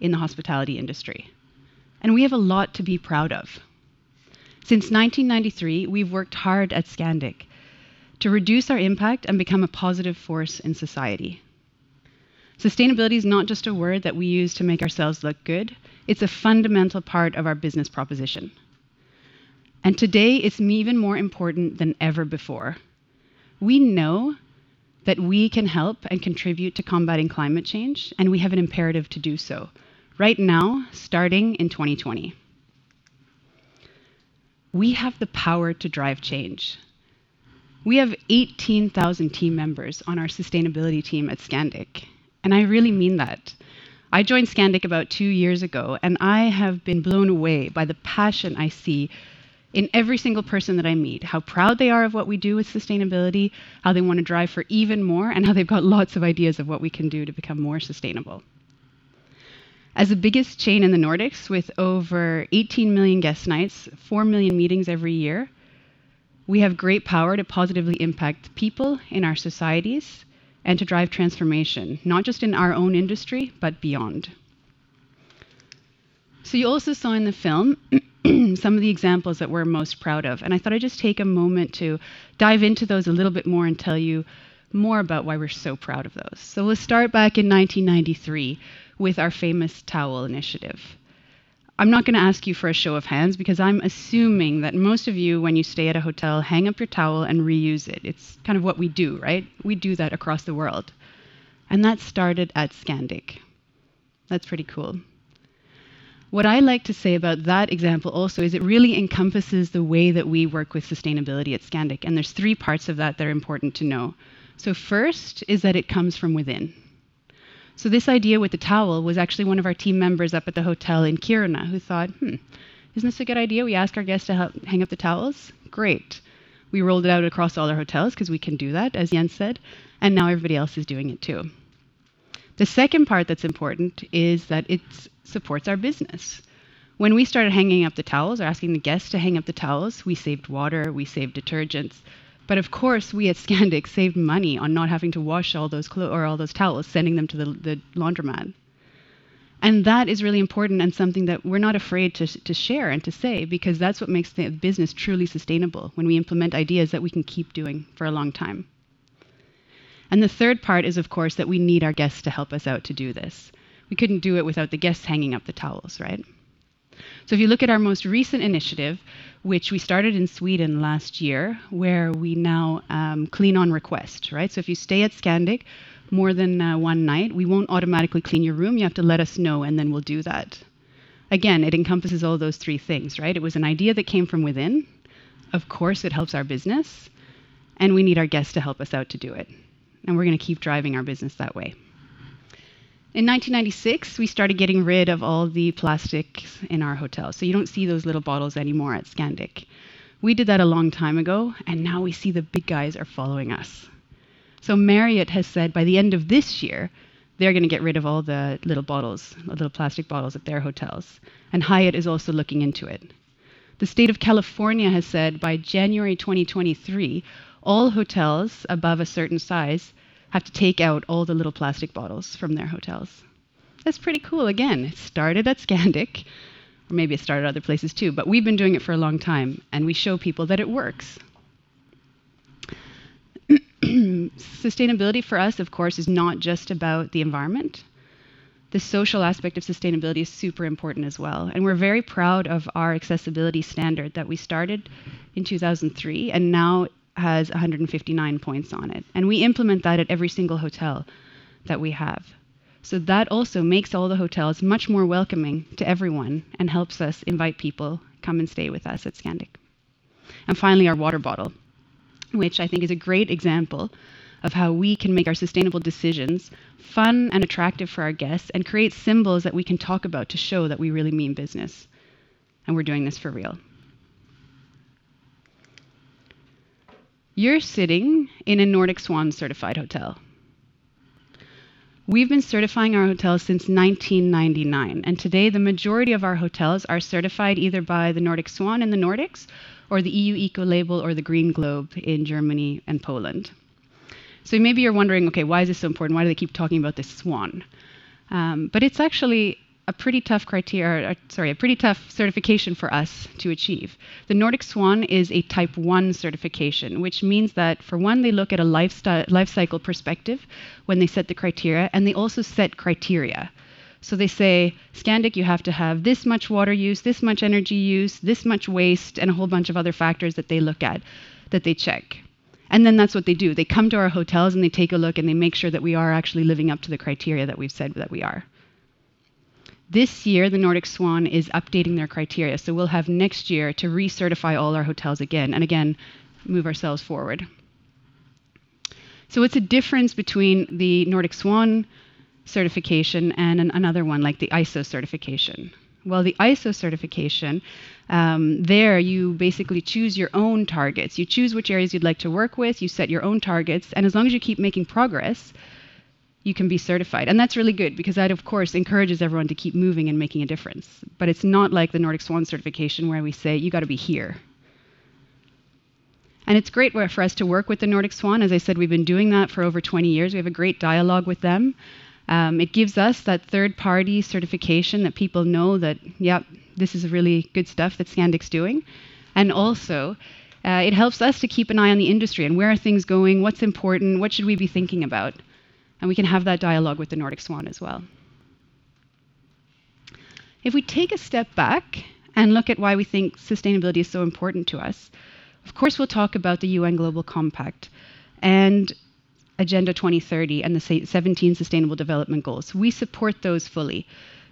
in the hospitality industry, and we have a lot to be proud of. Since 1993, we've worked hard at Scandic to reduce our impact and become a positive force in society. Sustainability is not just a word that we use to make ourselves look good. It's a fundamental part of our business proposition. Today, it's even more important than ever before. We know that we can help and contribute to combating climate change. We have an imperative to do so right now, starting in 2020. We have the power to drive change. We have 18,000 team members on our sustainability team at Scandic. I really mean that. I joined Scandic about two years ago. I have been blown away by the passion I see in every single person that I meet, how proud they are of what we do with sustainability, how they want to drive for even more, and how they've got lots of ideas of what we can do to become more sustainable. As the biggest chain in the Nordics, with over 18 million guest nights, four million meetings every year, we have great power to positively impact people in our societies and to drive transformation, not just in our own industry, but beyond. You also saw in the film some of the examples that we're most proud of. I thought I'd just take a moment to dive into those a little bit more and tell you more about why we're so proud of those. Let's start back in 1993 with our famous towel initiative. I'm not going to ask you for a show of hands, because I'm assuming that most of you, when you stay at a hotel, hang up your towel and reuse it. It's kind of what we do, right? We do that across the world. That started at Scandic. That's pretty cool. What I like to say about that example also is it really encompasses the way that we work with sustainability at Scandic. There's three parts of that that are important to know. First is that it comes from within. This idea with the towel was actually one of our team members up at the hotel in Kiruna who thought, isn't this a good idea? We ask our guests to hang up the towels. Great. We rolled it out across all our hotels because we can do that, as Jens said. Now everybody else is doing it, too. The second part that's important is that it supports our business. When we started hanging up the towels or asking the guests to hang up the towels, we saved water, we saved detergents. Of course, we at Scandic saved money on not having to wash all those towels, sending them to the laundromat. That is really important and something that we're not afraid to share and to say, because that's what makes the business truly sustainable, when we implement ideas that we can keep doing for a long time. The third part is, of course, that we need our guests to help us out to do this. We couldn't do it without the guests hanging up the towels, right? If you look at our most recent initiative, which we started in Sweden last year, where we now clean on request, right? If you stay at Scandic more than one night, we won't automatically clean your room. You have to let us know, and then we'll do that. Again, it encompasses all of those three things, right? It was an idea that came from within. Of course, it helps our business, and we need our guests to help us out to do it. We're going to keep driving our business that way. In 1996, we started getting rid of all the plastic in our hotels. You don't see those little bottles anymore at Scandic. We did that a long time ago, and now we see the big guys are following us. Marriott has said by the end of this year, they're going to get rid of all the little plastic bottles at their hotels, and Hyatt is also looking into it. The state of California has said by January 2023, all hotels above a certain size have to take out all the little plastic bottles from their hotels. That's pretty cool. Again, it started at Scandic. Maybe it started other places, too, but we've been doing it for a long time, and we show people that it works. Sustainability for us, of course, is not just about the environment. The social aspect of sustainability is super important as well, and we're very proud of our accessibility standard that we started in 2003, and now it has 159 points on it. We implement that at every single hotel that we have. That also makes all the hotels much more welcoming to everyone and helps us invite people, come and stay with us at Scandic. Finally, our water bottle, which I think is a great example of how we can make our sustainable decisions fun and attractive for our guests and create symbols that we can talk about to show that we really mean business, and we're doing this for real. You're sitting in a Nordic Swan certified hotel. We've been certifying our hotels since 1999. Today, the majority of our hotels are certified either by the Nordic Swan in the Nordics or the EU Ecolabel or the Green Globe in Germany and Poland. Maybe you're wondering, "Okay, why is this so important? Why do they keep talking about this Swan?" It's actually a pretty tough certification for us to achieve. The Nordic Swan is a Type 1 certification, which means that for one, they look at a lifecycle perspective when they set the criteria. They also set criteria. They say, "Scandic, you have to have this much water use, this much energy use, this much waste," a whole bunch of other factors that they look at, that they check. That's what they do. They come to our hotels and they take a look, and they make sure that we are actually living up to the criteria that we've said that we are. This year, the Nordic Swan is updating their criteria. We'll have next year to recertify all our hotels again, and again move ourselves forward. What's the difference between the Nordic Swan certification and another one, like the ISO certification? Well, the ISO certification, there you basically choose your own targets. You choose which areas you'd like to work with, you set your own targets, and as long as you keep making progress, you can be certified. That's really good because that, of course, encourages everyone to keep moving and making a difference. It's not like the Nordic Swan certification where we say, "You've got to be here." It's great for us to work with the Nordic Swan. As I said, we've been doing that for over 20 years. We have a great dialogue with them. It gives us that third-party certification that people know that, yep, this is really good stuff that Scandic's doing. Also, it helps us to keep an eye on the industry and where are things going, what's important, what should we be thinking about? We can have that dialogue with the Nordic Swan as well. If we take a step back and look at why we think sustainability is so important to us, of course, we'll talk about the UN Global Compact and Agenda 2030 and the 17 Sustainable Development Goals. We support those fully.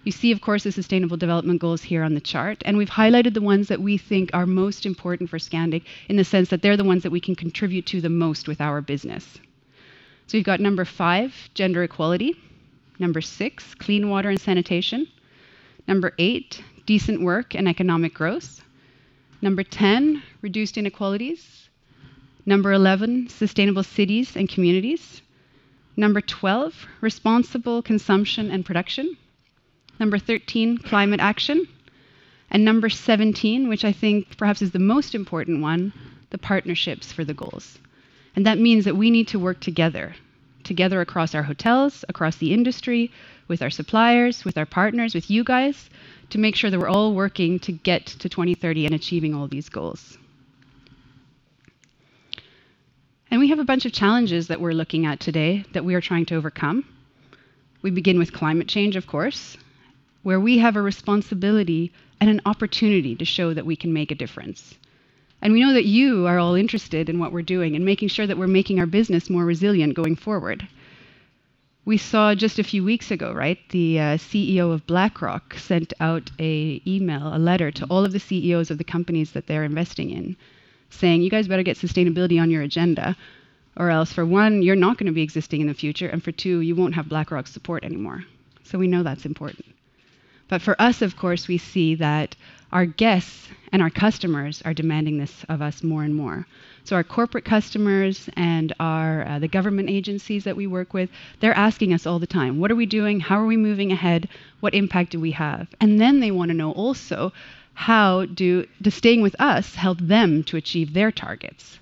You see, of course, the Sustainable Development Goals here on the chart, and we've highlighted the ones that we think are most important for Scandic in the sense that they're the ones that we can contribute to the most with our business. We've got number five, Gender Equality, number six, Clean Water and Sanitation, number eight, Decent Work and Economic Growth, number 10, Reduced Inequalities, number 11, Sustainable Cities and Communities, number 12, Responsible Consumption and Production, number 13, Climate Action, and number 17, which I think perhaps is the most important one, the Partnerships for the Goals. That means that we need to work together across our hotels, across the industry, with our suppliers, with our partners, with you guys, to make sure that we're all working to get to 2030 and achieving all these goals. We have a bunch of challenges that we're looking at today that we are trying to overcome. We begin with climate change, of course, where we have a responsibility and an opportunity to show that we can make a difference. We know that you are all interested in what we're doing and making sure that we're making our business more resilient going forward. We saw just a few weeks ago, right, the CEO of BlackRock sent out an email, a letter to all of the CEOs of the companies that they're investing in, saying, "You guys better get sustainability on your agenda, or else for one, you're not going to be existing in the future, and for two, you won't have BlackRock's support anymore." We know that's important. For us, of course, we see that our guests and our customers are demanding this of us more and more. Our corporate customers and the government agencies that we work with, they're asking us all the time, what are we doing? How are we moving ahead? What impact do we have? They want to know also how does staying with us help them to achieve their targets.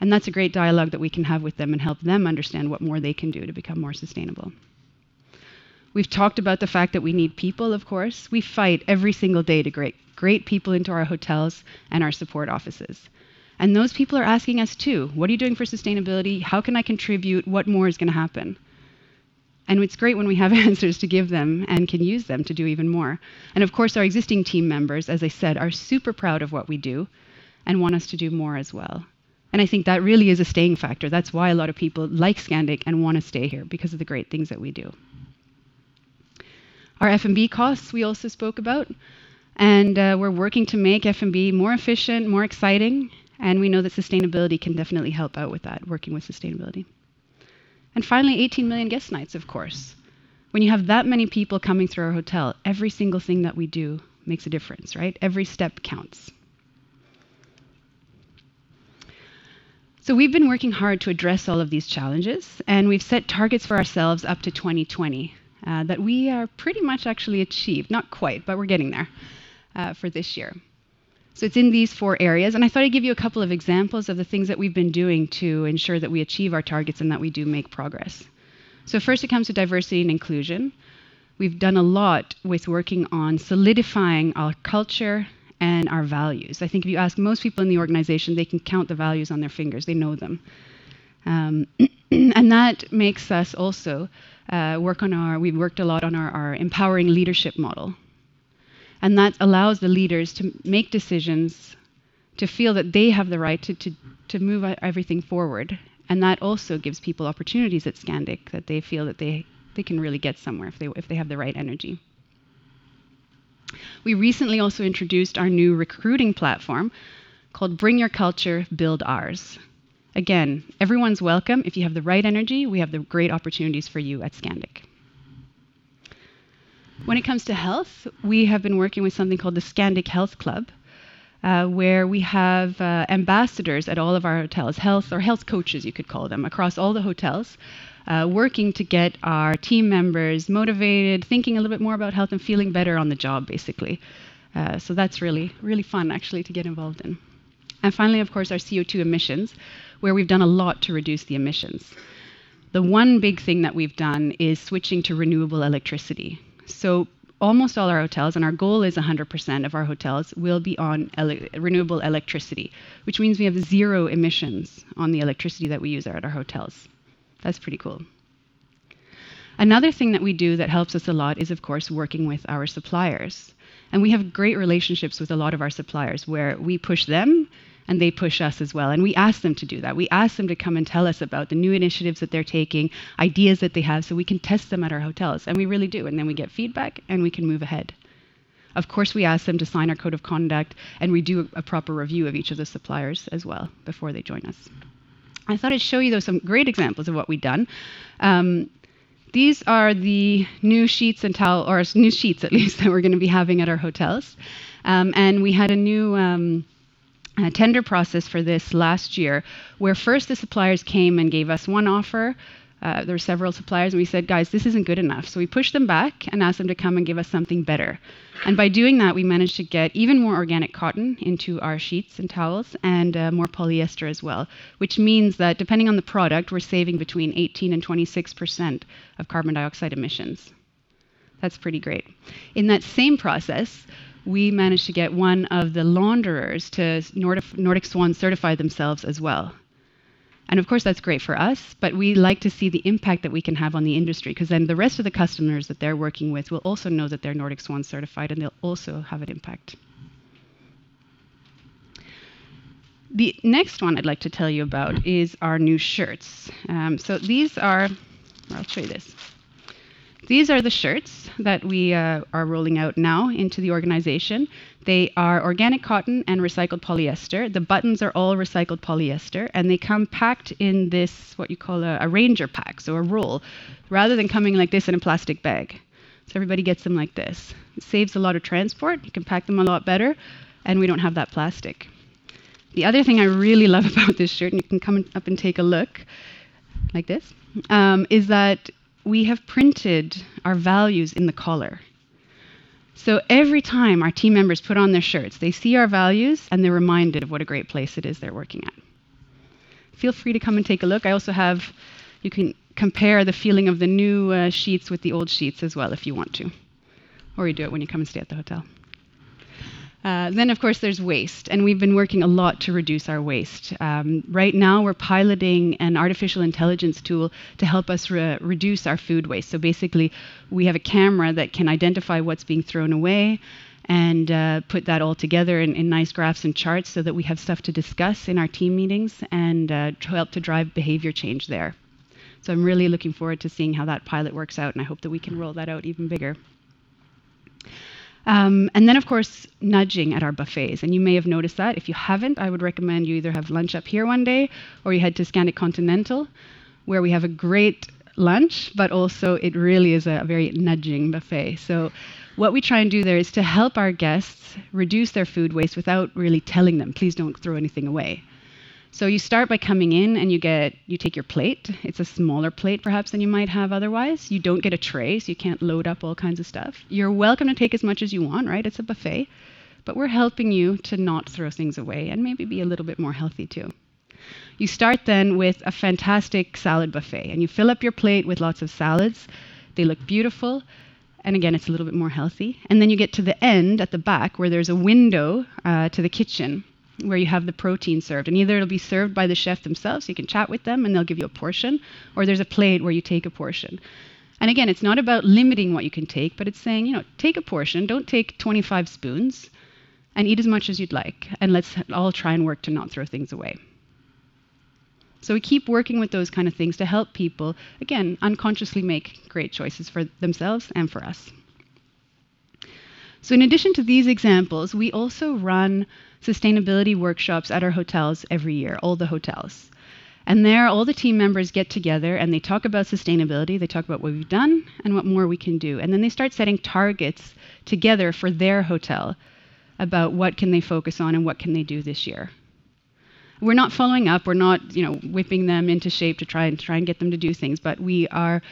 That's a great dialogue that we can have with them and help them understand what more they can do to become more sustainable. We've talked about the fact that we need people, of course. We fight every single day to great people into our hotels and our support offices. Those people are asking us too, "What are you doing for sustainability? How can I contribute? What more is going to happen? It's great when we have answers to give them and can use them to do even more. Of course, our existing team members, as I said, are super proud of what we do and want us to do more as well. I think that really is a staying factor. That's why a lot of people like Scandic and want to stay here because of the great things that we do. Our F&B costs, we also spoke about, and we're working to make F&B more efficient, more exciting, and we know that sustainability can definitely help out with that, working with sustainability. Finally, 18 million guest nights, of course. When you have that many people coming through our hotel, every single thing that we do makes a difference, right? Every step counts. We've been working hard to address all of these challenges, and we've set targets for ourselves up to 2020, that we are pretty much actually achieved. Not quite, but we're getting there for this year. It's in these four areas, and I thought I'd give you a couple of examples of the things that we've been doing to ensure that we achieve our targets and that we do make progress. First, it comes to diversity and inclusion. We've done a lot with working on solidifying our culture and our values. I think if you ask most people in the organization, they can count the values on their fingers. They know them. We've worked a lot on our empowering leadership model. That allows the leaders to make decisions to feel that they have the right to move everything forward, and that also gives people opportunities at Scandic that they feel that they can really get somewhere if they have the right energy. We recently also introduced our new recruiting platform called Bring Your Culture, Build Ours. Again, everyone's welcome. If you have the right energy, we have the great opportunities for you at Scandic. When it comes to health, we have been working with something called the Scandic Health Club, where we have ambassadors at all of our hotels, health or health coaches, you could call them, across all the hotels, working to get our team members motivated, thinking a little bit more about health, and feeling better on the job, basically. That's really fun actually to get involved in. Finally, of course, our CO2 emissions, where we've done a lot to reduce the emissions. The one big thing that we've done is switching to renewable electricity. Almost all our hotels, and our goal is 100% of our hotels will be on renewable electricity, which means we have zero emissions on the electricity that we use at our hotels. That's pretty cool. Another thing that we do that helps us a lot is, of course, working with our suppliers. We have great relationships with a lot of our suppliers, where we push them and they push us as well. We ask them to do that. We ask them to come and tell us about the new initiatives that they're taking, ideas that they have, so we can test them at our hotels, and we really do. Then we get feedback, and we can move ahead. Of course, we ask them to sign our code of conduct, and we do a proper review of each of the suppliers as well before they join us. I thought I'd show you, though, some great examples of what we've done. These are the new sheets at least that we're going to be having at our hotels. We had a new tender process for this last year, where first the suppliers came and gave us one offer. There were several suppliers, and we said, "Guys, this isn't good enough." We pushed them back and asked them to come and give us something better. By doing that, we managed to get even more organic cotton into our sheets and towels and more polyester as well, which means that depending on the product, we're saving between 18% and 26% of carbon dioxide emissions. That's pretty great. In that same process, we managed to get one of the launderers to Nordic Swan certify themselves as well. Of course, that's great for us, but we like to see the impact that we can have on the industry, because then the rest of the customers that they're working with will also know that they're Nordic Swan certified, and they'll also have an impact. The next one I'd like to tell you about is our new shirts. I'll show you this. These are the shirts that we are rolling out now into the organization. They are organic cotton and recycled polyester. The buttons are all recycled polyester, and they come packed in this, what you call a ranger pack, so a roll, rather than coming like this in a plastic bag. Everybody gets them like this. It saves a lot of transport. You can pack them a lot better, and we don't have that plastic. The other thing I really love about this shirt, and you can come up and take a look, like this, is that we have printed our values in the collar. Every time our team members put on their shirts, they see our values and they're reminded of what a great place it is they're working at. Feel free to come and take a look. You can compare the feeling of the new sheets with the old sheets as well, if you want to. Or you do it when you come and stay at the hotel. Of course, there's waste, and we've been working a lot to reduce our waste. Right now, we're piloting an artificial intelligence tool to help us reduce our food waste. Basically, we have a camera that can identify what's being thrown away and put that all together in nice graphs and charts that we have stuff to discuss in our team meetings and to help to drive behavior change there. I'm really looking forward to seeing how that pilot works out, and I hope that we can roll that out even bigger. Then, of course, nudging at our buffets, and you may have noticed that. If you haven't, I would recommend you either have lunch up here one day or you head to Scandic Continental, where we have a great lunch, but also it really is a very nudging buffet. What we try and do there is to help our guests reduce their food waste without really telling them, "Please don't throw anything away." You start by coming in and you take your plate. It's a smaller plate, perhaps, than you might have otherwise. You don't get a tray, so you can't load up all kinds of stuff. You're welcome to take as much as you want. It's a buffet. We're helping you to not throw things away and maybe be a little bit more healthy, too. You start then with a fantastic salad buffet, and you fill up your plate with lots of salads. They look beautiful and again, it's a little bit more healthy. You get to the end at the back where there's a window to the kitchen where you have the protein served. Either it'll be served by the chef themselves, you can chat with them and they'll give you a portion, or there's a plate where you take a portion. Again, it's not about limiting what you can take, but it's saying, "Take a portion, don't take 25 spoons, and eat as much as you'd like, and let's all try and work to not throw things away." We keep working with those kind of things to help people, again, unconsciously make great choices for themselves and for us. In addition to these examples, we also run sustainability workshops at our hotels every year, all the hotels. There, all the team members get together and they talk about sustainability. They talk about what we've done and what more we can do. Then they start setting targets together for their hotel about what can they focus on and what can they do this year. We're not following up. We're not whipping them into shape to try and get them to do things. We are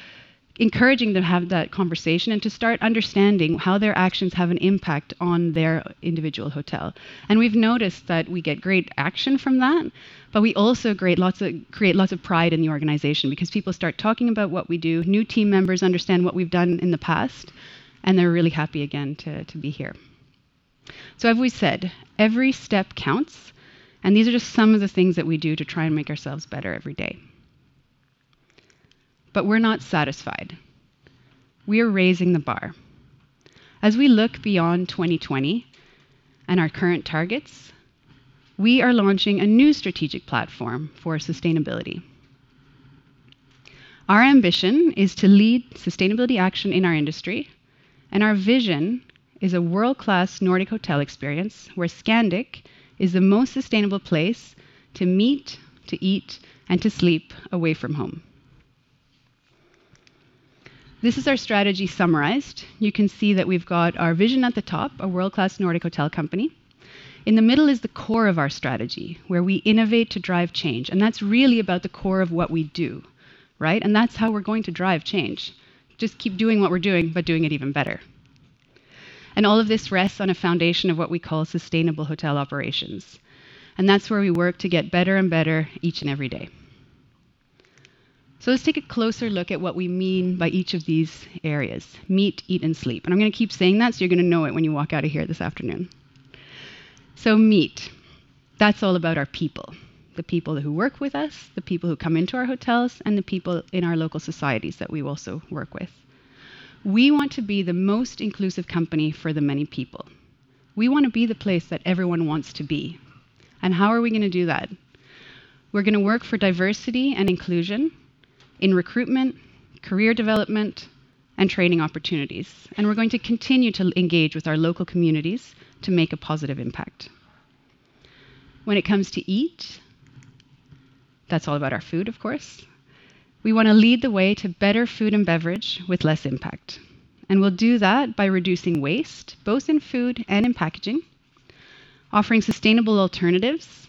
encouraging them to have that conversation and to start understanding how their actions have an impact on their individual hotel. We've noticed that we get great action from that, but we also create lots of pride in the organization because people start talking about what we do, new team members understand what we've done in the past, and they're really happy again to be here. As we said, every step counts, and these are just some of the things that we do to try and make ourselves better every day. We're not satisfied. We are raising the bar. As we look beyond 2020 and our current targets, we are launching a new strategic platform for sustainability. Our ambition is to lead sustainability action in our industry, and our vision is a world-class Nordic hotel experience where Scandic is the most sustainable place to meet, to eat, and to sleep away from home. This is our strategy summarized. You can see that we've got our vision at the top, a world-class Nordic hotel company. In the middle is the core of our strategy, where we innovate to drive change. That's really about the core of what we do. That's how we're going to drive change. Just keep doing what we're doing, but doing it even better. All of this rests on a foundation of what we call Sustainable Hotel Operations. That's where we work to get better and better each and every day. Let's take a closer look at what we mean by each of these areas, Meet, Eat, and Sleep. I'm going to keep saying that so you're going to know it when you walk out of here this afternoon. Meet. That's all about our people, the people who work with us, the people who come into our hotels, and the people in our local societies that we also work with. We want to be the most inclusive company for the many people. We want to be the place that everyone wants to be. How are we going to do that? We're going to work for diversity and inclusion in recruitment, career development, and training opportunities. We're going to continue to engage with our local communities to make a positive impact. When it comes to Eat, that's all about our food, of course. We want to lead the way to better food and beverage with less impact. We'll do that by reducing waste, both in food and in packaging, offering sustainable alternatives,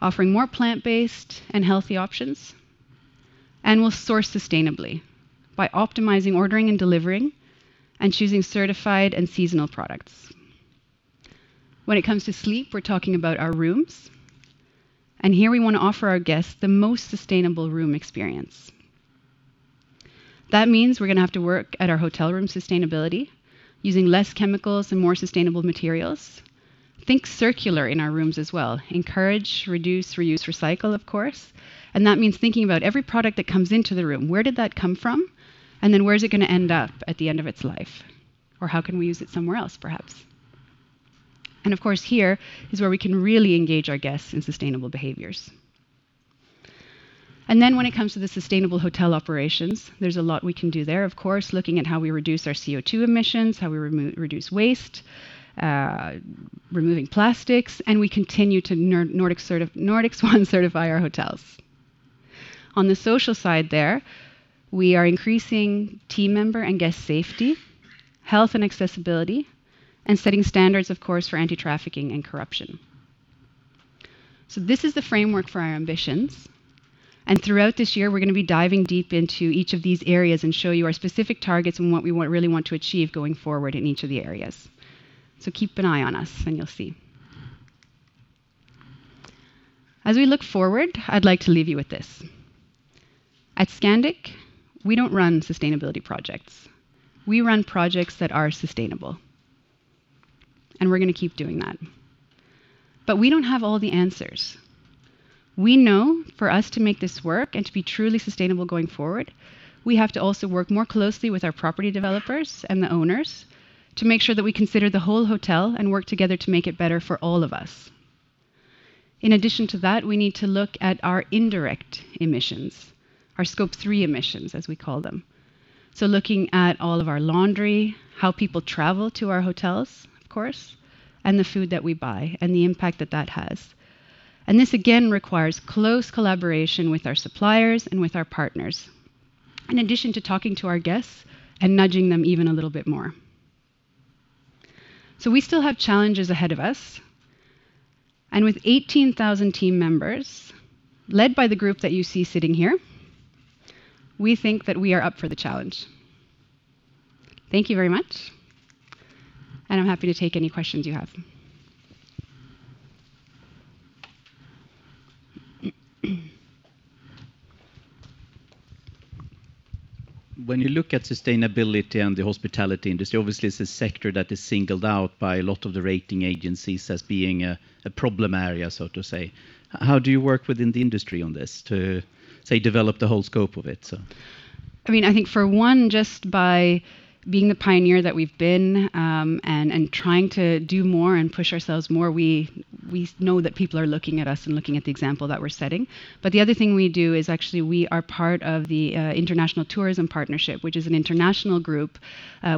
offering more plant-based and healthy options, and we'll source sustainably by optimizing ordering and delivering and choosing certified and seasonal products. When it comes to Sleep, we're talking about our rooms. Here we want to offer our guests the most sustainable room experience. That means we're going to have to work at our hotel room sustainability using less chemicals and more sustainable materials. Think circular in our rooms as well. Encourage, reduce, reuse, recycle, of course. That means thinking about every product that comes into the room. Where did that come from? Where is it going to end up at the end of its life? How can we use it somewhere else, perhaps? Of course, here is where we can really engage our guests in sustainable behaviors. When it comes to the Sustainable Hotel Operations, there's a lot we can do there, of course. Looking at how we reduce our CO2 emissions, how we reduce waste, removing plastics, and we continue to Nordic Swan certify our hotels. On the social side there, we are increasing team member and guest safety, health and accessibility, and setting standards, of course, for anti-trafficking and corruption. This is the framework for our ambitions, and throughout this year, we're going to be diving deep into each of these areas and show you our specific targets and what we really want to achieve going forward in each of the areas. Keep an eye on us and you'll see. As we look forward, I'd like to leave you with this. At Scandic, we don't run sustainability projects. We run projects that are sustainable, and we're going to keep doing that. We don't have all the answers. We know for us to make this work and to be truly sustainable going forward, we have to also work more closely with our property developers and the owners to make sure that we consider the whole hotel and work together to make it better for all of us. In addition to that, we need to look at our indirect emissions, our Scope 3 emissions, as we call them. Looking at all of our laundry, how people travel to our hotels, of course, and the food that we buy and the impact that that has. This, again, requires close collaboration with our suppliers and with our partners, in addition to talking to our guests and nudging them even a little bit more. We still have challenges ahead of us, and with 18,000 team members, led by the group that you see sitting here, we think that we are up for the challenge. Thank you very much, and I'm happy to take any questions you have. When you look at sustainability and the hospitality industry, obviously, it's a sector that is singled out by a lot of the rating agencies as being a problem area, so to say. How do you work within the industry on this to, say, develop the whole scope of it? I think for one, just by being the pioneer that we've been, and trying to do more and push ourselves more, we know that people are looking at us and looking at the example that we're setting. The other thing we do is actually we are part of the International Tourism Partnership, which is an international group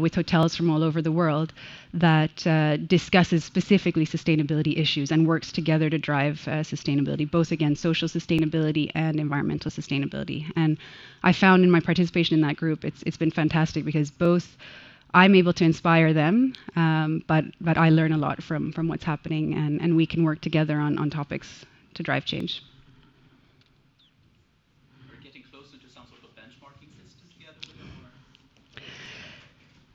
with hotels from all over the world that discusses specifically sustainability issues and works together to drive sustainability, both, again, social sustainability and environmental sustainability. I found in my participation in that group, it's been fantastic because both I'm able to inspire them, but I learn a lot from what's happening, and we can work together on topics to drive change.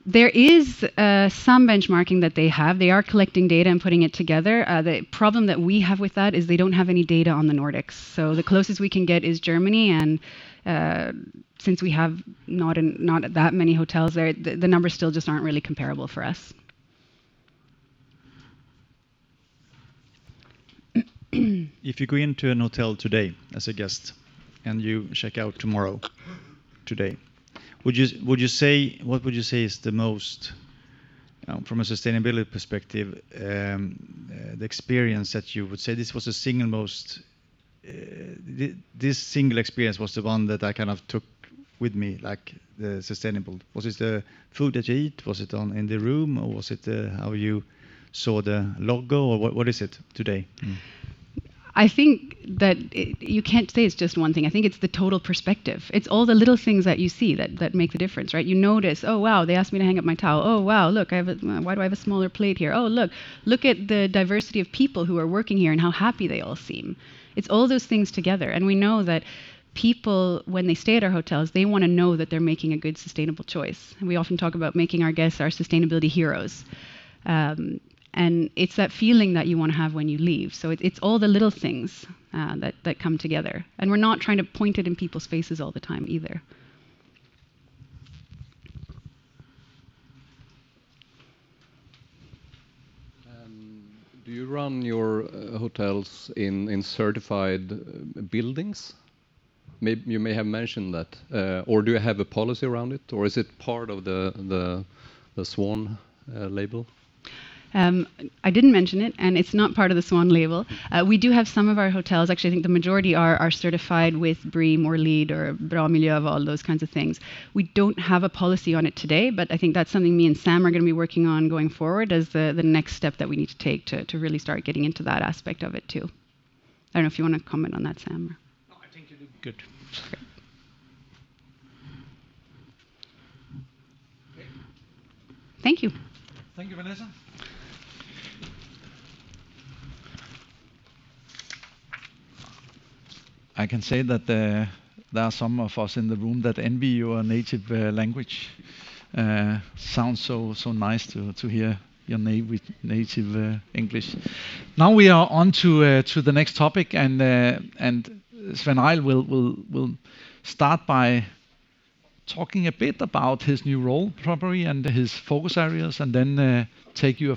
Are you getting close into some sort of benchmarking systems? There is some benchmarking that they have. They are collecting data and putting it together. The problem that we have with that is they don't have any data on the Nordics. The closest we can get is Germany, and since we have not that many hotels there, the numbers still just aren't really comparable for us. If you go into a hotel today as a guest and you check out tomorrow, today, what would you say is the most, from a sustainability perspective, the experience that you would say, "This single experience was the one that I took with me, like the sustainable." Was it the food that you eat? Was it in the room, or was it how you saw the logo, or what is it today? I think that you can't say it's just one thing. I think it's the total perspective. It's all the little things that you see that make the difference, right? You notice, "Oh, wow, they asked me to hang up my towel. Oh, wow, look, why do I have a smaller plate here? Oh, look at the diversity of people who are working here and how happy they all seem." It's all those things together, and we know that people, when they stay at our hotels, they want to know that they're making a good, sustainable choice. We often talk about making our guests our sustainability heroes. It's that feeling that you want to have when you leave. It's all the little things that come together, and we're not trying to point it in people's faces all the time either. Do you run your hotels in certified buildings? You may have mentioned that. Do you have a policy around it, or is it part of the Swan Label? I didn't mention it, and it's not part of the Swan label. We do have some of our hotels, actually, I think the majority are certified with BREEAM or LEED or Bra Miljöval, those kinds of things. We don't have a policy on it today, but I think that's something me and Sam are going to be working on going forward as the next step that we need to take to really start getting into that aspect of it, too. I don't know if you want to comment on that, Sam. No, I think you did good. Okay. Thank you. Thank you, Vanessa. I can say that there are some of us in the room that envy your native language. It sounds so nice to hear your native English. We are on to the next topic, and Svein Arild will start by talking a bit about his new role, probably, and his focus areas, and then take you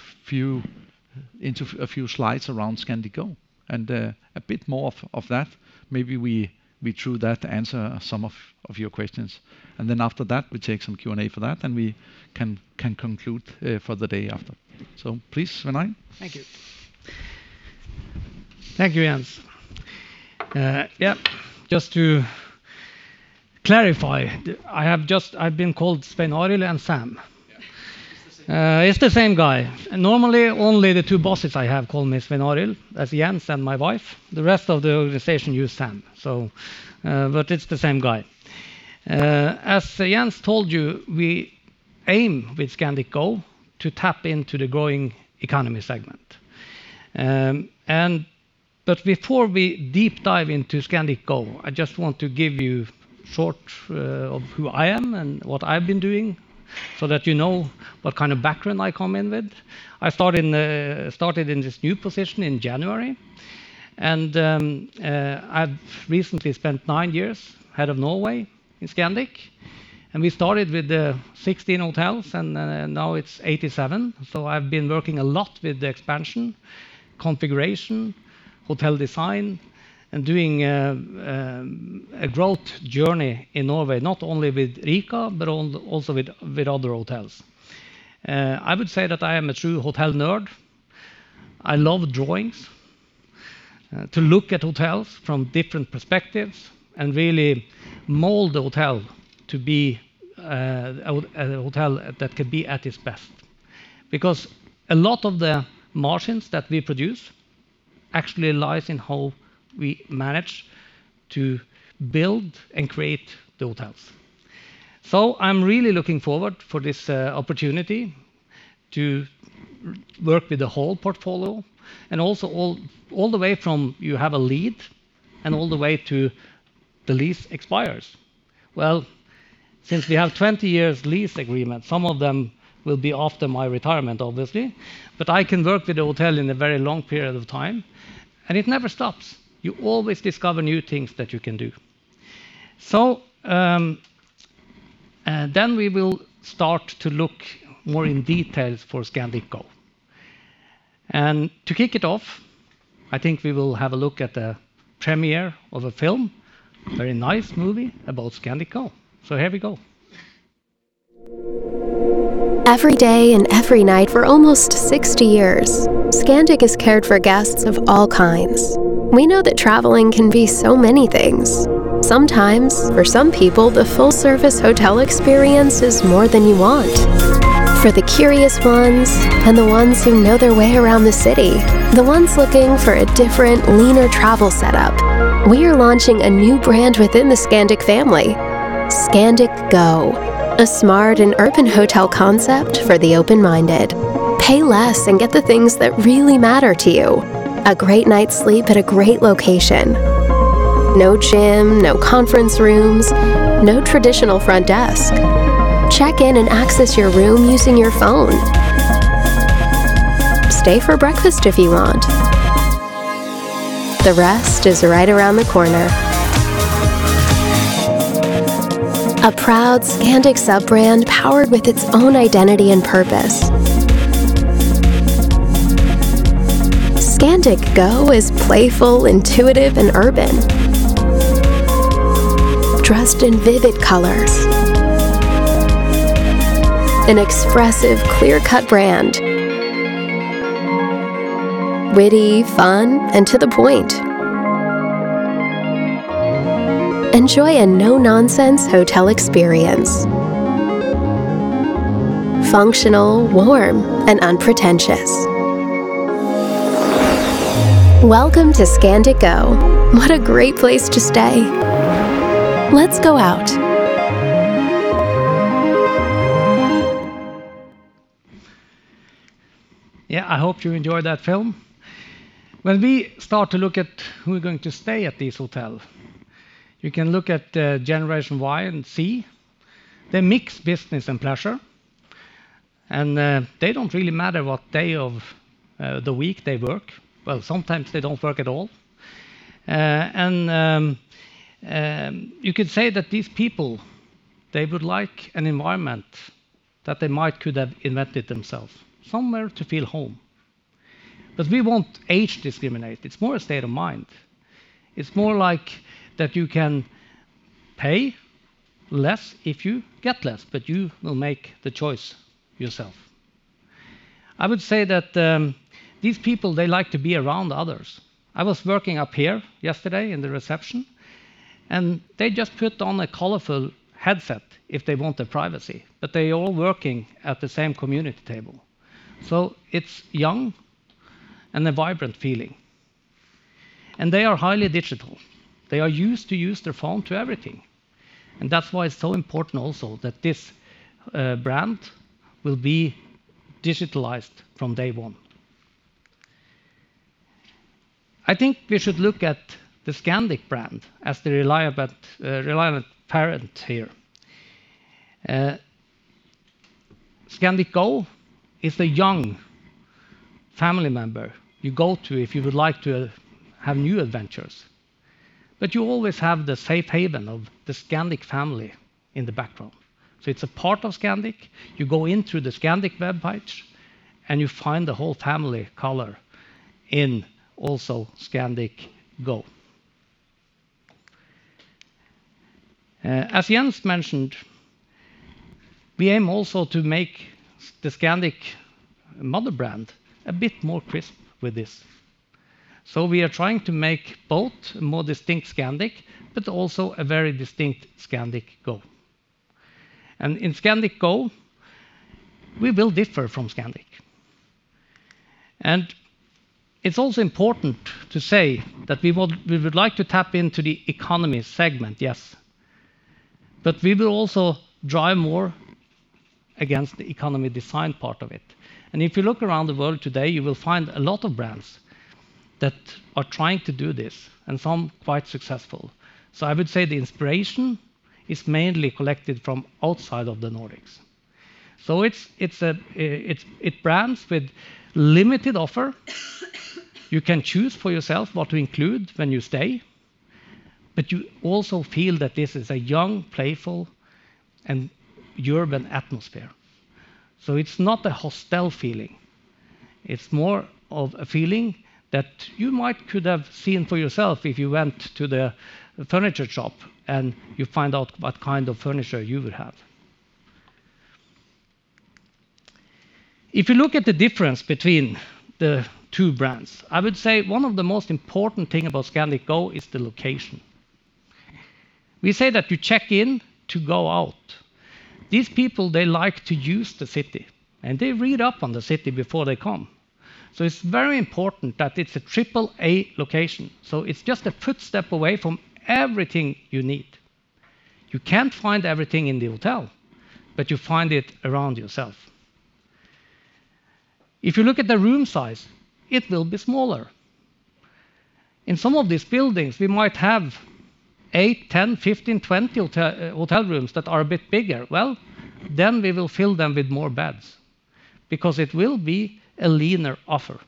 into a few slides around Scandic Go and a bit more of that. Maybe we, through that, answer some of your questions. After that, we take some Q&A for that, and we can conclude for the day after. Please, Sven Arild. Thank you. Thank you, Jens. Yep, just to clarify, I've been called Svein Arild and Sam. It's the same guy. Normally, only the two bosses I have call me Svein Arild. That's Jens and my wife. The rest of the organization use Sam. It's the same guy. As Jens told you, we aim with Scandic Go to tap into the growing economy segment. Before we deep dive into Scandic Go, I just want to give you thought of who I am and what I've been doing so that you know what kind of background I come in with. I started in this new position in January, I've recently spent nine years head of Norway in Scandic. We started with 16 hotels, now it's 87. I've been working a lot with the expansion, configuration, hotel design, and doing a growth journey in Norway, not only with Rica, but also with other hotels. I would say that I am a true hotel nerd. I love drawings, to look at hotels from different perspectives, and really mold the hotel to be a hotel that could be at its best. A lot of the margins that we produce actually lies in how we manage to build and create the hotels. I'm really looking forward for this opportunity to work with the whole portfolio, and also all the way from you have a lead and all the way to the lease expires. Well, since we have 20 years lease agreement, some of them will be after my retirement, obviously. I can work with the hotel in a very long period of time, and it never stops. You always discover new things that you can do. We will start to look more in details for Scandic Go. To kick it off, I think we will have a look at the premiere of a film, very nice movie about Scandic Go. Here we go. Every day and every night for almost 60 years, Scandic has cared for guests of all kinds. We know that traveling can be so many things. Sometimes, for some people, the full-service hotel experience is more than you want. For the curious ones and the ones who know their way around the city, the ones looking for a different, leaner travel setup, we are launching a new brand within the Scandic family, Scandic Go, a smart and urban hotel concept for the open-minded. Pay less and get the things that really matter to you. A great night's sleep at a great location. No gym, no conference rooms, no traditional front desk. Check in and access your room using your phone. Stay for breakfast if you want. The rest is right around the corner. A proud Scandic sub-brand powered with its own identity and purpose. Scandic Go is playful, intuitive, and urban. Dressed in vivid colors. An expressive, clear-cut brand. Witty, fun, and to the point. Enjoy a no-nonsense hotel experience. Functional, warm, and unpretentious. Welcome to Scandic Go. What a great place to stay. Let's go out. Yeah, I hope you enjoyed that film. When we start to look at who are going to stay at this hotel, you can look at Generation Y and Z. They mix business and pleasure, they don't really matter what day of the week they work. Well, sometimes they don't work at all. You could say that these people, they would like an environment that they might could have invented themselves, somewhere to feel home. We won't age discriminate. It's more a state of mind. It's more like that you can pay less if you get less, you will make the choice yourself. I would say that these people, they like to be around others. I was working up here yesterday in the reception, they just put on a colorful headset if they want their privacy. They're all working at the same community table. It's young and a vibrant feeling. They are highly digital. They are used to use their phone to everything. That's why it's so important also that this brand will be digitalized from day one. I think we should look at the Scandic brand as the reliable parent here. Scandic Go is the young family member you go to if you would like to have new adventures. You always have the safe haven of the Scandic family in the background. It's a part of Scandic. You go in through the Scandic webpage, and you find the whole family color in also Scandic Go. As Jens mentioned, we aim also to make the Scandic mother-brand a bit more crisp with this. We are trying to make both a more distinct Scandic, but also a very distinct Scandic Go. In Scandic Go, we will differ from Scandic. It's also important to say that we would like to tap into the economy segment, yes, but we will also drive more against the economy design part of it. If you look around the world today, you will find a lot of brands that are trying to do this, and some quite successful. I would say the inspiration is mainly collected from outside of the Nordics. It's brands with limited offer. You can choose for yourself what to include when you stay, but you also feel that this is a young, playful, and urban atmosphere. It's not a hostel feeling. It's more of a feeling that you might could have seen for yourself if you went to the furniture shop and you find out what kind of furniture you would have. If you look at the difference between the two brands, I would say one of the most important thing about Scandic Go is the location. We say that you check in to go out. These people, they like to use the city, and they read up on the city before they come. It's very important that it's a AAA location. It's just a footstep away from everything you need. You can't find everything in the hotel, but you find it around yourself. If you look at the room size, it will be smaller. In some of these buildings, we might have eight, 10, 15, 20 hotel rooms that are a bit bigger. Then we will fill them with more beds because it will be a leaner offer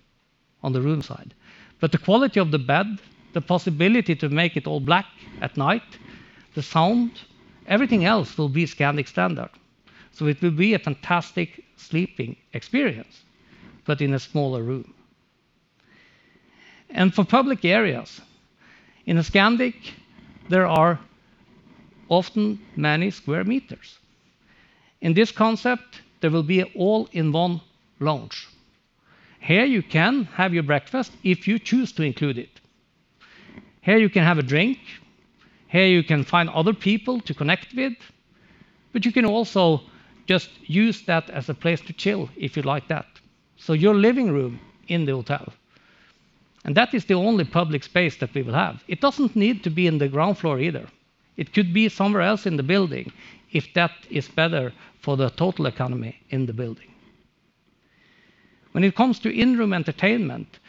on the room side. The quality of the bed, the possibility to make it all black at night, the sound, everything else will be Scandic standard. It will be a fantastic sleeping experience, but in a smaller room. For public areas, in a Scandic, there are often many square meters. In this concept, there will be all-in-one lounge. Here you can have your breakfast if you choose to include it. Here you can have a drink. Here you can find other people to connect with, but you can also just use that as a place to chill if you like that, your living room in the hotel. That is the only public space that we will have. It doesn't need to be in the ground floor either. It could be somewhere else in the building if that is better for the total economy in the building. When it comes to in-room entertainment,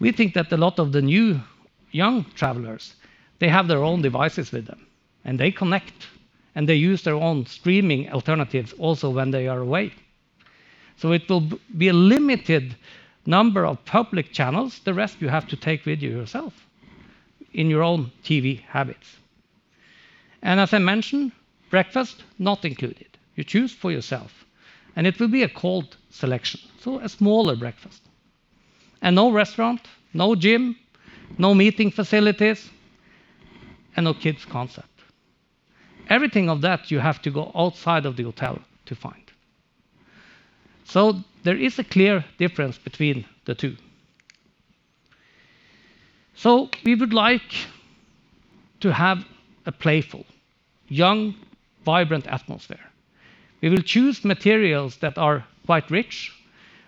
we think that a lot of the new, young travelers, they have their own devices with them, and they connect, and they use their own streaming alternatives also when they are away. It will be a limited number of public channels. The rest you have to take with you yourself in your own TV habits. As I mentioned, breakfast, not included. You choose for yourself. It will be a cold selection, so a smaller breakfast. No restaurant, no gym, no meeting facilities, and no kids concept. Everything of that you have to go outside of the hotel to find. There is a clear difference between the two. We would like to have a playful, young, vibrant atmosphere. We will choose materials that are quite rich.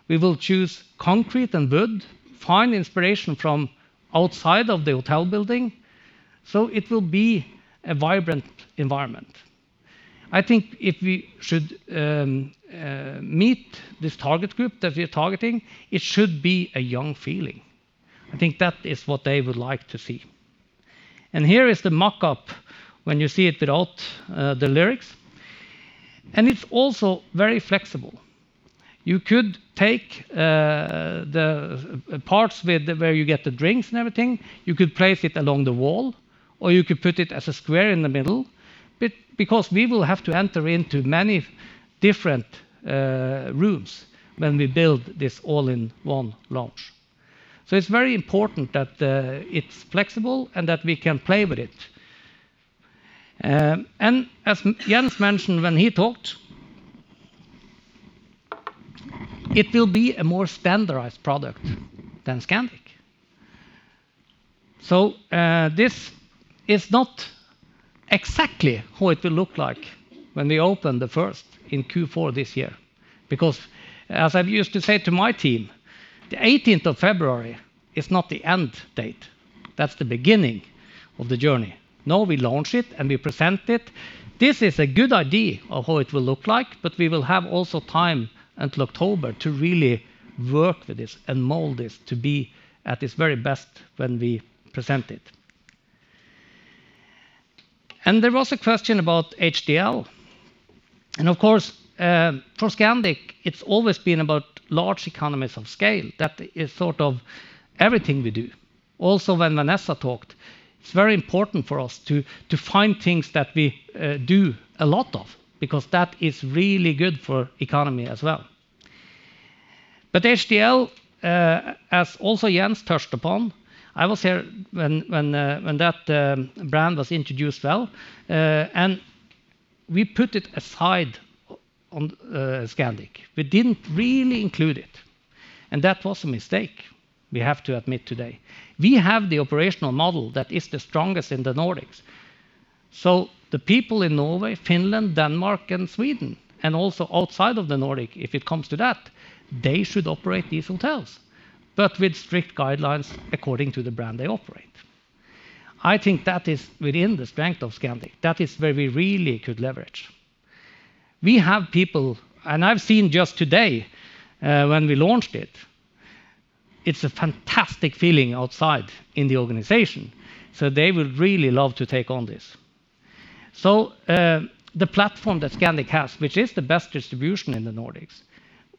We will choose concrete and wood, find inspiration from outside of the hotel building. It will be a vibrant environment. I think if we should meet this target group that we are targeting, it should be a young feeling. I think that is what they would like to see. Here is the mock-up when you see it without the lyrics, and it's also very flexible. You could take the parts where you get the drinks and everything, you could place it along the wall, or you could put it as a square in the middle, because we will have to enter into many different rooms when we build this all-in-one lounge. It's very important that it's flexible and that we can play with it. As Jens mentioned when he talked, it will be a more standardized product than Scandic. This is not exactly how it will look like when we open the first in Q4 this year. As I used to say to my team, "The 18th of February is not the end date." That's the beginning of the journey. We launch it, and we present it. This is a good idea of how it will look like, but we will have also time until October to really work with this and mold this to be at its very best when we present it. There was a question about HTL. Of course, for Scandic, it's always been about large economies of scale. That is sort of everything we do. Also when Vanessa talked, it's very important for us to find things that we do a lot of, because that is really good for economy as well. HTL, as also Jens touched upon, I was here when that brand was introduced well. We put it aside on Scandic. We didn't really include it, and that was a mistake we have to admit today. We have the operational model that is the strongest in the Nordics. The people in Norway, Finland, Denmark, and Sweden, and also outside of the Nordic, if it comes to that, they should operate these hotels, but with strict guidelines according to the brand they operate. I think that is within the strength of Scandic. That is where we really could leverage. We have people, and I've seen just today, when we launched it's a fantastic feeling outside in the organization. They will really love to take on this. The platform that Scandic has, which is the best distribution in the Nordics,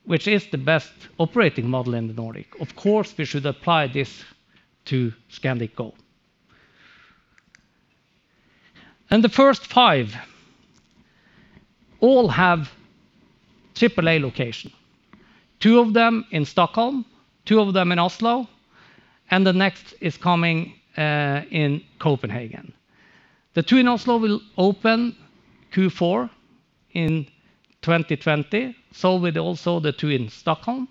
which is the best operating model in the Nordic, of course, we should apply this to Scandic Go. The first five all have AAA location, two of them in Stockholm, two of them in Oslo, and the next is coming in Copenhagen. The two in Oslo will open Q4 in 2020, so will also the two in Stockholm.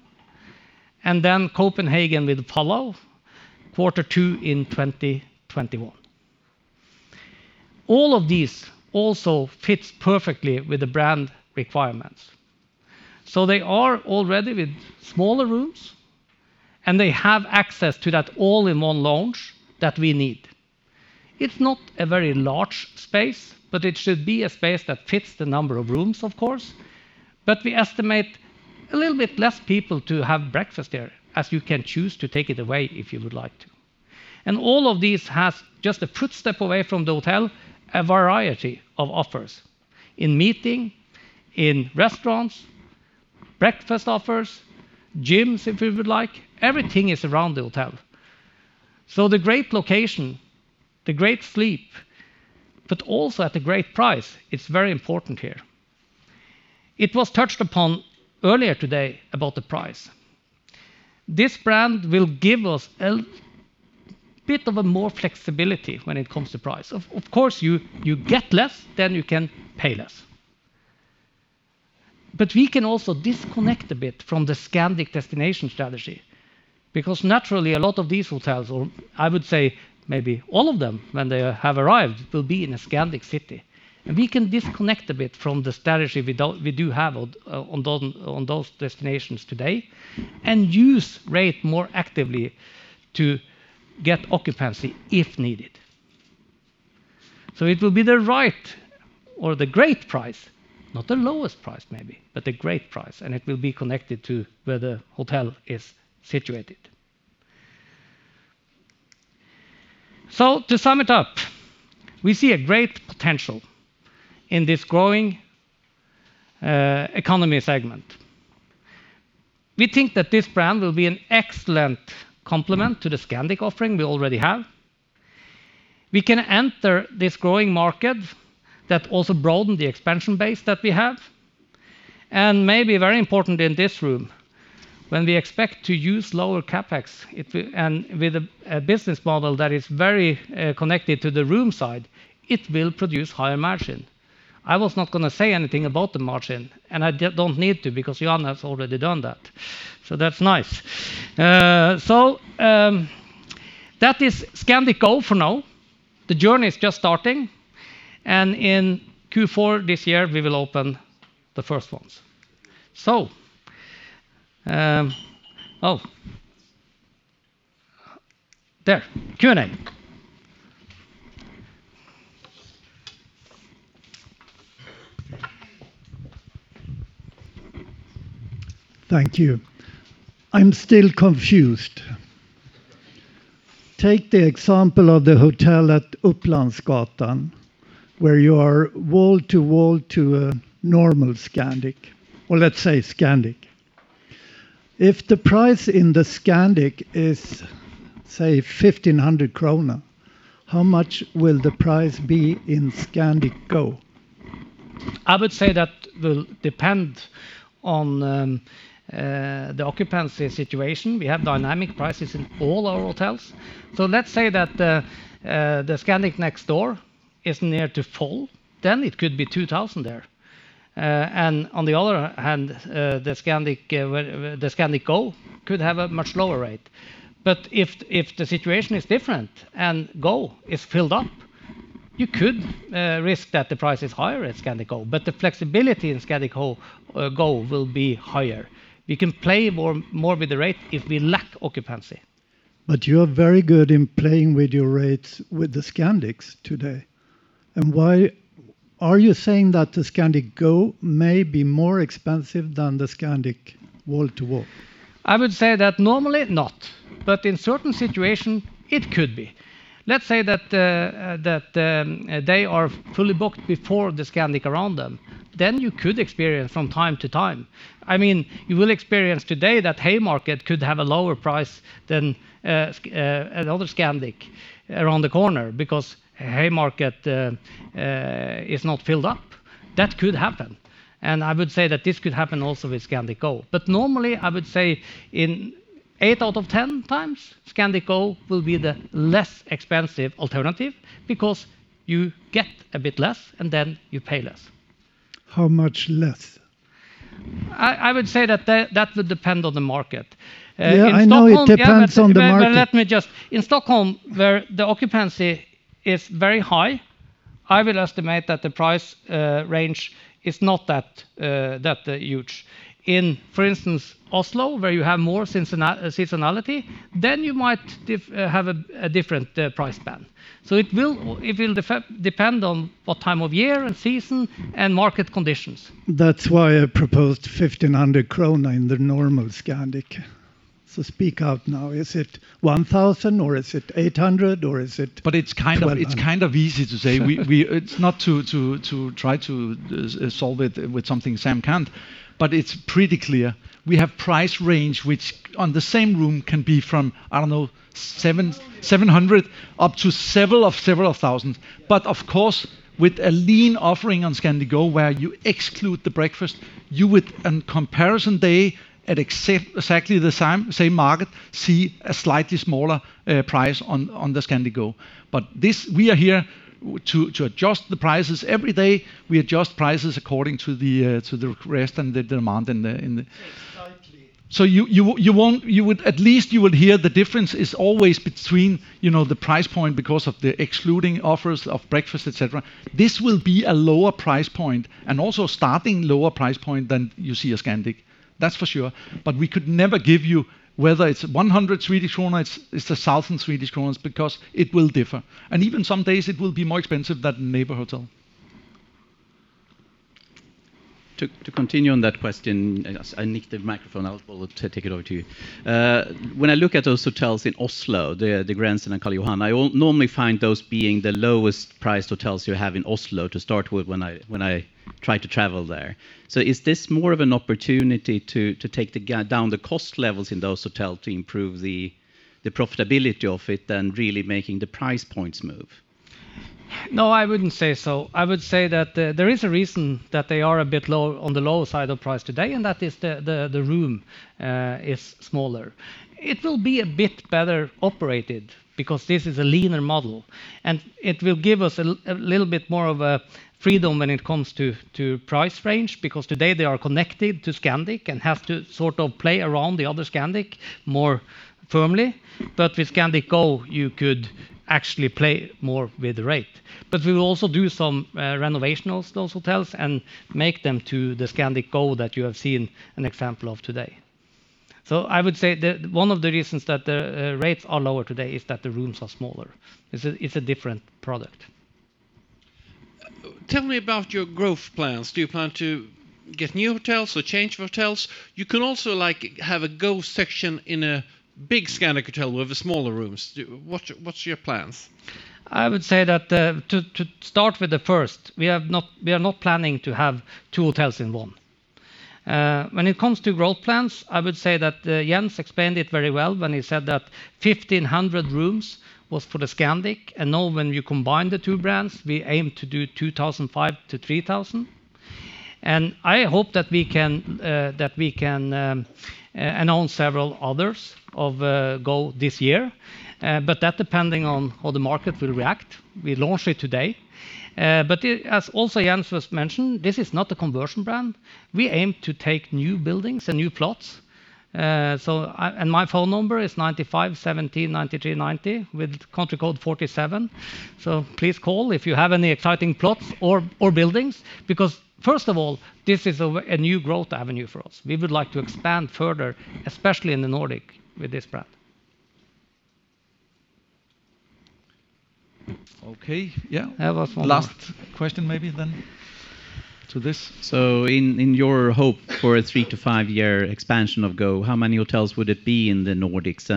Copenhagen will follow Q2 in 2021. All of these also fits perfectly with the brand requirements. They are already with smaller rooms, and they have access to that all-in-one lounge that we need. It's not a very large space, but it should be a space that fits the number of rooms, of course. We estimate a little bit less people to have breakfast there, as you can choose to take it away if you would like to. All of these has, just a footstep away from the hotel, a variety of offers in meeting, in restaurants, breakfast offers, gyms, if you would like. Everything is around the hotel. The great location, the great sleep, but also at a great price. It's very important here. It was touched upon earlier today about the price. This brand will give us a bit of a more flexibility when it comes to price. Of course, you get less, then you can pay less. We can also disconnect a bit from the Scandic destination strategy, because naturally, a lot of these hotels, or I would say maybe all of them when they have arrived, will be in a Scandic city. We can disconnect a bit from the strategy we do have on those destinations today and use rate more actively to get occupancy if needed. It will be the right or the great price, not the lowest price maybe, but the great price, and it will be connected to where the hotel is situated. To sum it up, we see a great potential in this growing economy segment. We think that this brand will be an excellent complement to the Scandic offering we already have. We can enter this growing market that also broaden the expansion base that we have, and maybe very important in this room, when we expect to use lower CapEx with a business model that is very connected to the room side, it will produce higher margin. I was not going to say anything about the margin, and I don't need to because Jan has already done that. That's nice. That is Scandic Go for now. The journey is just starting, and in Q4 this year, we will open the first ones. Oh. There. Q&A. Thank you. I'm still confused. Take the example of the hotel at Upplandsgatan, where you are wall-to-wall to a normal Scandic, or let's say Scandic. If the price in the Scandic is, say, 1,500 kronor, how much will the price be in Scandic Go? I would say that will depend on the occupancy situation. We have dynamic prices in all our hotels. Let's say that the Scandic next door is near to full, then it could be 2,000 there. On the other hand, the Scandic Go could have a much lower rate. If the situation is different and Go is filled up. You could risk that the price is higher at Scandic Go, but the flexibility in Scandic Go will be higher. We can play more with the rate if we lack occupancy. You are very good in playing with your rates with the Scandics today. Are you saying that the Scandic Go may be more expensive than the Scandic wall-to-wall? I would say that normally not. In certain situation, it could be. Let's say that they are fully booked before the Scandic around them, then you could experience from time to time. You will experience today that Haymarket could have a lower price than another Scandic around the corner because Haymarket is not filled up. That could happen. I would say that this could happen also with Scandic Go. Normally, I would say in eight out of 10 times, Scandic Go will be the less expensive alternative because you get a bit less and then you pay less. How much less? I would say that would depend on the market. Yeah, I know it depends on the market. In Stockholm, where the occupancy is very high, I will estimate that the price range is not that huge. In, for instance, Oslo, where you have more seasonality, then you might have a different price band. It will depend on what time of year and season and market conditions. That's why I proposed 1,500 krona in the normal Scandic. Speak out now. Is it 1,000 or is it 800, or is it 1,200? It's kind of easy to say. It's not to try to solve it with something Sam can't, but it's pretty clear. We have price range which, on the same room can be from, I don't know, 700 up to several of several thousands. Of course, with a lean offering on Scandic Go where you exclude the breakfast, you would, on comparison day at exactly the same market, see a slightly smaller price on the Scandic Go. We are here to adjust the prices every day. We adjust prices according to the rest and the demand and the- Exactly At least you will hear the difference is always between the price point because of the excluding offers of breakfast, et cetera. This will be a lower price point, and also starting lower price point than you see at Scandic. That's for sure. We could never give you whether it's 100 Swedish kronor, it's 1,000 Swedish kronor, because it will differ. Even some days it will be more expensive than neighbor hotel. To continue on that question. I nicked the microphone. I'll take it over to you. When I look at those hotels in Oslo, the Grand and Karl Johan, I normally find those being the lowest priced hotels you have in Oslo to start with when I try to travel there. Is this more of an opportunity to take down the cost levels in those hotel to improve the profitability of it than really making the price points move? No, I wouldn't say so. I would say that there is a reason that they are a bit on the lower side of price today, and that is the room is smaller. It will be a bit better operated because this is a leaner model, and it will give us a little bit more of a freedom when it comes to price range, because today they are connected to Scandic and have to sort of play around the other Scandic more firmly. With Scandic Go, you could actually play more with the rate. We will also do some renovation on those hotels and make them to the Scandic Go that you have seen an example of today. I would say that one of the reasons that the rates are lower today is that the rooms are smaller. It's a different product. Tell me about your growth plans. Do you plan to get new hotels or change hotels? You can also have a Go section in a big Scandic hotel with the smaller rooms. What's your plans? I would say that to start with the first, we are not planning to have two hotels in one. When it comes to growth plans, I would say that Jens explained it very well when he said that 1,500 rooms was for the Scandic. Now when you combine the two brands, we aim to do 2,500 to 3,000. I hope that we can announce several others of Go this year. That depending on how the market will react. We launch it today. As also Jens first mentioned, this is not a conversion brand. We aim to take new buildings and new plots. My phone number is 95 17 93 90 with country code +47. Please call if you have any exciting plots or buildings, because first of all, this is a new growth avenue for us. We would like to expand further, especially in the Nordic, with this brand. Okay. Yeah. I have one more. Last question, maybe then to this. In your hope for a three to five year expansion of Go, how many hotels would it be in the Nordics?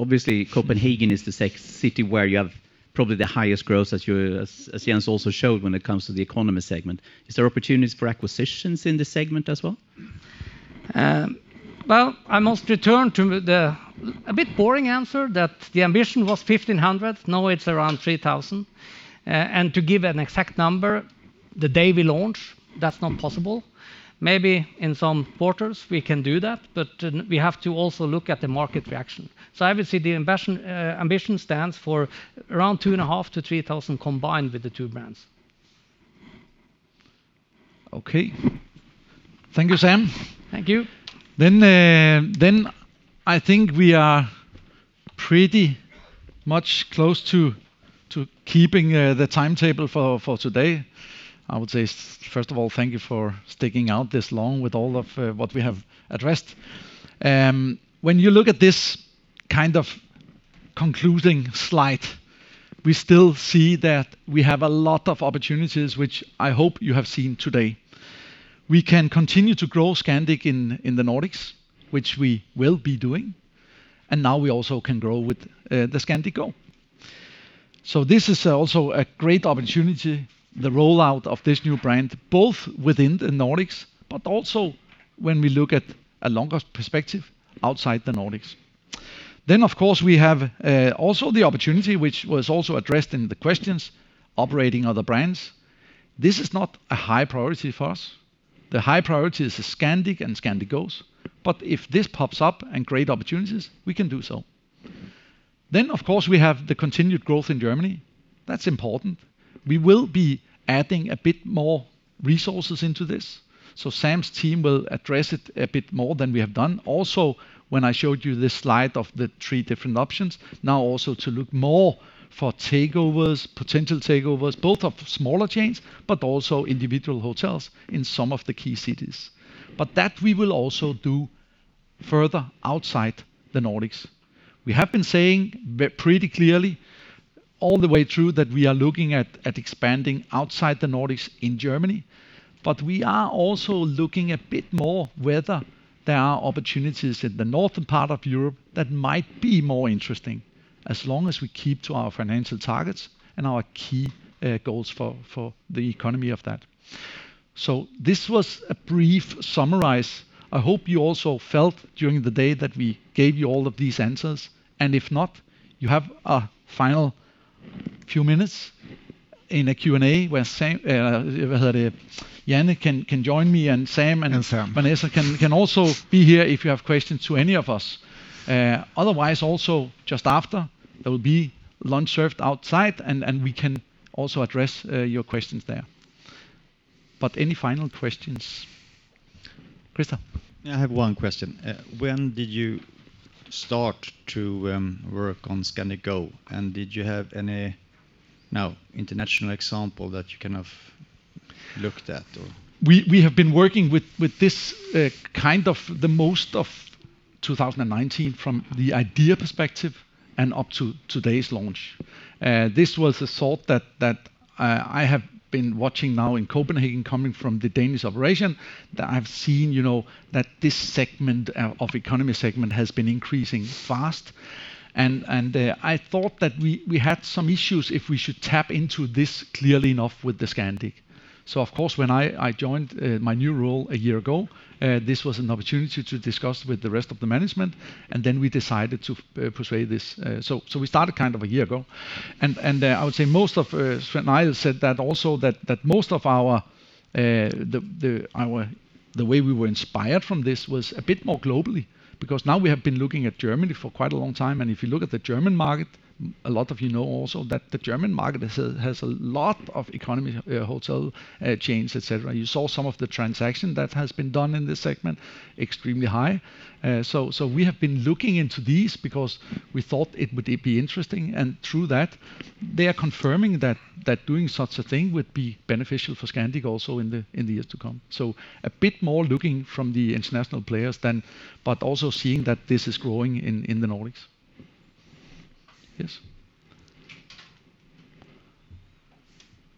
Obviously, Copenhagen is the city where you have probably the highest growth, as Jens also showed when it comes to the economy segment. Is there opportunities for acquisitions in this segment as well? Well, I must return to the a bit boring answer that the ambition was 1,500. Now it's around 3,000. To give an exact number the day we launch, that's not possible. Maybe in some quarters we can do that, but we have to also look at the market reaction. Obviously the ambition stands for around 2,500-3,000 combined with the two brands. Okay. Thank you, Sam. Thank you. I think we are pretty much close to keeping the timetable for today. I would say, first of all, thank you for sticking out this long with all of what we have addressed. When you look at this concluding slide, we still see that we have a lot of opportunities, which I hope you have seen today. We can continue to grow Scandic in the Nordics, which we will be doing, and now we also can grow with the Scandic Go. This is also a great opportunity, the rollout of this new brand, both within the Nordics, but also when we look at a longer perspective outside the Nordics. Of course, we have also the opportunity, which was also addressed in the questions, operating other brands. This is not a high priority for us. The high priority is the Scandic and Scandic Go. If this pops up and great opportunities, we can do so. Of course, we have the continued growth in Germany. That's important. We will be adding a bit more resources into this. Sam's team will address it a bit more than we have done. When I showed you this slide of the three different options, now also to look more for potential takeovers, both of smaller chains, but also individual hotels in some of the key cities. That we will also do further outside the Nordics. We have been saying pretty clearly all the way through that we are looking at expanding outside the Nordics in Germany. We are also looking a bit more whether there are opportunities in the northern part of Europe that might be more interesting, as long as we keep to our financial targets and our key goals for the economy of that. This was a brief summary. I hope you also felt during the day that we gave you all of these answers, and if not, you have a final few minutes in a Q&A where Jan can join me and Sam and Vanessa can also be here if you have questions to any of us. Otherwise, also just after, there will be lunch served outside, and we can also address your questions there. Any final questions? Krista? I have one question. When did you start to work on Scandic Go? Did you have any international example that you looked at? We have been working with this the most of 2019 from the idea perspective and up to today's launch. This was a thought that I have been watching now in Copenhagen, coming from the Danish operation, that I've seen that this economy segment has been increasing fast. I thought that we had some issues if we should tap into this clearly enough with the Scandic. Of course, when I joined my new role a year ago, this was an opportunity to discuss with the rest of the management, and then we decided to pursue this. We started a year ago. I would say, Svein Arild and I said that also that most of the way we were inspired from this was a bit more globally, because now we have been looking at Germany for quite a long time, and if you look at the German market, a lot of you know also that the German market has a lot of economy hotel chains, et cetera. You saw some of the transaction that has been done in this segment, extremely high. We have been looking into these because we thought it would be interesting, and through that, they are confirming that doing such a thing would be beneficial for Scandic also in the years to come. A bit more looking from the international players, but also seeing that this is growing in the Nordics. Yes.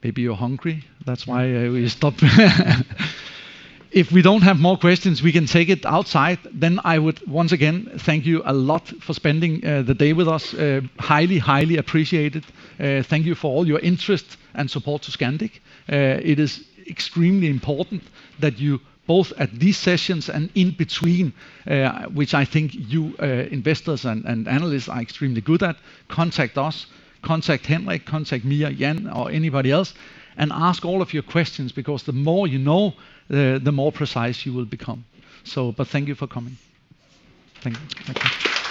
Maybe you're hungry. That's why we stop. If we don't have more questions, we can take it outside, then I would once again thank you a lot for spending the day with us. Highly appreciated. Thank you for all your interest and support to Scandic. It is extremely important that you both at these sessions and in between, which I think you investors and analysts are extremely good at, contact us, contact Henrik, contact me or Jan or anybody else, and ask all of your questions because the more you know, the more precise you will become. Thank you for coming. Thank you.